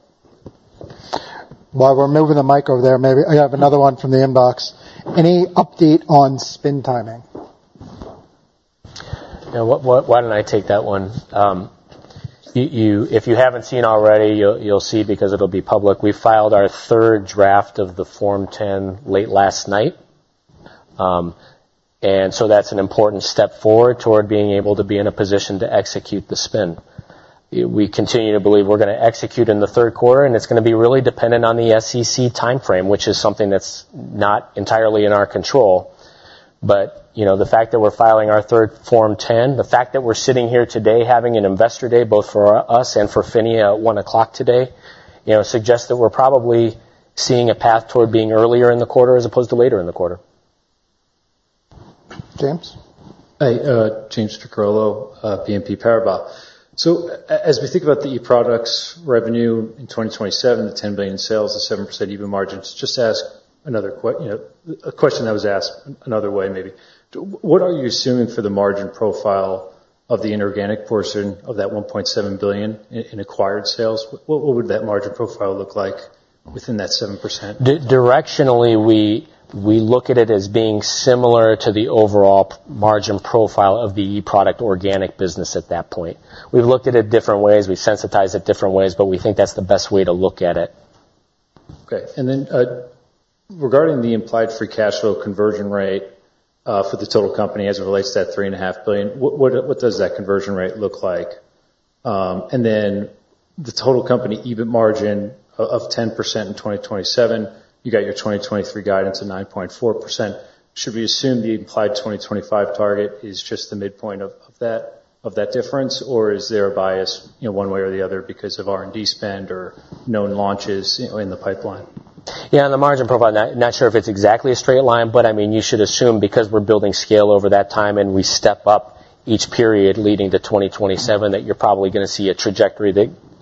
While we're moving the mic over there, maybe I have another one from the inbox. Any update on spin timing? Yeah. Why don't I take that one? If you haven't seen already, you'll see because it'll be public. We filed our third draft of the Form 10 late last night. That's an important step forward toward being able to be in a position to execute the spin. We continue to believe we're gonna execute in the third quarter, it's gonna be really dependent on the SEC timeframe, which is something that's not entirely in our control. You know, the fact that we're filing our third Form 10, the fact that we're sitting here today having an Investor Day, both for us and for PHINIA at 1:00 P.M. today, you know, suggests that we're probably seeing a path toward being earlier in the quarter as opposed to later in the quarter. James? Hi, James Picariello, BNP Paribas. as we think about the e-products revenue in 2027, the $10 billion sales, the 7% EBIT margins, just ask another you know, a question that was asked another way, maybe. What are you assuming for the margin profile of the inorganic portion of that $1.7 billion in acquired sales? What would that margin profile look like within that 7%? Di-directionally, we look at it as being similar to the overall margin profile of the e-product organic business at that point. We've looked at it different ways, we sensitized it different ways, but we think that's the best way to look at it. Okay. Regarding the implied free cash flow conversion rate, for the total company as it relates to that $3.5 billion, what does that conversion rate look like? The total company EBIT margin of 10% in 2027, you got your 2023 guidance of 9.4%. Should we assume the implied 2025 target is just the midpoint of that difference, or is there a bias, you know, one way or the other, because of R&D spend or known launches in the pipeline? Yeah, the margin profile, not sure if it's exactly a straight line, I mean, you should assume because we're building scale over that time and we step up each period leading to 2027, that you're probably gonna see a trajectory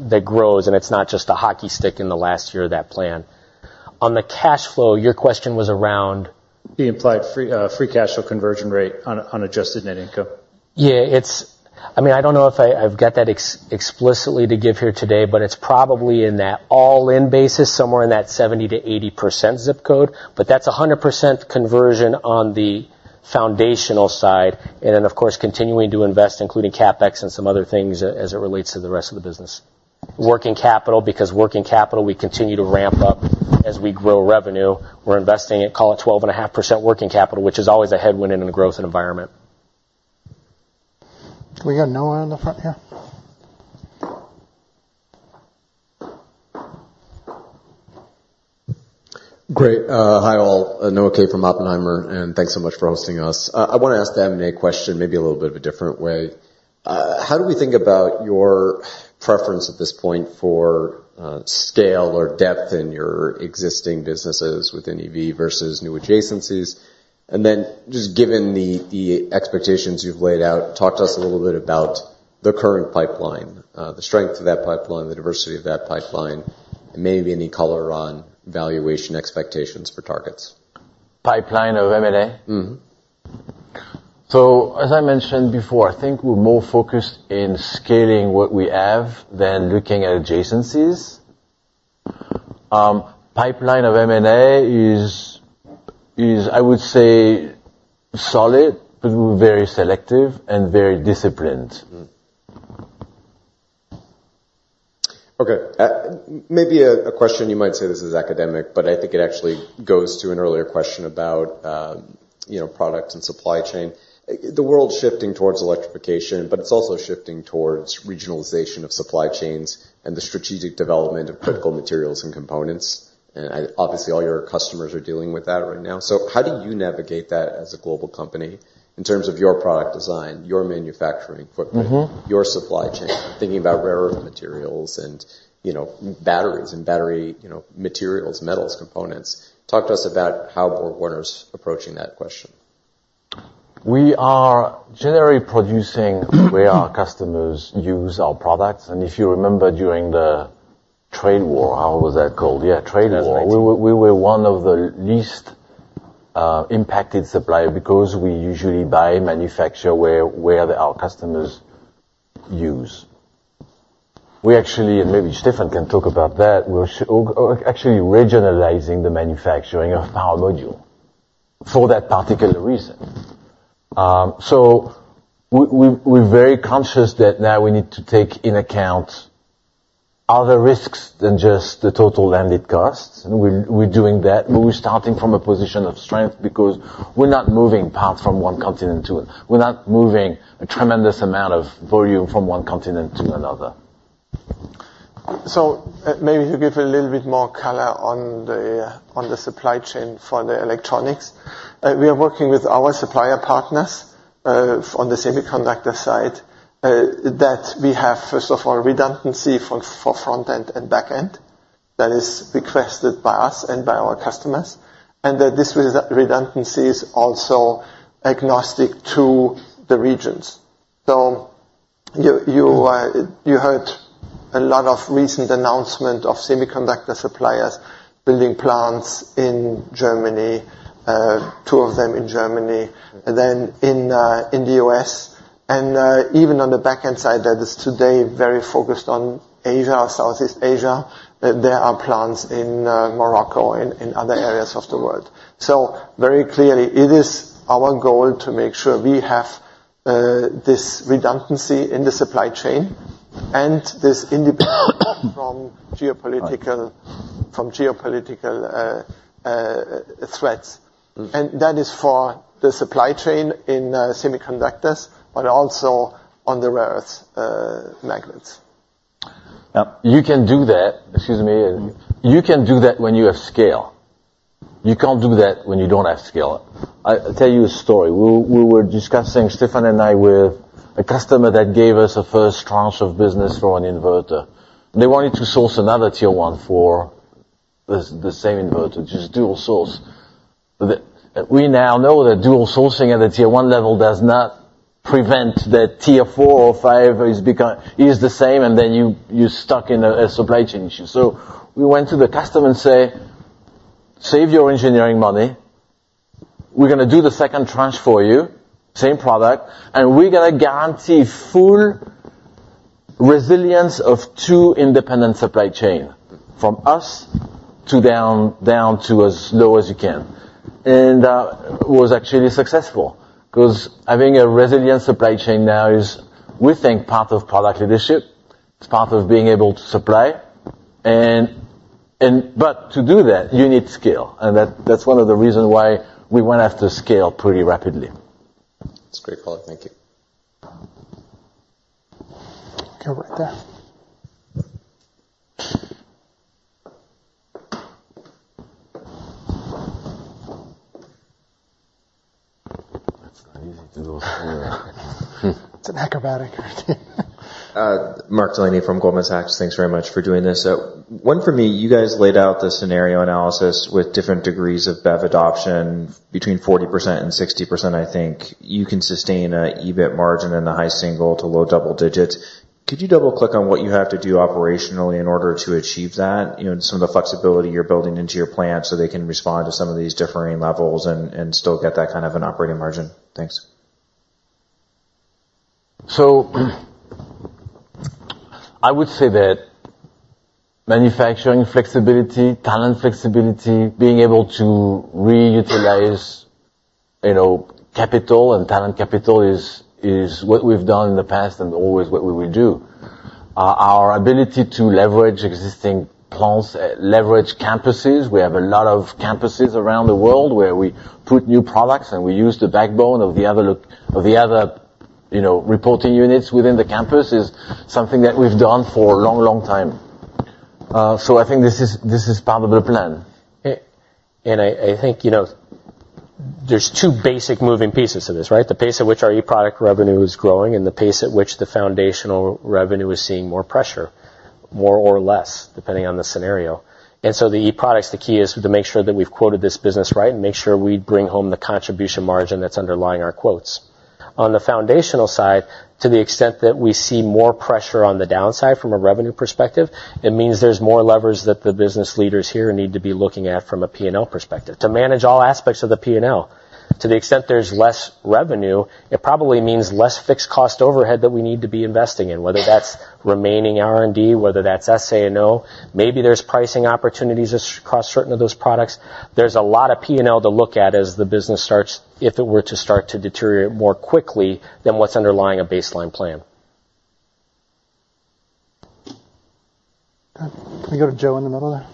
that grows, it's not just a hockey stick in the last year of that plan. On the cash flow, your question was around? The implied free cash flow conversion rate on adjusted net income. Yeah, I mean, I don't know if I've got that explicitly to give here today, but it's probably in that all-in basis, somewhere in that 70%-80% zip code. That's 100% conversion on the foundational side, and then, of course, continuing to invest, including CapEx and some other things as it relates to the rest of the business. Working capital, because working capital, we continue to ramp up as we grow revenue. We're investing it, call it 12.5% working capital, which is always a headwind in a growth environment. We got Noah in the front here? Great. Hi, all. Noah Kaye from Oppenheimer. Thanks so much for hosting us. I wanna ask the M&A question maybe a little bit of a different way. How do we think about your preference at this point for scale or depth in your existing businesses within EV versus new adjacencies? Just given the expectations you've laid out, talk to us a little bit about the current pipeline, the strength of that pipeline, the diversity of that pipeline, and maybe any color on valuation expectations for targets. Pipeline of M&A? Mm-hmm. As I mentioned before, I think we're more focused in scaling what we have than looking at adjacencies. Pipeline of M&A is, I would say, solid, but we're very selective and very disciplined. Okay. Maybe a question, you might say this is academic, but I think it actually goes to an earlier question about, you know, product and supply chain. The world's shifting towards electrification, but it's also shifting towards regionalization of supply chains and the strategic development of critical materials and components. Obviously, all your customers are dealing with that right now. How do you navigate that as a global company in terms of your product design, your manufacturing footprint... Mm-hmm. your supply chain, thinking about rare earth materials and, you know, batteries and battery, you know, materials, metals, components. Talk to us about how BorgWarner's approaching that question? We are generally producing where our customers use our products, and if you remember, during the trade war, how was that called? Yeah, trade war. That's right. We were one of the least impacted supplier because we usually buy manufacture where our customers use. We actually, and maybe Stefan can talk about that, we're actually regionalizing the manufacturing of our module for that particular reason. We're very conscious that now we need to take in account other risks than just the total landed costs, and we're doing that, but we're starting from a position of strength because we're not moving parts from one continent to. We're not moving a tremendous amount of volume from one continent to another. Maybe to give a little bit more color on the supply chain for the electronics. We are working with our supplier partners on the semiconductor side that we have, first of all, redundancy for front-end and back-end. That is requested by us and by our customers, and that this redundancy is also agnostic to the regions. You heard a lot of recent announcement of semiconductor suppliers building plants in Germany, two of them in Germany, and then in the U.S., and even on the back-end side, that is today very focused on Asia or Southeast Asia. There are plants in Morocco and in other areas of the world. very clearly, it is our goal to make sure we have, this redundancy in the supply chain and this independence from. Right. From geopolitical threats. Mm-hmm. That is for the supply chain in semiconductors, but also on the rare earth magnets. You can do that. Excuse me. Mm-hmm. You can do that when you have scale. You can't do that when you don't have scale. I'll tell you a story. We were discussing, Stefan and I, with a customer that gave us a first tranche of business for an inverter. They wanted to source another tier one for this, the same inverter, just dual source. We now know that dual sourcing at a tier one level does not prevent the tier four or five is the same, and then you stuck in a supply chain issue. We went to the customer and say, "Save your engineering money. We're gonna do the second tranche for you, same product, and we're gonna guarantee full resilience of two independent supply chain, from us to down to as low as you can. It was actually successful, 'cause having a resilient supply chain now is, we think, part of product leadership. It's part of being able to supply and... To do that, you need scale, and that's one of the reasons why we went after scale pretty rapidly. That's a great call. Thank you. Go right there. That's not easy to do. It's an acrobatic. Mark Delaney from Goldman Sachs. Thanks very much for doing this. One for me, you guys laid out the scenario analysis with different degrees of BEV adoption between 40% and 60%, I think. You can sustain a EBIT margin in the high single to low double digits. Could you double-click on what you have to do operationally in order to achieve that? You know, and some of the flexibility you're building into your plant so they can respond to some of these differing levels and still get that kind of an operating margin. Thanks. I would say that manufacturing flexibility, talent flexibility, being able to reutilize, you know, capital and talent capital is what we've done in the past and always what we will do. Our ability to leverage existing plants, leverage campuses, we have a lot of campuses around the world where we put new products, and we use the backbone of the other.... you know, reporting units within the campus is something that we've done for a long, long time. I think this is part of the plan. I think, you know, there's two basic moving pieces to this, right? The pace at which our e-product revenue is growing and the pace at which the foundational revenue is seeing more pressure, more or less, depending on the scenario. The e-products, the key is to make sure that we've quoted this business right, and make sure we bring home the contribution margin that's underlying our quotes. On the foundational side, to the extent that we see more pressure on the downside from a revenue perspective, it means there's more levers that the business leaders here need to be looking at from a P&L perspective, to manage all aspects of the P&L. To the extent there's less revenue, it probably means less fixed cost overhead that we need to be investing in, whether that's remaining R&D, whether that's SA&O, maybe there's pricing opportunities across certain of those products. There's a lot of P&L to look at as the business starts, if it were to start to deteriorate more quickly than what's underlying a baseline plan. Can we go to Joe in the middle there?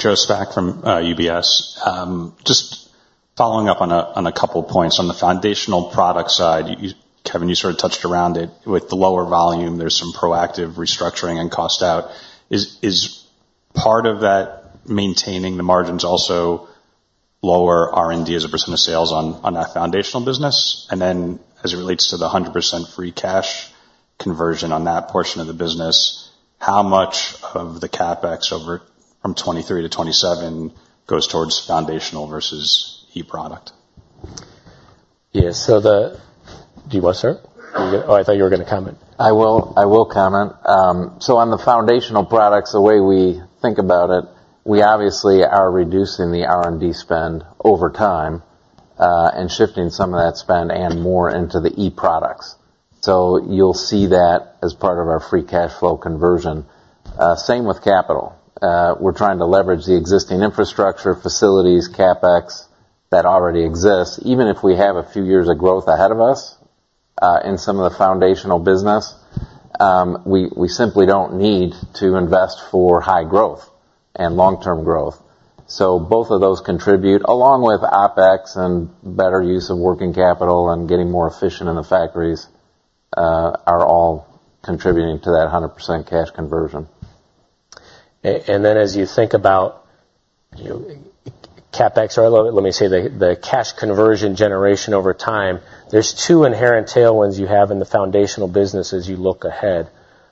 Joe Spak from UBS. Just following up on a couple points. On the foundational product side, you, Kevin, you sort of touched around it. With the lower volume, there's some proactive restructuring and cost out. Is part of that maintaining the margins also lower R&D as a percent of sales on that foundational business? As it relates to the 100% free cash conversion on that portion of the business, how much of the CapEx over from 2023-2027 goes towards foundational versus e-product? Yes. The... Do you want, sir? Oh, I thought you were going to comment. I will comment. On the foundational products, the way we think about it, we obviously are reducing the R&D spend over time, and shifting some of that spend and more into the e-products. You'll see that as part of our free cash flow conversion. Same with capital. We're trying to leverage the existing infrastructure, facilities, CapEx, that already exists. Even if we have a few years of growth ahead of us, in some of the foundational business, we simply don't need to invest for high growth and long-term growth. Both of those contribute, along with OpEx and better use of working capital and getting more efficient in the factories, are all contributing to that 100% cash conversion. As you think about CapEx, or let me say the cash conversion generation over time, there's two inherent tailwinds you have in the foundational business as you look ahead.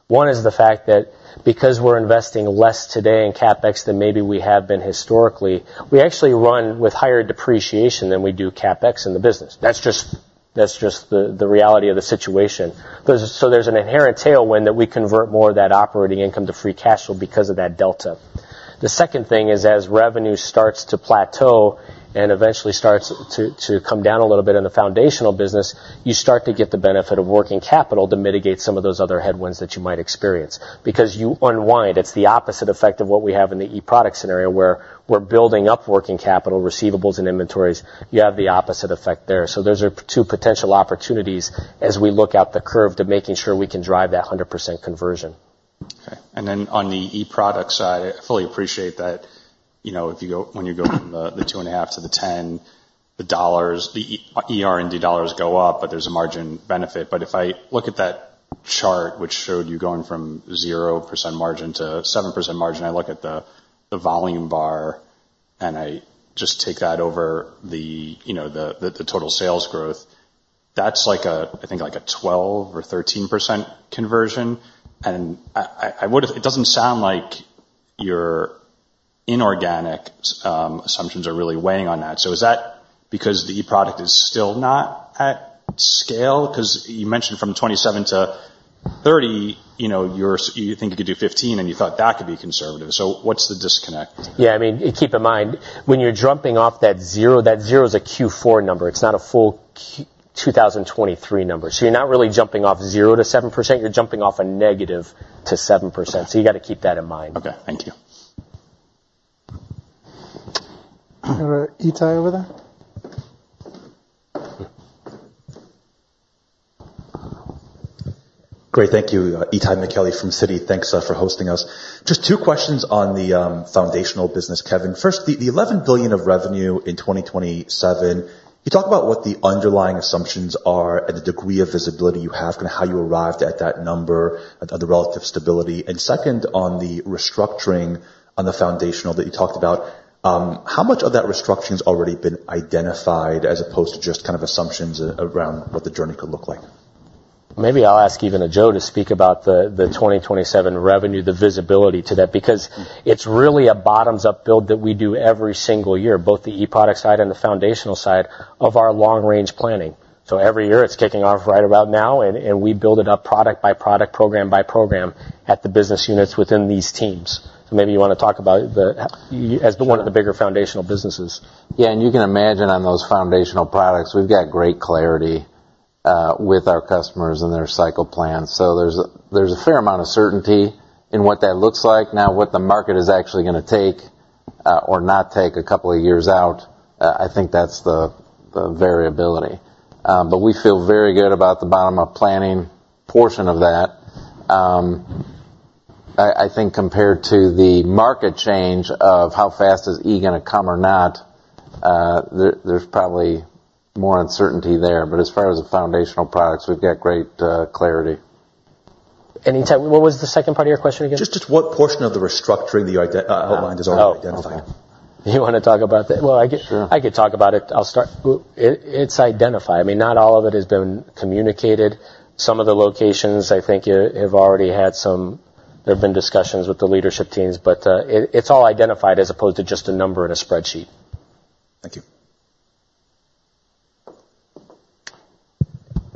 One is the fact that because we're investing less today in CapEx than maybe we have been historically, we actually run with higher depreciation than we do CapEx in the business. That's just the reality of the situation. There's an inherent tailwind that we convert more of that operating income to free cash flow because of that delta. The second thing is, as revenue starts to plateau and eventually starts to come down a little bit in the foundational business, you start to get the benefit of working capital to mitigate some of those other headwinds that you might experience. You unwind, it's the opposite effect of what we have in the e-product scenario, where we're building up working capital, receivables, and inventories. You have the opposite effect there. Those are two potential opportunities as we look out the curve to making sure we can drive that 100% conversion. Okay. On the e-product side, I fully appreciate that, you know, if you go when you go from the $2.5 billion to the $10 billion, the dollars, the eR&D dollars go up, but there's a margin benefit. If I look at that chart, which showed you going from 0% margin to 7% margin, I look at the volume bar, and I just take that over the, you know, the total sales growth, that's like a I think like a 12% or 13% conversion. It doesn't sound like your inorganic assumptions are really weighing on that. Is that because the e-product is still not at scale? Because you mentioned from 2027-2030, you know, you're, you think you could do 15%, and you thought that could be conservative. What's the disconnect? Yeah, I mean, keep in mind, when you're jumping off that 0%, that 0% is a Q4 number. It's not a full Q- 2023 number. You're not really jumping off 0% to 7%, you're jumping off a negative to 7%. You got to keep that in mind. Okay, thank you. Itay over there. Great, thank you. Itay Michaeli from Citi. Thanks for hosting us. Just two questions on the foundational business, Kevin. First, the $11 billion of revenue in 2027, can you talk about what the underlying assumptions are and the degree of visibility you have, and how you arrived at that number and the relative stability? Second, on the restructuring on the foundational that you talked about, how much of that restructuring has already been identified as opposed to just kind of assumptions around what the journey could look like? Maybe I'll ask even Joe to speak about the 2027 revenue, the visibility to that, because it's really a bottoms-up build that we do every single year, both the e-product side and the foundational side of our long-range planning. Every year, it's kicking off right about now, and we build it up product by product, program by program, at the business units within these teams. Maybe you want to talk about as one of the bigger foundational businesses. You can imagine on those foundational products, we've got great clarity with our customers and their cycle plans. There's a fair amount of certainty in what that looks like. What the market is actually going to take or not take a couple of years out, I think that's the variability. We feel very good about the bottom-up planning portion of that. I think compared to the market change of how fast is E going to come or not, there's probably more uncertainty there. As far as the foundational products, we've got great clarity. Itay, what was the second part of your question again? Just what portion of the restructuring you outlined is already identified? Oh, okay. You want to talk about that? Well, I could. Sure. I could talk about it. I'll start. It's identified. I mean, not all of it has been communicated. Some of the locations, I think, have already had some. There have been discussions with the leadership teams. It's all identified as opposed to just a number in a spreadsheet. Thank you.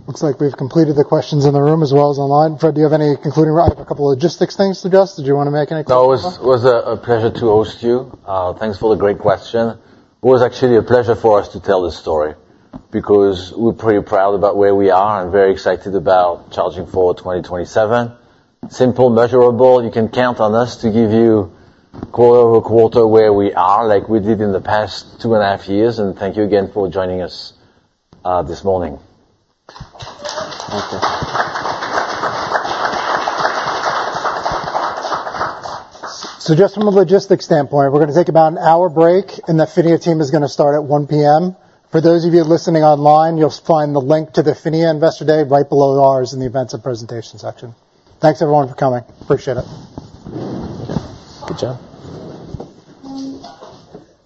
Looks like we've completed the questions in the room as well as online. Fréd, do you have any concluding...? I have a couple logistics things to discuss. Did you want to make any comments? No. It was a pleasure to host you. Thanks for the great question. It was actually a pleasure for us to tell this story because we're pretty proud about where we are and very excited about Charging Forward 2027. Simple, measurable, you can count on us to give you quarter-over-quarter where we are, like we did in the past two and a half years. Thank you again for joining us, this morning. Just from a logistics standpoint, we're going to take about an hour break, and the PHINIA team is going to start at 1:00 P.M. For those of you listening online, you'll find the link to the PHINIA Investor Day right below ours in the Events and Presentation section. Thanks, everyone, for coming. Appreciate it. Good job.